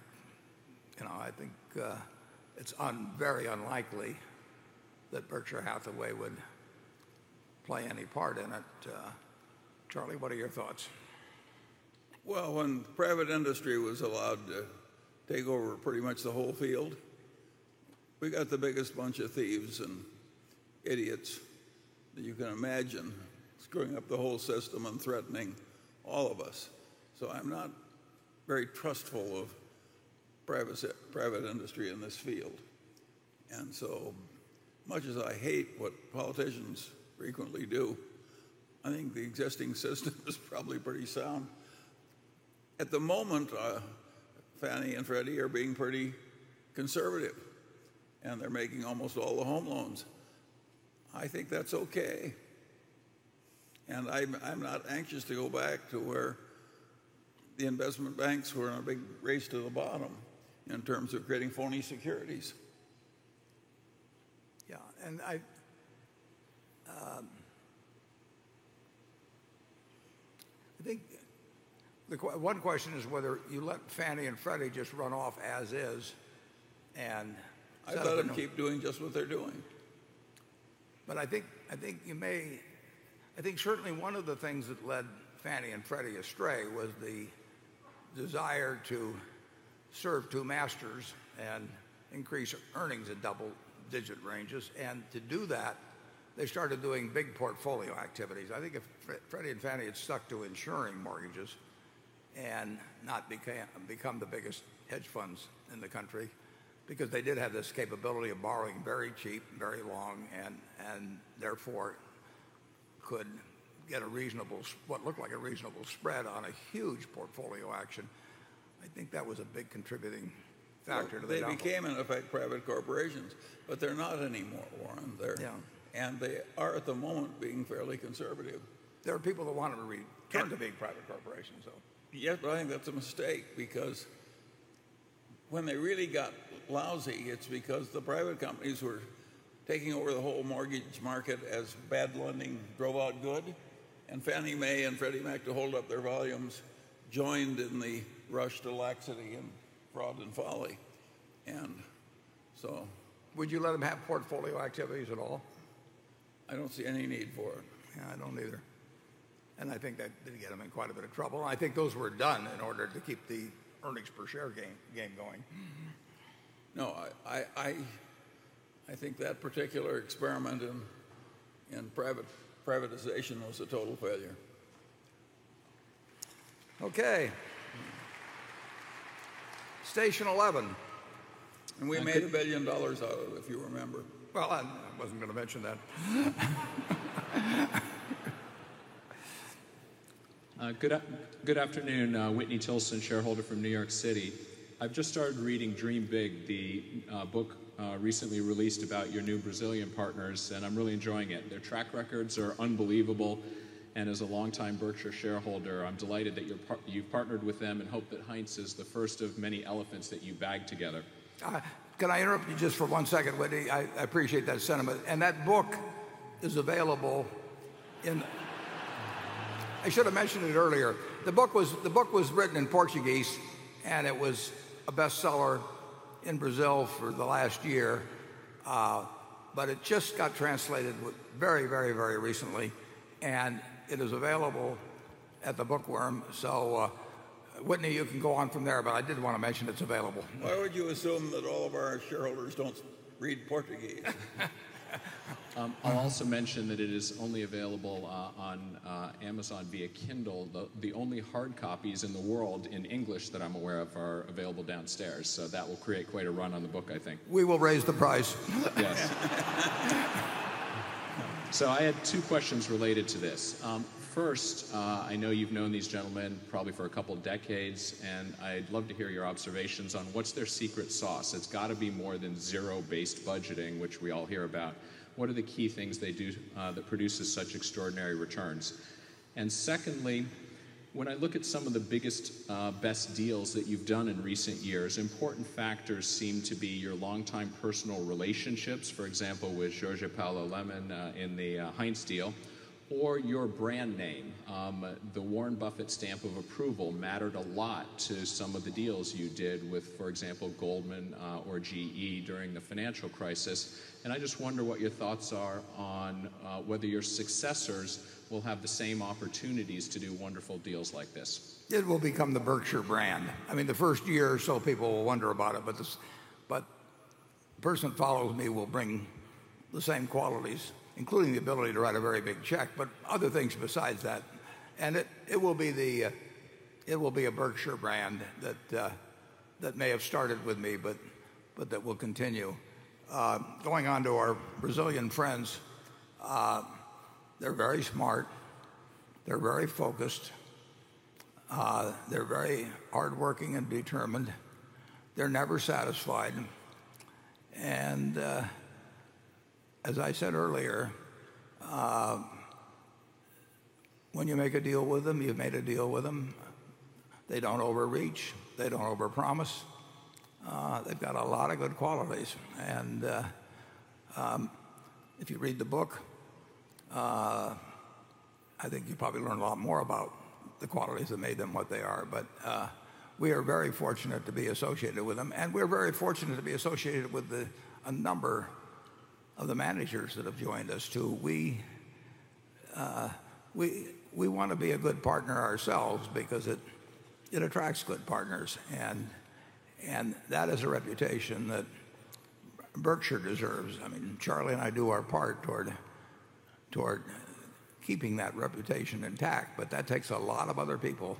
it's very unlikely that Berkshire Hathaway would play any part in it. Charlie, what are your thoughts? Well, when private industry was allowed to take over pretty much the whole field, we got the biggest bunch of thieves and idiots that you can imagine screwing up the whole system and threatening all of us. I'm not very trustful of private industry in this field. As much as I hate what politicians frequently do, I think the existing system is probably pretty sound. At the moment, Fannie and Freddie are being pretty conservative, and they're making almost all the home loans. I think that's okay. I'm not anxious to go back to where the investment banks were in a big race to the bottom in terms of creating phony securities. Yeah. One question is whether you let Fannie and Freddie just run off as is. I'd let them keep doing just what they're doing. I think certainly one of the things that led Fannie and Freddie astray was the desire to serve two masters and increase earnings in double-digit ranges. To do that, they started doing big portfolio activities. I think if Freddie and Fannie had stuck to insuring mortgages and not become the biggest hedge funds in the country, because they did have this capability of borrowing very cheap, very long, and therefore could get what looked like a reasonable spread on a huge portfolio action. I think that was a big contributing factor to the downfall. They became, in effect, private corporations. They're not anymore, Warren. Yeah. They are, at the moment, being fairly conservative. There are people that want them to become big private corporations, though. I think that's a mistake because when they really got lousy, it's because the private companies were taking over the whole mortgage market as bad lending drove out good. Fannie Mae and Freddie Mac, to hold up their volumes, joined in the rush to laxity and fraud and folly. Would you let them have portfolio activities at all? I don't see any need for it. Yeah. I don't either. I think that did get them in quite a bit of trouble, and I think those were done in order to keep the earnings per share game going. Mm-hmm. No, I think that particular experiment in privatization was a total failure. Okay. Station 11. We made $1 billion out of it, if you remember. Well, I wasn't going to mention that. Good afternoon. Whitney Tilson, shareholder from New York City. I've just started reading "Dream Big," the book recently released about your new Brazilian partners, and I'm really enjoying it. Their track records are unbelievable, and as a longtime Berkshire shareholder, I'm delighted that you've partnered with them and hope that Heinz is the first of many elephants that you bag together. Can I interrupt you just for one second, Whitney? I appreciate that sentiment. That book is available I should have mentioned it earlier. The book was written in Portuguese, and it was a bestseller in Brazil for the last year. It just got translated very recently, and it is available at The Bookworm. Whitney, you can go on from there, but I did want to mention it's available. Why would you assume that all of our shareholders don't read Portuguese? I'll also mention that it is only available on Amazon via Kindle. The only hard copies in the world in English that I'm aware of are available downstairs, so that will create quite a run on the book, I think. We will raise the price. Yes. I had two questions related to this. First, I know you've known these gentlemen probably for a couple of decades, and I'd love to hear your observations on what's their secret sauce. It's got to be more than zero-based budgeting, which we all hear about. What are the key things they do that produces such extraordinary returns? Secondly, when I look at some of the biggest, best deals that you've done in recent years, important factors seem to be your longtime personal relationships. For example, with Jorge Paulo Lemann in the Heinz deal or your brand name. The Warren Buffett stamp of approval mattered a lot to some of the deals you did with, for example, Goldman or GE during the financial crisis. I just wonder what your thoughts are on whether your successors will have the same opportunities to do wonderful deals like this. It will become the Berkshire brand. The first year or so, people will wonder about it, but the person that follows me will bring the same qualities, including the ability to write a very big check, but other things besides that. It will be a Berkshire brand that may have started with me, but that will continue. Going on to our Brazilian friends, they're very smart, they're very focused, they're very hardworking and determined. They're never satisfied and, as I said earlier, when you make a deal with them, you've made a deal with them. They don't overreach. They don't overpromise. They've got a lot of good qualities and, if you read the book, I think you probably learn a lot more about the qualities that made them what they are. We are very fortunate to be associated with them, and we're very fortunate to be associated with a number of the managers that have joined us, too. We want to be a good partner ourselves because it attracts good partners, and that is a reputation that Berkshire deserves. Charlie and I do our part toward keeping that reputation intact, but that takes a lot of other people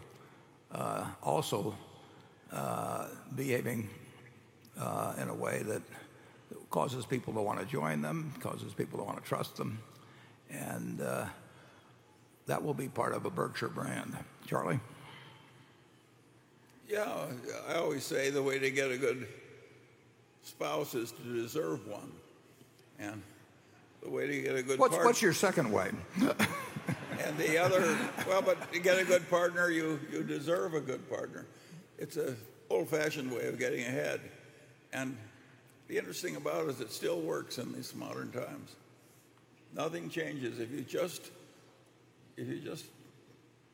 also behaving in a way that causes people to want to join them, causes people to want to trust them, and that will be part of a Berkshire brand. Charlie? Yeah. I always say the way to get a good spouse is to deserve one, and the way to get a good partner- What's your second wife? The other Well, but to get a good partner, you deserve a good partner. It's an old-fashioned way of getting ahead, and the interesting thing about it is it still works in these modern times. Nothing changes. If you just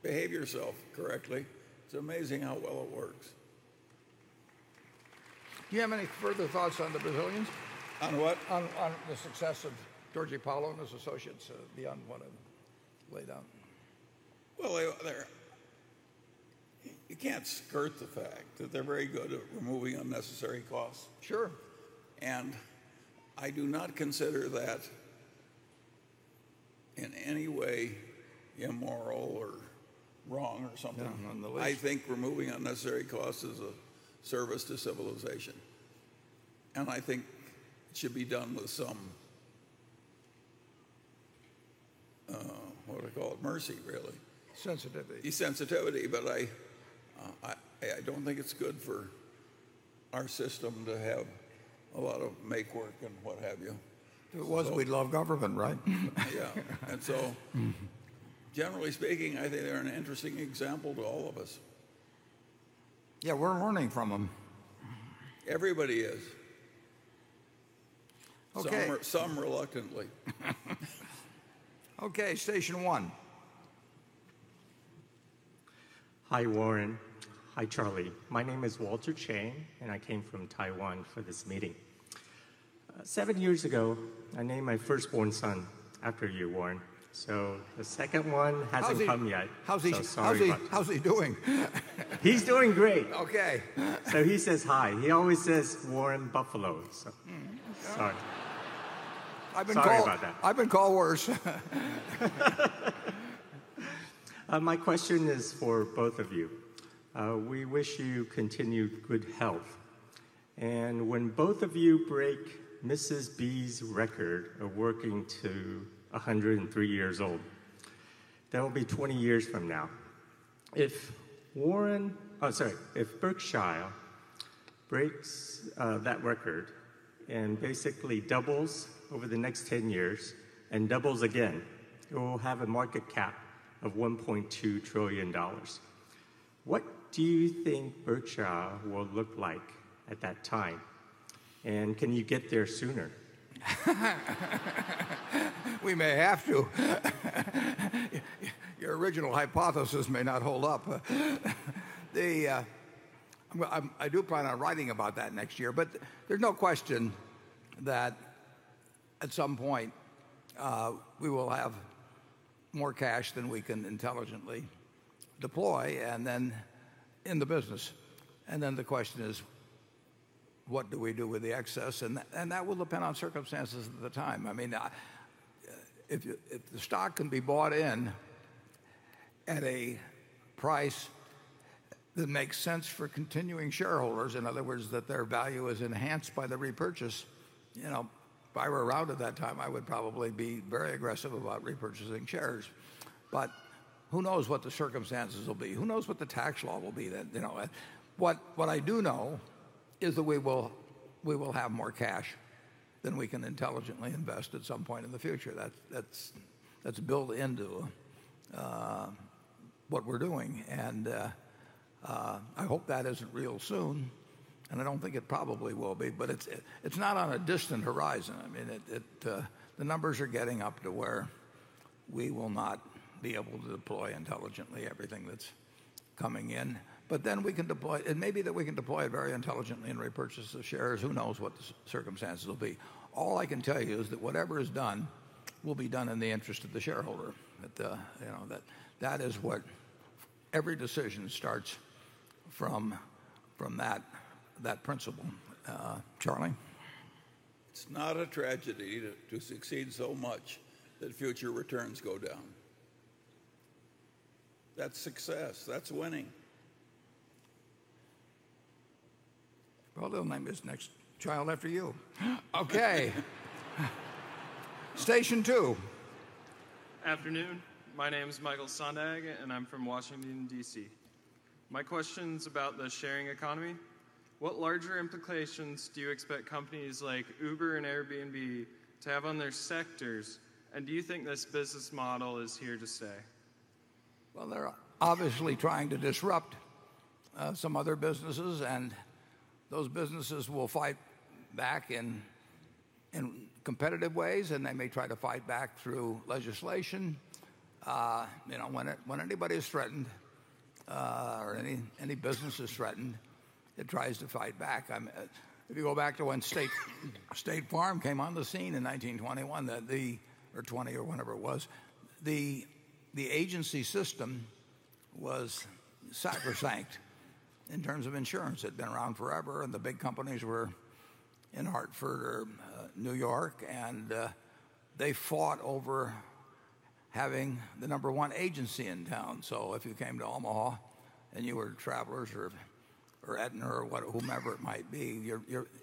behave yourself correctly, it's amazing how well it works. Do you have any further thoughts on the Brazilians? On what? On the success of Jorge Paulo and his associates beyond what I've laid out. Well, you can't skirt the fact that they're very good at removing unnecessary costs. Sure. I do not consider that in any way immoral or wrong or something. Yeah, none the least. I think removing unnecessary costs is a service to civilization. I think it should be done with some, what do you call it? Mercy, really. Sensitivity. Sensitivity. I don't think it's good for our system to have a lot of make work and what have you. If it was, we'd love government, right? Yeah. Generally speaking, I think they're an interesting example to all of us. Yeah, we're learning from them. Everybody is. Okay. Some reluctantly. Okay, station one. Hi, Warren. Hi, Charlie. My name is Walter Chang, I came from Taiwan for this meeting. Seven years ago, I named my firstborn son after you, Warren. The second one hasn't come yet. How's he doing? He's doing great. Okay. He says hi. He always says Warren Buffett, so sorry. Sorry about that. I've been called worse. My question is for both of you. We wish you continued good health. When both of you break Rose Blumkin's record of working to 103 years old, that will be 20 years from now. If Berkshire breaks that record and basically doubles over the next 10 years and doubles again, it will have a market cap of $1.2 trillion. What do you think Berkshire will look like at that time? Can you get there sooner? We may have to. Your original hypothesis may not hold up. I do plan on writing about that next year, but there's no question that at some point, we will have more cash than we can intelligently deploy in the business. The question is, what do we do with the excess? That will depend on circumstances at the time. If the stock can be bought in at a price that makes sense for continuing shareholders, in other words, that their value is enhanced by the repurchase, if I were around at that time, I would probably be very aggressive about repurchasing shares. Who knows what the circumstances will be? Who knows what the tax law will be then? What I do know is that we will have more cash than we can intelligently invest at some point in the future. That's built into what we're doing. I hope that isn't real soon, I don't think it probably will be, but it's not on a distant horizon. The numbers are getting up to where we will not be able to deploy intelligently everything that's coming in. It may be that we can deploy it very intelligently and repurchase the shares. Who knows what the circumstances will be. All I can tell you is that whatever is done will be done in the interest of the shareholder. Every decision starts from that principle. Charlie? It's not a tragedy to succeed so much that future returns go down. That's success. That's winning. Well, they'll name this next child after you. Okay. Station 2. Afternoon. My name is Michael Sondag, and I'm from Washington, D.C. My question's about the sharing economy. What larger implications do you expect companies like Uber and Airbnb to have on their sectors? Do you think this business model is here to stay? Well, they're obviously trying to disrupt some other businesses, and those businesses will fight back in competitive ways, and they may try to fight back through legislation. When anybody is threatened or any business is threatened, it tries to fight back. If you go back to when State Farm came on the scene in 1921 or 1920 or whenever it was, the agency system was sacrosanct in terms of insurance. It'd been around forever, and the big companies were in Hartford or New York, and they fought over having the number one agency in town. If you came to Omaha and you were Travelers or Aetna or whomever it might be,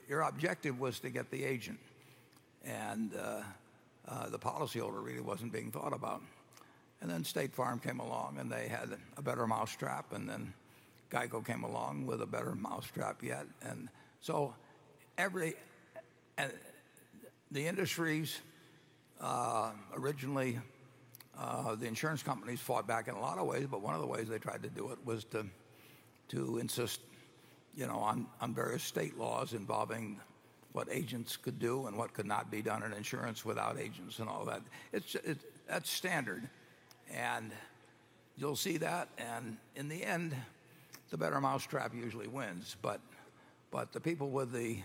your objective was to get the agent, and the policyholder really wasn't being thought about. Then State Farm came along, and they had a better mousetrap, and then GEICO came along with a better mousetrap yet. The industries, originally, the insurance companies fought back in a lot of ways, but one of the ways they tried to do it was to insist on various state laws involving what agents could do and what could not be done in insurance without agents and all that. That's standard, and you'll see that, and in the end, the better mousetrap usually wins. The people with the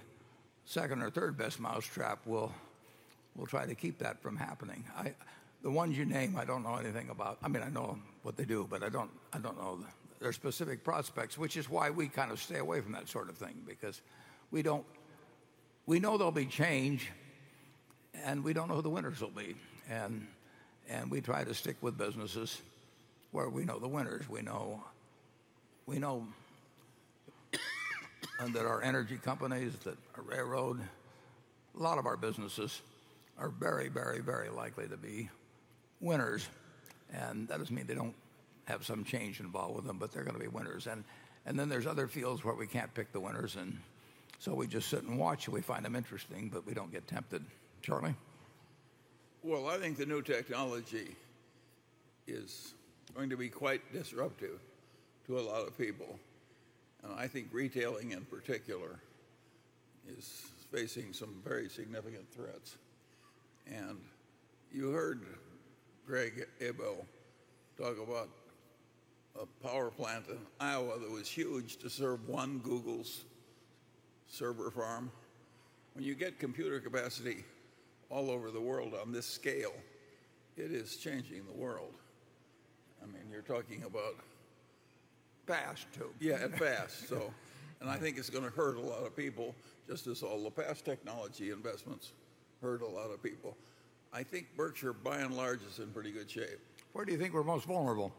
second or third best mousetrap will try to keep that from happening. The ones you name, I don't know anything about. I know what they do, but I don't know their specific prospects, which is why we kind of stay away from that sort of thing because we know there'll be change. We don't know who the winners will be. We try to stick with businesses where we know the winners. We know that our energy companies, that our railroad, a lot of our businesses are very likely to be winners, and that doesn't mean they don't have some change involved with them, but they're going to be winners. Then there's other fields where we can't pick the winners, and so we just sit and watch, and we find them interesting, but we don't get tempted. Charlie? Well, I think the new technology is going to be quite disruptive to a lot of people. I think retailing in particular is facing some very significant threats. You heard Greg Abel talk about a power plant in Iowa that was huge to serve one Google's server farm. When you get computer capacity all over the world on this scale, it is changing the world. Fast too. Yeah, fast. I think it's going to hurt a lot of people just as all the past technology investments hurt a lot of people. I think Berkshire, by and large, is in pretty good shape. Where do you think we're most vulnerable?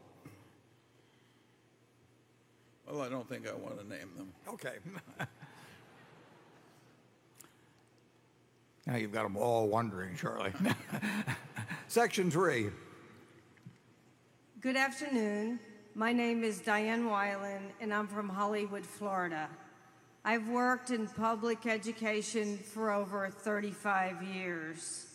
Well, I don't think I want to name them. Okay. Now you've got them all wondering, Charlie. Section three. Good afternoon. My name is Diane Weiland, and I'm from Hollywood, Florida. I've worked in public education for over 35 years.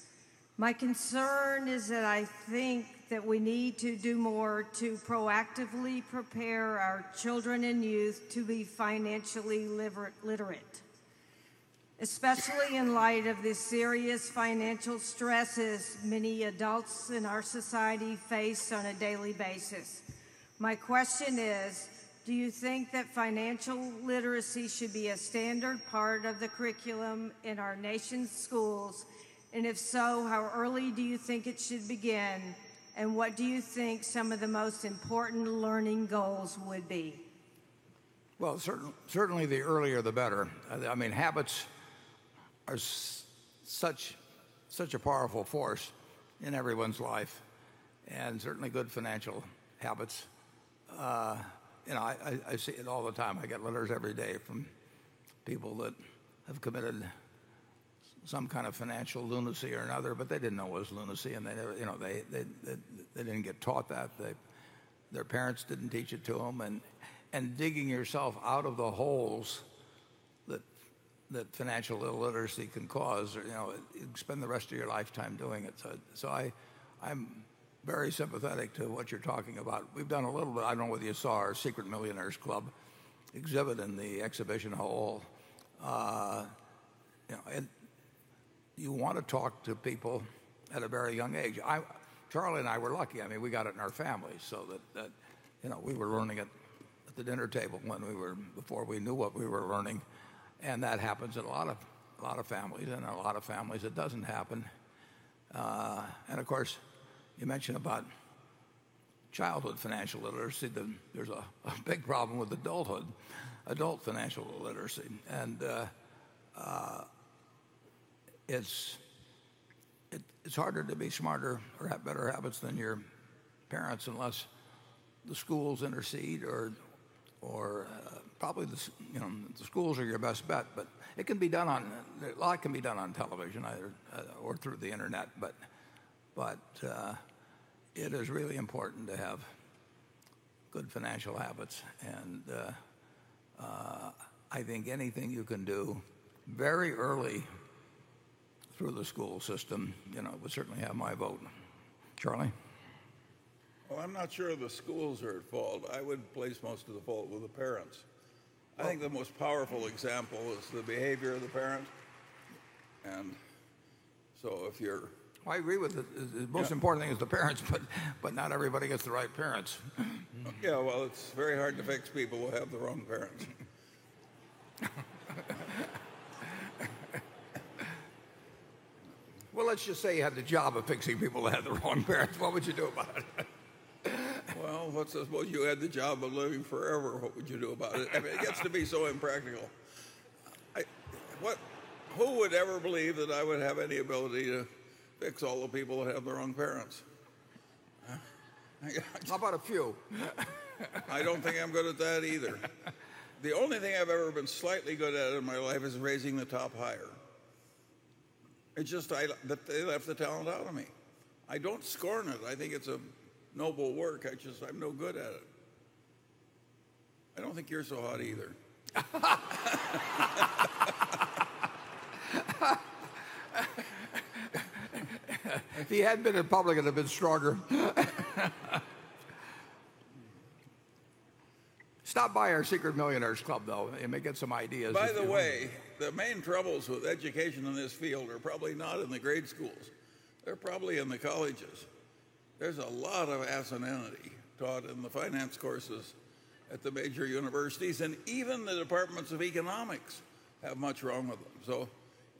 My concern is that I think that we need to do more to proactively prepare our children and youth to be financially literate, especially in light of the serious financial stresses many adults in our society face on a daily basis. My question is, do you think that financial literacy should be a standard part of the curriculum in our nation's schools? If so, how early do you think it should begin, and what do you think some of the most important learning goals would be? Well, certainly the earlier, the better. Habits are such a powerful force in everyone's life, and certainly good financial habits. I see it all the time. I get letters every day from people that have committed some kind of financial lunacy or another, but they didn't know it was lunacy, and they didn't get taught that. Their parents didn't teach it to them. Digging yourself out of the holes that financial illiteracy can cause, you spend the rest of your lifetime doing it. I'm very sympathetic to what you're talking about. We've done a little bit. I don't know whether you saw our Secret Millionaires Club exhibit in the exhibition hall. You want to talk to people at a very young age. Charlie and I were lucky. We got it in our family, so that we were learning it at the dinner table before we knew what we were learning, and that happens in a lot of families, and in a lot of families, it doesn't happen. Of course, you mentioned about childhood financial literacy. There's a big problem with adulthood, adult financial literacy. It's harder to be smarter or have better habits than your parents unless the schools intercede or probably the schools are your best bet, but it can be done. A lot can be done on television either or through the internet. It is really important to have good financial habits, and I think anything you can do very early through the school system would certainly have my vote. Charlie? Well, I'm not sure the schools are at fault. I would place most of the fault with the parents. I agree with it. The most important thing is the parents, not everybody gets the right parents. Yeah. Well, it's very hard to fix people who have the wrong parents. Well, let's just say you had the job of fixing people that had the wrong parents. What would you do about it? Well, what's that supposed you had the job of living forever, what would you do about it? I mean, it gets to be so impractical. Who would ever believe that I would have any ability to fix all the people that have the wrong parents? How about a few? I don't think I'm good at that either. The only thing I've ever been slightly good at in my life is raising the top higher. They left the talent out of me. I don't scorn it. I think it's a noble work. I just am no good at it. I don't think you're so hot either. If he hadn't been in public, it'd have been stronger. Stop by our Secret Millionaires Club, though, and get some ideas if you want. By the way, the main troubles with education in this field are probably not in the grade schools. They're probably in the colleges. There's a lot of asininity taught in the finance courses at the major universities, and even the departments of economics have much wrong with them.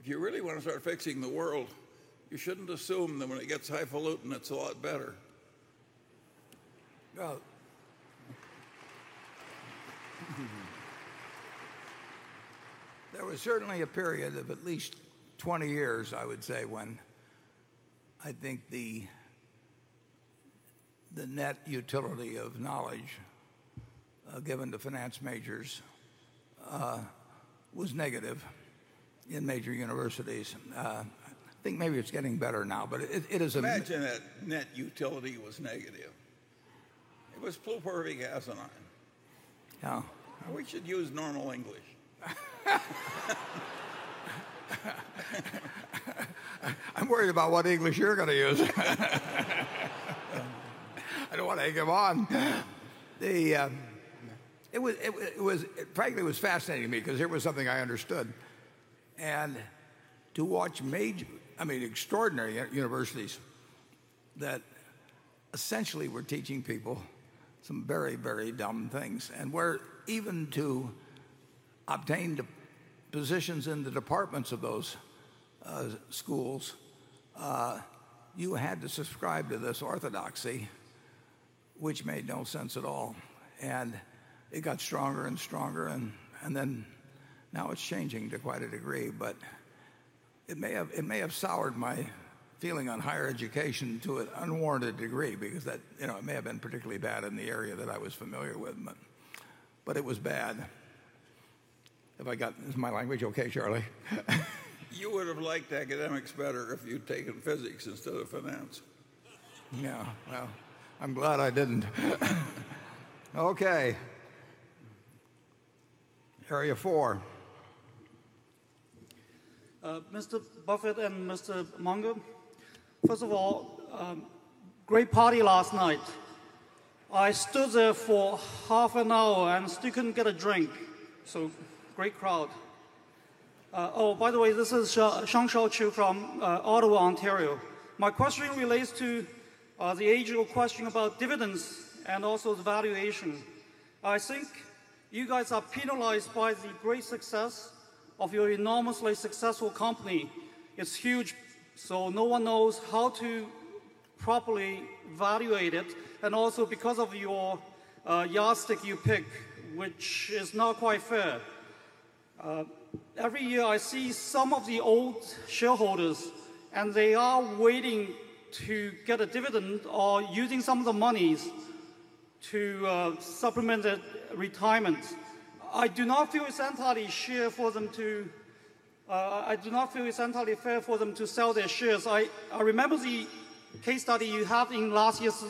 If you really want to start fixing the world, you shouldn't assume that when it gets highfalutin, it's a lot better. There was certainly a period of at least 20 years, I would say, when I think the net utility of knowledge given to finance majors was negative in major universities. I think maybe it's getting better now. Imagine that net utility was negative. It was purely asinine. Yeah. We should use normal English. I'm worried about what English you're going to use. I don't want to egg him on. Frankly, it was fascinating to me because it was something I understood, and to watch extraordinary universities that essentially were teaching people some very, very dumb things, and where even to obtain the positions in the departments of those schools, you had to subscribe to this orthodoxy which made no sense at all. It got stronger and stronger, now it's changing to quite a degree. It may have soured my feeling on higher education to an unwarranted degree because it may have been particularly bad in the area that I was familiar with, but it was bad. Is my language okay, Charlie? You would have liked academics better if you'd taken physics instead of finance. Yeah. Well, I'm glad I didn't. Okay. Area four. Mr. Buffett and Mr. Munger, first of all, great party last night. I stood there for half an hour and still couldn't get a drink, great crowd. By the way, this is Shang Shao Chu from Ottawa, Ontario. My question relates to the age-old question about dividends and also the valuation. I think you guys are penalized by the great success of your enormously successful company. It's huge, no one knows how to properly valuate it, also because of your yardstick you pick, which is not quite fair. Every year, I see some of the old shareholders, they are waiting to get a dividend or using some of the monies to supplement their retirement. I do not feel it's entirely fair for them to sell their shares. I remember the case study you have in last year's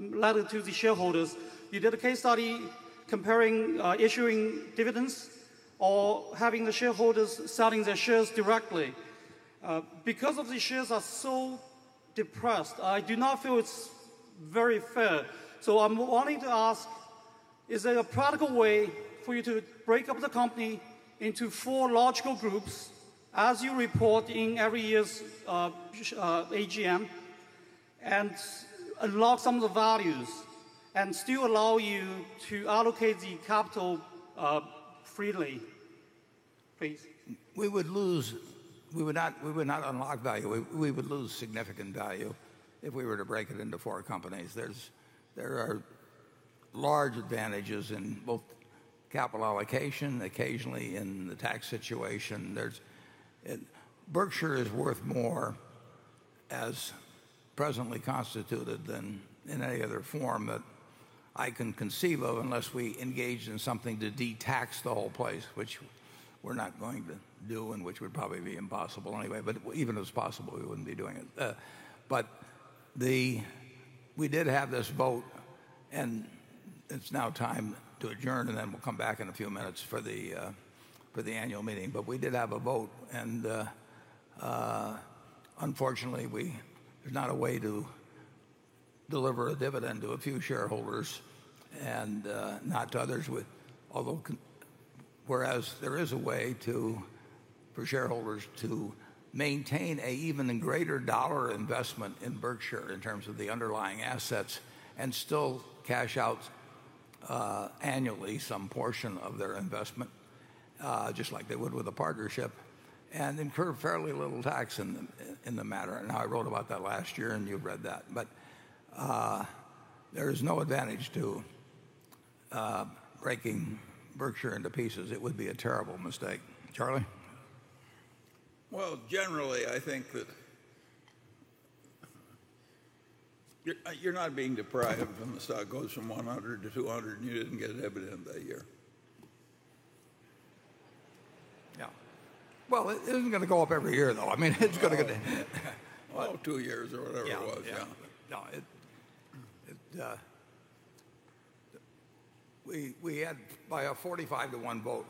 letter to the shareholders. You did a case study comparing issuing dividends or having the shareholders selling their shares directly. Because of the shares are so depressed, I do not feel it's very fair. I'm wanting to ask, is there a practical way for you to break up the company into four logical groups as you report in every year's AGM and unlock some of the values and still allow you to allocate the capital freely, please? We would not unlock value. We would lose significant value if we were to break it into four companies. There are large advantages in both capital allocation, occasionally in the tax situation. Berkshire is worth more as presently constituted than in any other form that I can conceive of unless we engage in something to de-tax the whole place, which we're not going to do and which would probably be impossible anyway. Even if it was possible, we wouldn't be doing it. We did have this vote, and it's now time to adjourn, and then we'll come back in a few minutes for the annual meeting. We did have a vote, and unfortunately, there's not a way to deliver a dividend to a few shareholders and not to others, whereas there is a way for shareholders to maintain an even greater dollar investment in Berkshire in terms of the underlying assets and still cash out annually some portion of their investment, just like they would with a partnership, and incur fairly little tax in the matter. I wrote about that last year, and you've read that. There is no advantage to breaking Berkshire into pieces. It would be a terrible mistake. Charlie? Well, generally, I think that you're not being deprived when the stock goes from 100 to 200 and you didn't get a dividend that year. Yeah. Well, it isn't going to go up every year, though. I mean, it's going to- Well, two years or whatever it was. Yeah. Yeah. By a 45 to one vote,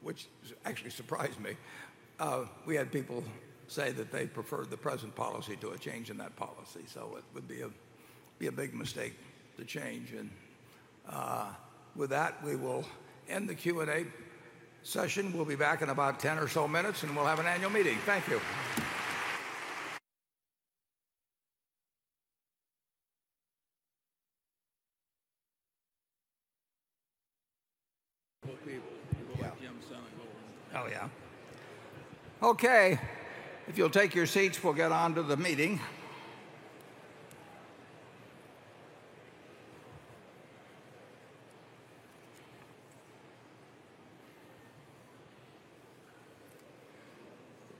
which actually surprised me, we had people say that they preferred the present policy to a change in that policy, so it would be a big mistake to change. With that, we will end the Q&A session. We'll be back in about 10 or so minutes, and we'll have an annual meeting. Thank you. Oh, yeah. Okay. If you'll take your seats, we'll get onto the meeting.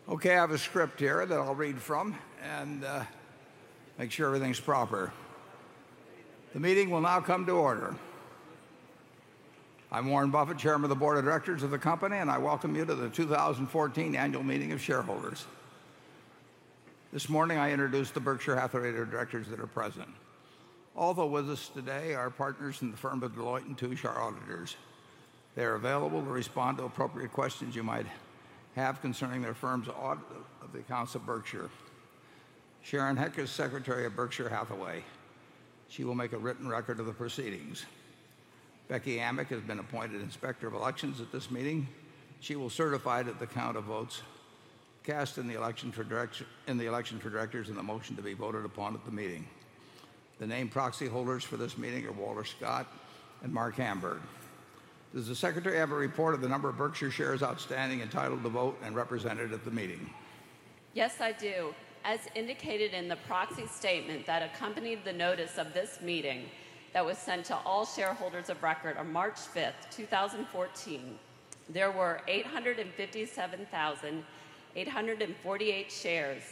Okay, I have a script here that I'll read from and make sure everything's proper. The meeting will now come to order. I'm Warren Buffett, chairman of the board of directors of the company, and I welcome you to the 2014 annual meeting of shareholders. This morning, I introduce the Berkshire Hathaway board of directors that are present. Also with us today are partners from the firm of Deloitte & Touche, our auditors. They are available to respond to appropriate questions you might have concerning their firm's audit of the accounts of Berkshire. Sharon Heck is secretary of Berkshire Hathaway. She will make a written record of the proceedings. Becky Amick has been appointed inspector of elections at this meeting. She will certify that the count of votes cast in the elections for directors and the motion to be voted upon at the meeting. The named proxy holders for this meeting are Walter Scott and Marc Hamburg. Does the secretary have a report of the number of Berkshire shares outstanding entitled to vote and represented at the meeting? Yes, I do. As indicated in the proxy statement that accompanied the notice of this meeting that was sent to all shareholders of record on March 5th, 2014, there were 857,848 shares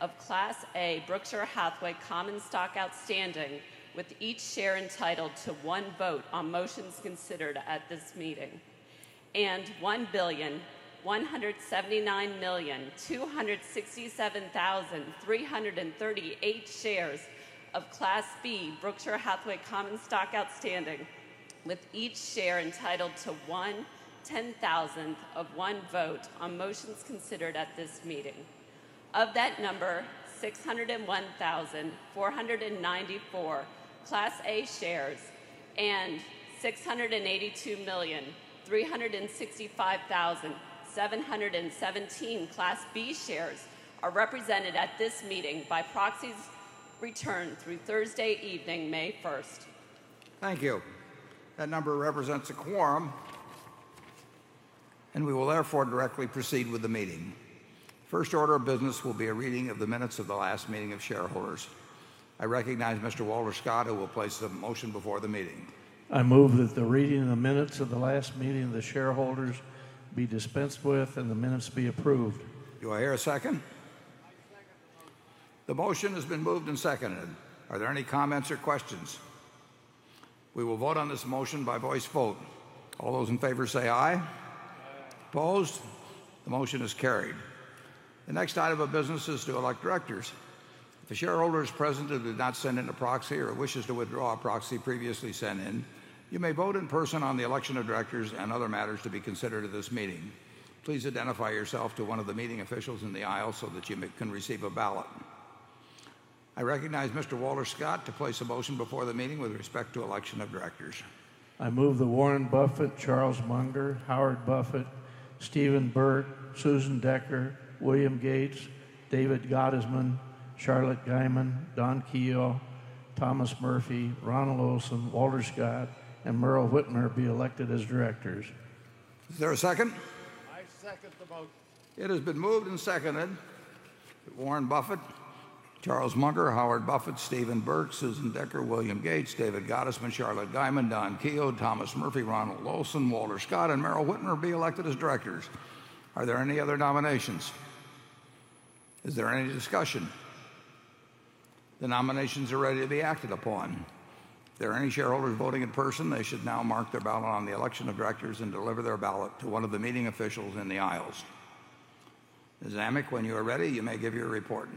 of Class A Berkshire Hathaway common stock outstanding, with each share entitled to one vote on motions considered at this meeting. 1,179,267,338 shares of Class B Berkshire Hathaway common stock outstanding, with each share entitled to one ten-thousandth of one vote on motions considered at this meeting. Of that number, 601,494 Class A shares and 682,365,717 Class B shares are represented at this meeting by proxies returned through Thursday evening, May 1st. Thank you. That number represents a quorum, and we will therefore directly proceed with the meeting. First order of business will be a reading of the minutes of the last meeting of shareholders. I recognize Mr. Walter Scott, who will place a motion before the meeting. I move that the reading of the minutes of the last meeting of the shareholders be dispensed with and the minutes be approved. Do I hear a second? I second the motion. The motion has been moved and seconded. Are there any comments or questions? We will vote on this motion by voice vote. All those in favor say aye. Aye. Opposed? The motion is carried. The next item of business is to elect directors. If a shareholder is present who did not send in a proxy or wishes to withdraw a proxy previously sent in, you may vote in person on the election of directors and other matters to be considered at this meeting. Please identify yourself to one of the meeting officials in the aisle so that you can receive a ballot. I recognize Mr. Walter Scott to place a motion before the meeting with respect to election of directors. I move that Warren Buffett, Charles Munger, Howard Buffett, Steven Burke, Susan Decker, William Gates, David Gottesman, Charlotte Guyman, Don Keough, Thomas Murphy, Ronald Olson, Walter Scott, and Merle Whitner be elected as directors. Is there a second? I second the motion. It has been moved and seconded that Warren Buffett, Charles Munger, Howard Buffett, Steven Burke, Susan Decker, William Gates, David Gottesman, Charlotte Guyman, Don Keough, Thomas Murphy, Ronald Olson, Walter Scott, and Meryl Witmer be elected as directors. Are there any other nominations? Is there any discussion? The nominations are ready to be acted upon. If there are any shareholders voting in person, they should now mark their ballot on the election of directors and deliver their ballot to one of the meeting officials in the aisles. Ms. Amick, when you are ready, you may give your report.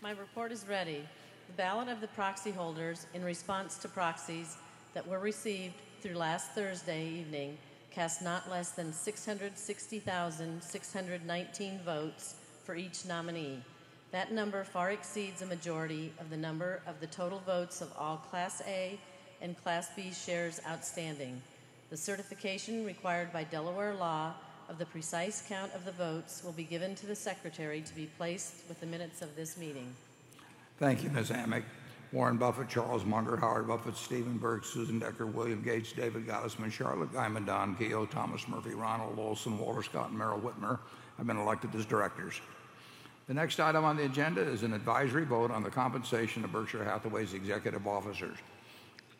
My report is ready. The ballot of the proxy holders in response to proxies that were received through last Thursday evening cast not less than 660,619 votes for each nominee. That number far exceeds a majority of the number of the total votes of all Class A and Class B shares outstanding. The certification required by Delaware law of the precise count of the votes will be given to the secretary to be placed with the minutes of this meeting. Thank you, Ms. Amick. Warren Buffett, Charles Munger, Howard Buffett, Steven Burke, Susan Decker, William Gates, David Gottesman, Charlotte Guyman, Don Keough, Thomas Murphy, Ronald Olson, Walter Scott, and Merle Whitner have been elected as directors. The next item on the agenda is an advisory vote on the compensation of Berkshire Hathaway's executive officers.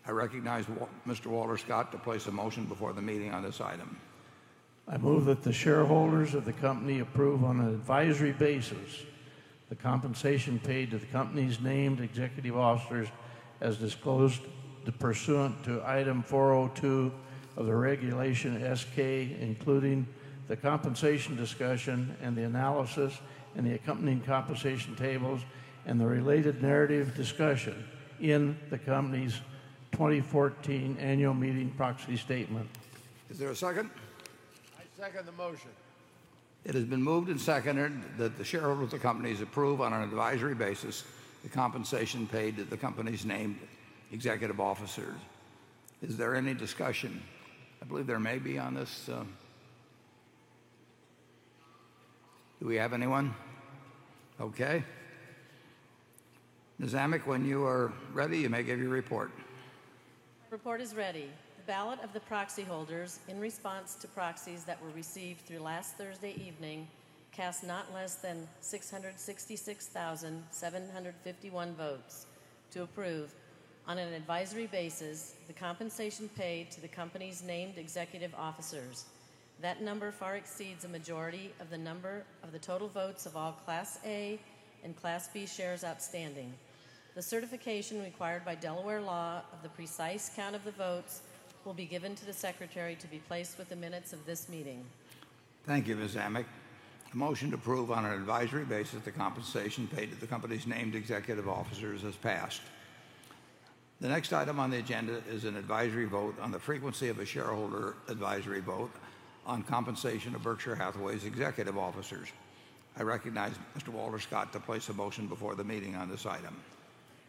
I recognize Mr. Walter Scott to place a motion before the meeting on this item. I move that the shareholders of the company approve, on an an advisory basis, the compensation paid to the company's named executive officers as disclosed pursuant to Item 402 of the Regulation S-K, including the compensation discussion and the analysis in the accompanying compensation tables and the related narrative discussion in the company's 2014 annual meeting proxy statement. Is there a second? I second the motion. It has been moved and seconded that the shareholders of the companies approve, on an advisory basis, the compensation paid to the company's named executive officers. Is there any discussion? I believe there may be on this. Do we have anyone? Okay. Ms. Amick, when you are ready, you may give your report. Report is ready. The ballot of the proxy holders in response to proxies that were received through last Thursday evening cast not less than 666,751 votes to approve on an advisory basis the compensation paid to the company's named executive officers. That number far exceeds a majority of the total votes of all Class A and Class B shares outstanding. The certification required by Delaware law of the precise count of the votes will be given to the secretary to be placed with the minutes of this meeting. Thank you, Ms. Amick. The motion to approve on an advisory basis the compensation paid to the company's named executive officers has passed. The next item on the agenda is an advisory vote on the frequency of a shareholder advisory vote on compensation of Berkshire Hathaway's executive officers. I recognize Mr. Walter Scott to place a motion before the meeting on this item.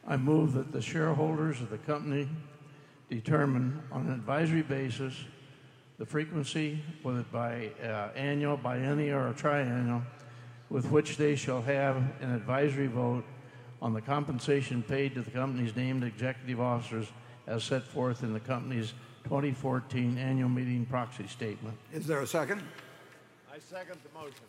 I move that the shareholders of the company determine, on an advisory basis, the frequency, whether it by annual, biennial, or triennial, with which they shall have an advisory vote on the compensation paid to the company's named executive officers as set forth in the company's 2014 annual meeting proxy statement. Is there a second? I second the motion.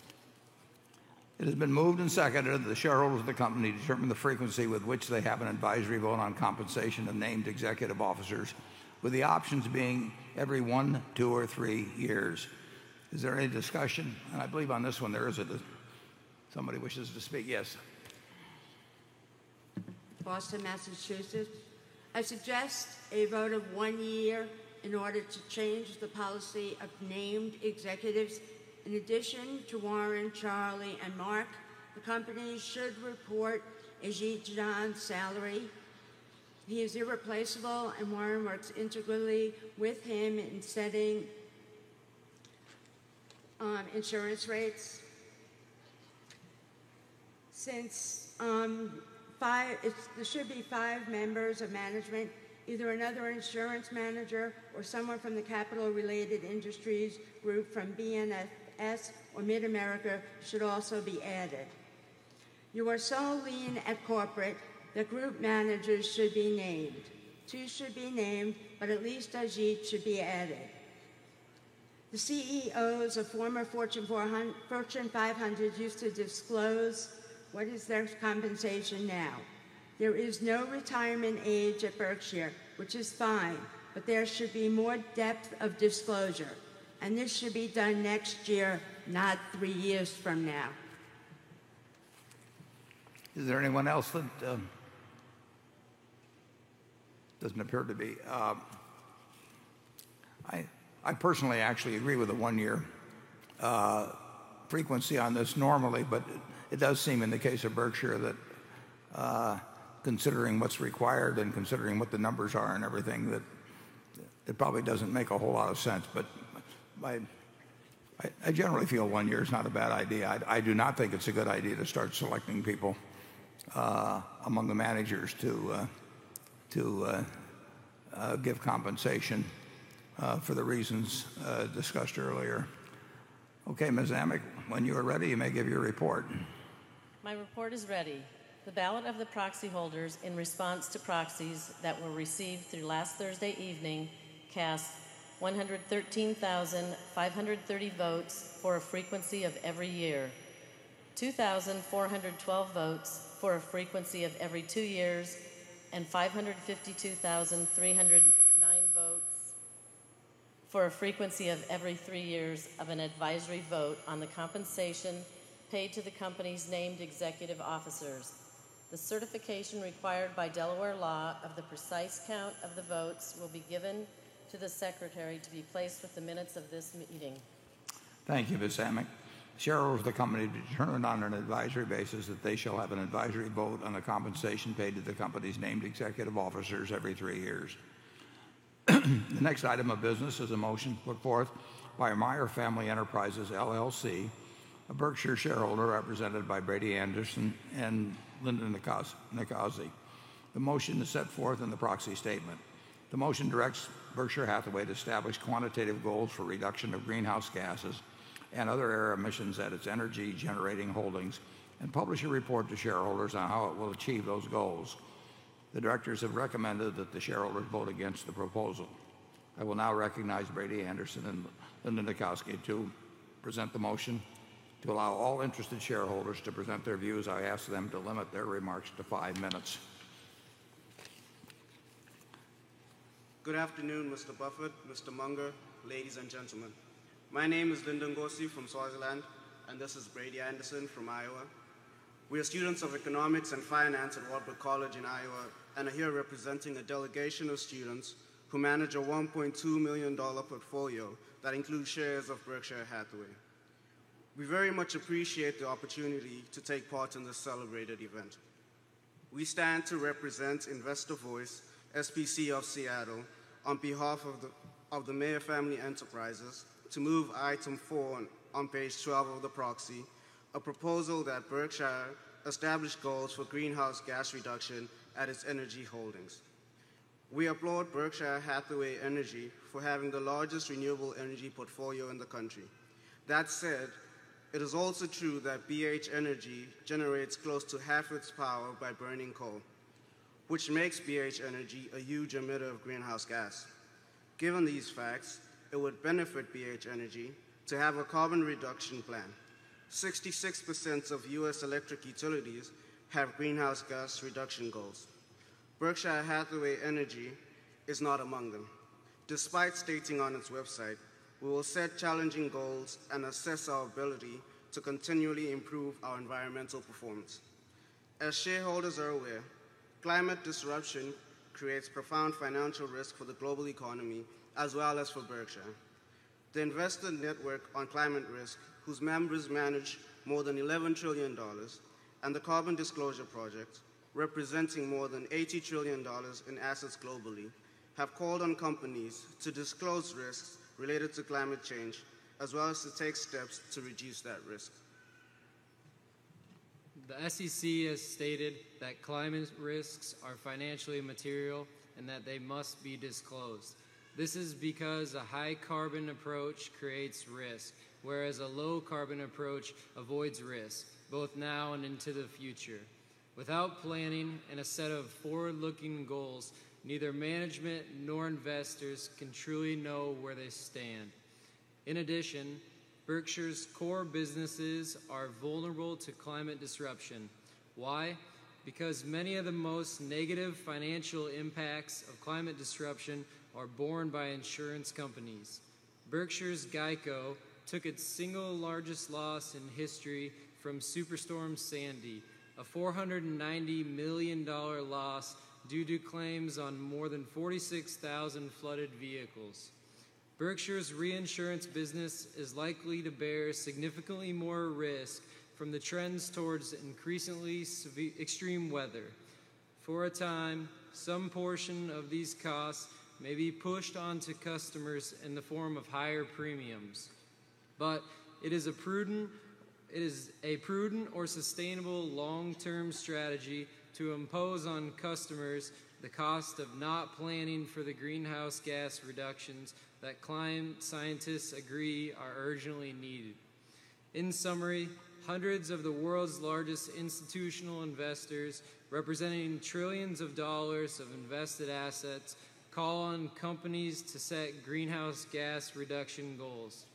It has been moved and seconded that the shareholders of the company determine the frequency with which they have an advisory vote on compensation of named executive officers, with the options being every one, two, or three years. Is there any discussion? I believe on this one there is. Somebody wishes to speak. Yes. Boston, Massachusetts. I suggest a vote of one year in order to change the policy of named executives. In addition to Warren, Charlie, and Marc, the company should report Ajit Jain's salary. He is irreplaceable, and Warren works integrally with him in setting insurance rates. There should be five members of management, either another insurance manager or someone from the capital-related industries group from BNSF or MidAmerican Energy should also be added. You are so lean at corporate, the group managers should be named. Two should be named, at least Ajit should be added. The CEOs of former Fortune 500 used to disclose what is their compensation now. There is no retirement age at Berkshire, which is fine, there should be more depth of disclosure, and this should be done next year, not three years from now. Is there anyone else that? It doesn't appear to be. I personally actually agree with the one-year frequency on this normally, but it does seem in the case of Berkshire that considering what's required and considering what the numbers are and everything, that it probably doesn't make a whole lot of sense. I generally feel one year is not a bad idea. I do not think it's a good idea to start selecting people among the managers to give compensation for the reasons discussed earlier. Okay, Ms. Amick, when you are ready, you may give your report. My report is ready. The ballot of the proxy holders in response to proxies that were received through last Thursday evening cast 113,530 votes for a frequency of every year, 2,412 votes for a frequency of every two years, and 552,309 votes for a frequency of every three years of an advisory vote on the compensation paid to the company's named executive officers. The certification required by Delaware law of the precise count of the votes will be given to the secretary to be placed with the minutes of this meeting. Thank you, Ms. Amick. The shareholders of the company determined on an advisory basis that they shall have an advisory vote on the compensation paid to the company's named executive officers every three years. The next item of business is a motion put forth by Meyer Family Enterprises, LLC, a Berkshire shareholder represented by Brady Anderson and Linden Nkosi. The motion is set forth in the proxy statement. The motion directs Berkshire Hathaway to establish quantitative goals for reduction of greenhouse gases and other air emissions at its energy-generating holdings and publish a report to shareholders on how it will achieve those goals. The directors have recommended that the shareholders vote against the proposal. I will now recognize Brady Anderson and Linden Nkosi to present the motion. To allow all interested shareholders to present their views, I ask them to limit their remarks to five minutes. Good afternoon, Mr. Buffett, Mr. Munger, ladies and gentlemen. My name is Linden Nkosi from Swaziland, and this is Brady Anderson from Iowa. We are students of economics and finance at Wartburg College in Iowa and are here representing a delegation of students who manage a $1.2 million portfolio that includes shares of Berkshire Hathaway. We very much appreciate the opportunity to take part in this celebrated event. We stand to represent Investor Voice, SPC of Seattle on behalf of the Meyer Family Enterprises to move item four on page 12 of the proxy, a proposal that Berkshire establish goals for greenhouse gas reduction at its energy holdings. We applaud Berkshire Hathaway Energy for having the largest renewable energy portfolio in the country. That said, it is also true that BH Energy generates close to half its power by burning coal, which makes BH Energy a huge emitter of greenhouse gas. Given these facts, it would benefit BH Energy to have a carbon reduction plan. 66% of U.S. electric utilities have greenhouse gas reduction goals. Berkshire Hathaway Energy is not among them, despite stating on its website, "We will set challenging goals and assess our ability to continually improve our environmental performance." As shareholders are aware, climate disruption creates profound financial risk for the global economy, as well as for Berkshire. The Investor Network on Climate Risk, whose members manage more than $11 trillion, and the Carbon Disclosure Project, representing more than $80 trillion in assets globally, have called on companies to disclose risks related to climate change, as well as to take steps to reduce that risk. The SEC has stated that climate risks are financially material and that they must be disclosed. This is because a high-carbon approach creates risk, whereas a low-carbon approach avoids risk, both now and into the future. Without planning and a set of forward-looking goals, neither management nor investors can truly know where they stand. In addition, Berkshire's core businesses are vulnerable to climate disruption. Why? Because many of the most negative financial impacts of climate disruption are borne by insurance companies. Berkshire's GEICO took its single largest loss in history from Superstorm Sandy, a $490 million loss due to claims on more than 46,000 flooded vehicles. Berkshire's reinsurance business is likely to bear significantly more risk from the trends towards increasingly extreme weather. For a time, some portion of these costs may be pushed onto customers in the form of higher premiums. It is a prudent or sustainable long-term strategy to impose on customers the cost of not planning for the greenhouse gas reductions that climate scientists agree are urgently needed. In summary, hundreds of the world's largest institutional investors, representing trillions of dollars of invested assets, call on companies to set greenhouse gas reduction goals.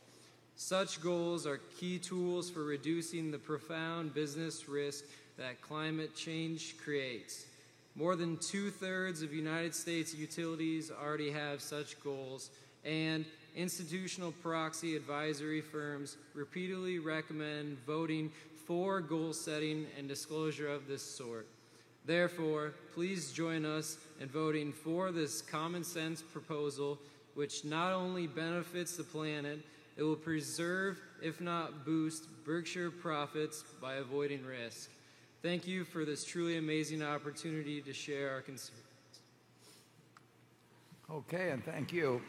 Such goals are key tools for reducing the profound business risk that climate change creates. More than two-thirds of United States utilities already have such goals, and institutional proxy advisory firms repeatedly recommend voting for goal-setting and disclosure of this sort. Please join us in voting for this common-sense proposal, which not only benefits the planet, it will preserve, if not boost, Berkshire profits by avoiding risk. Thank you for this truly amazing opportunity to share our concerns. Okay, thank you.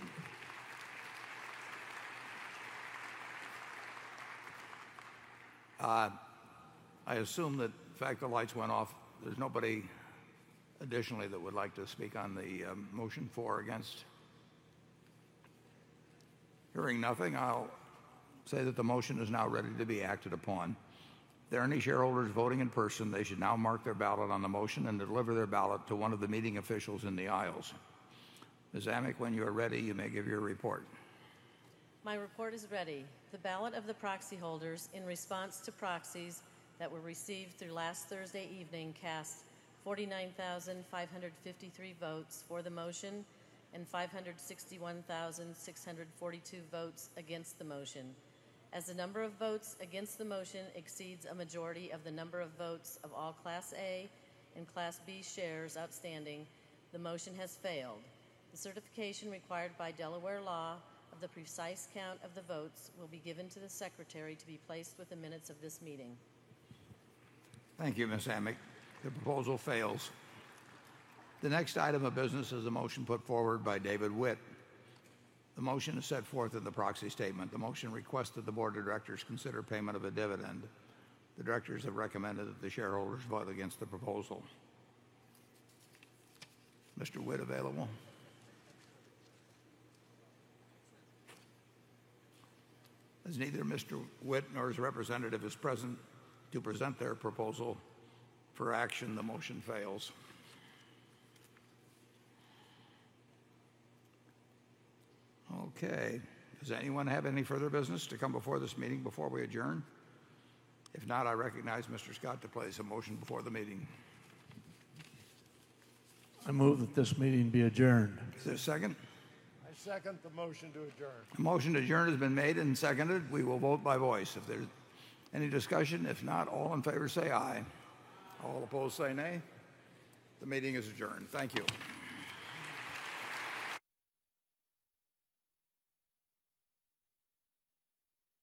I assume that the fact the lights went off, there's nobody additionally that would like to speak on the motion for or against? Hearing nothing, I'll say that the motion is now ready to be acted upon. If there are any shareholders voting in person, they should now mark their ballot on the motion and deliver their ballot to one of the meeting officials in the aisles. Ms. Amick, when you are ready, you may give your report. My report is ready. The ballot of the proxy holders in response to proxies that were received through last Thursday evening cast 49,553 votes for the motion and 561,642 votes against the motion. As the number of votes against the motion exceeds a majority of the number of votes of all Class A and Class B shares outstanding, the motion has failed. The certification required by Delaware law of the precise count of the votes will be given to the secretary to be placed with the minutes of this meeting. Thank you, Ms. Amick. The proposal fails. The next item of business is a motion put forward by David Witt. The motion is set forth in the proxy statement. The motion requests that the board of directors consider payment of a dividend. The directors have recommended that the shareholders vote against the proposal. Is Mr. Witt available? As neither Mr. Witt nor his representative is present to present their proposal for action, the motion fails. Okay. Does anyone have any further business to come before this meeting before we adjourn? If not, I recognize Mr. Scott to place a motion before the meeting. I move that this meeting be adjourned. Is there a second? I second the motion to adjourn. A motion to adjourn has been made and seconded. We will vote by voice if there's any discussion. All in favor say aye. Aye. All opposed say nay. The meeting is adjourned. Thank you.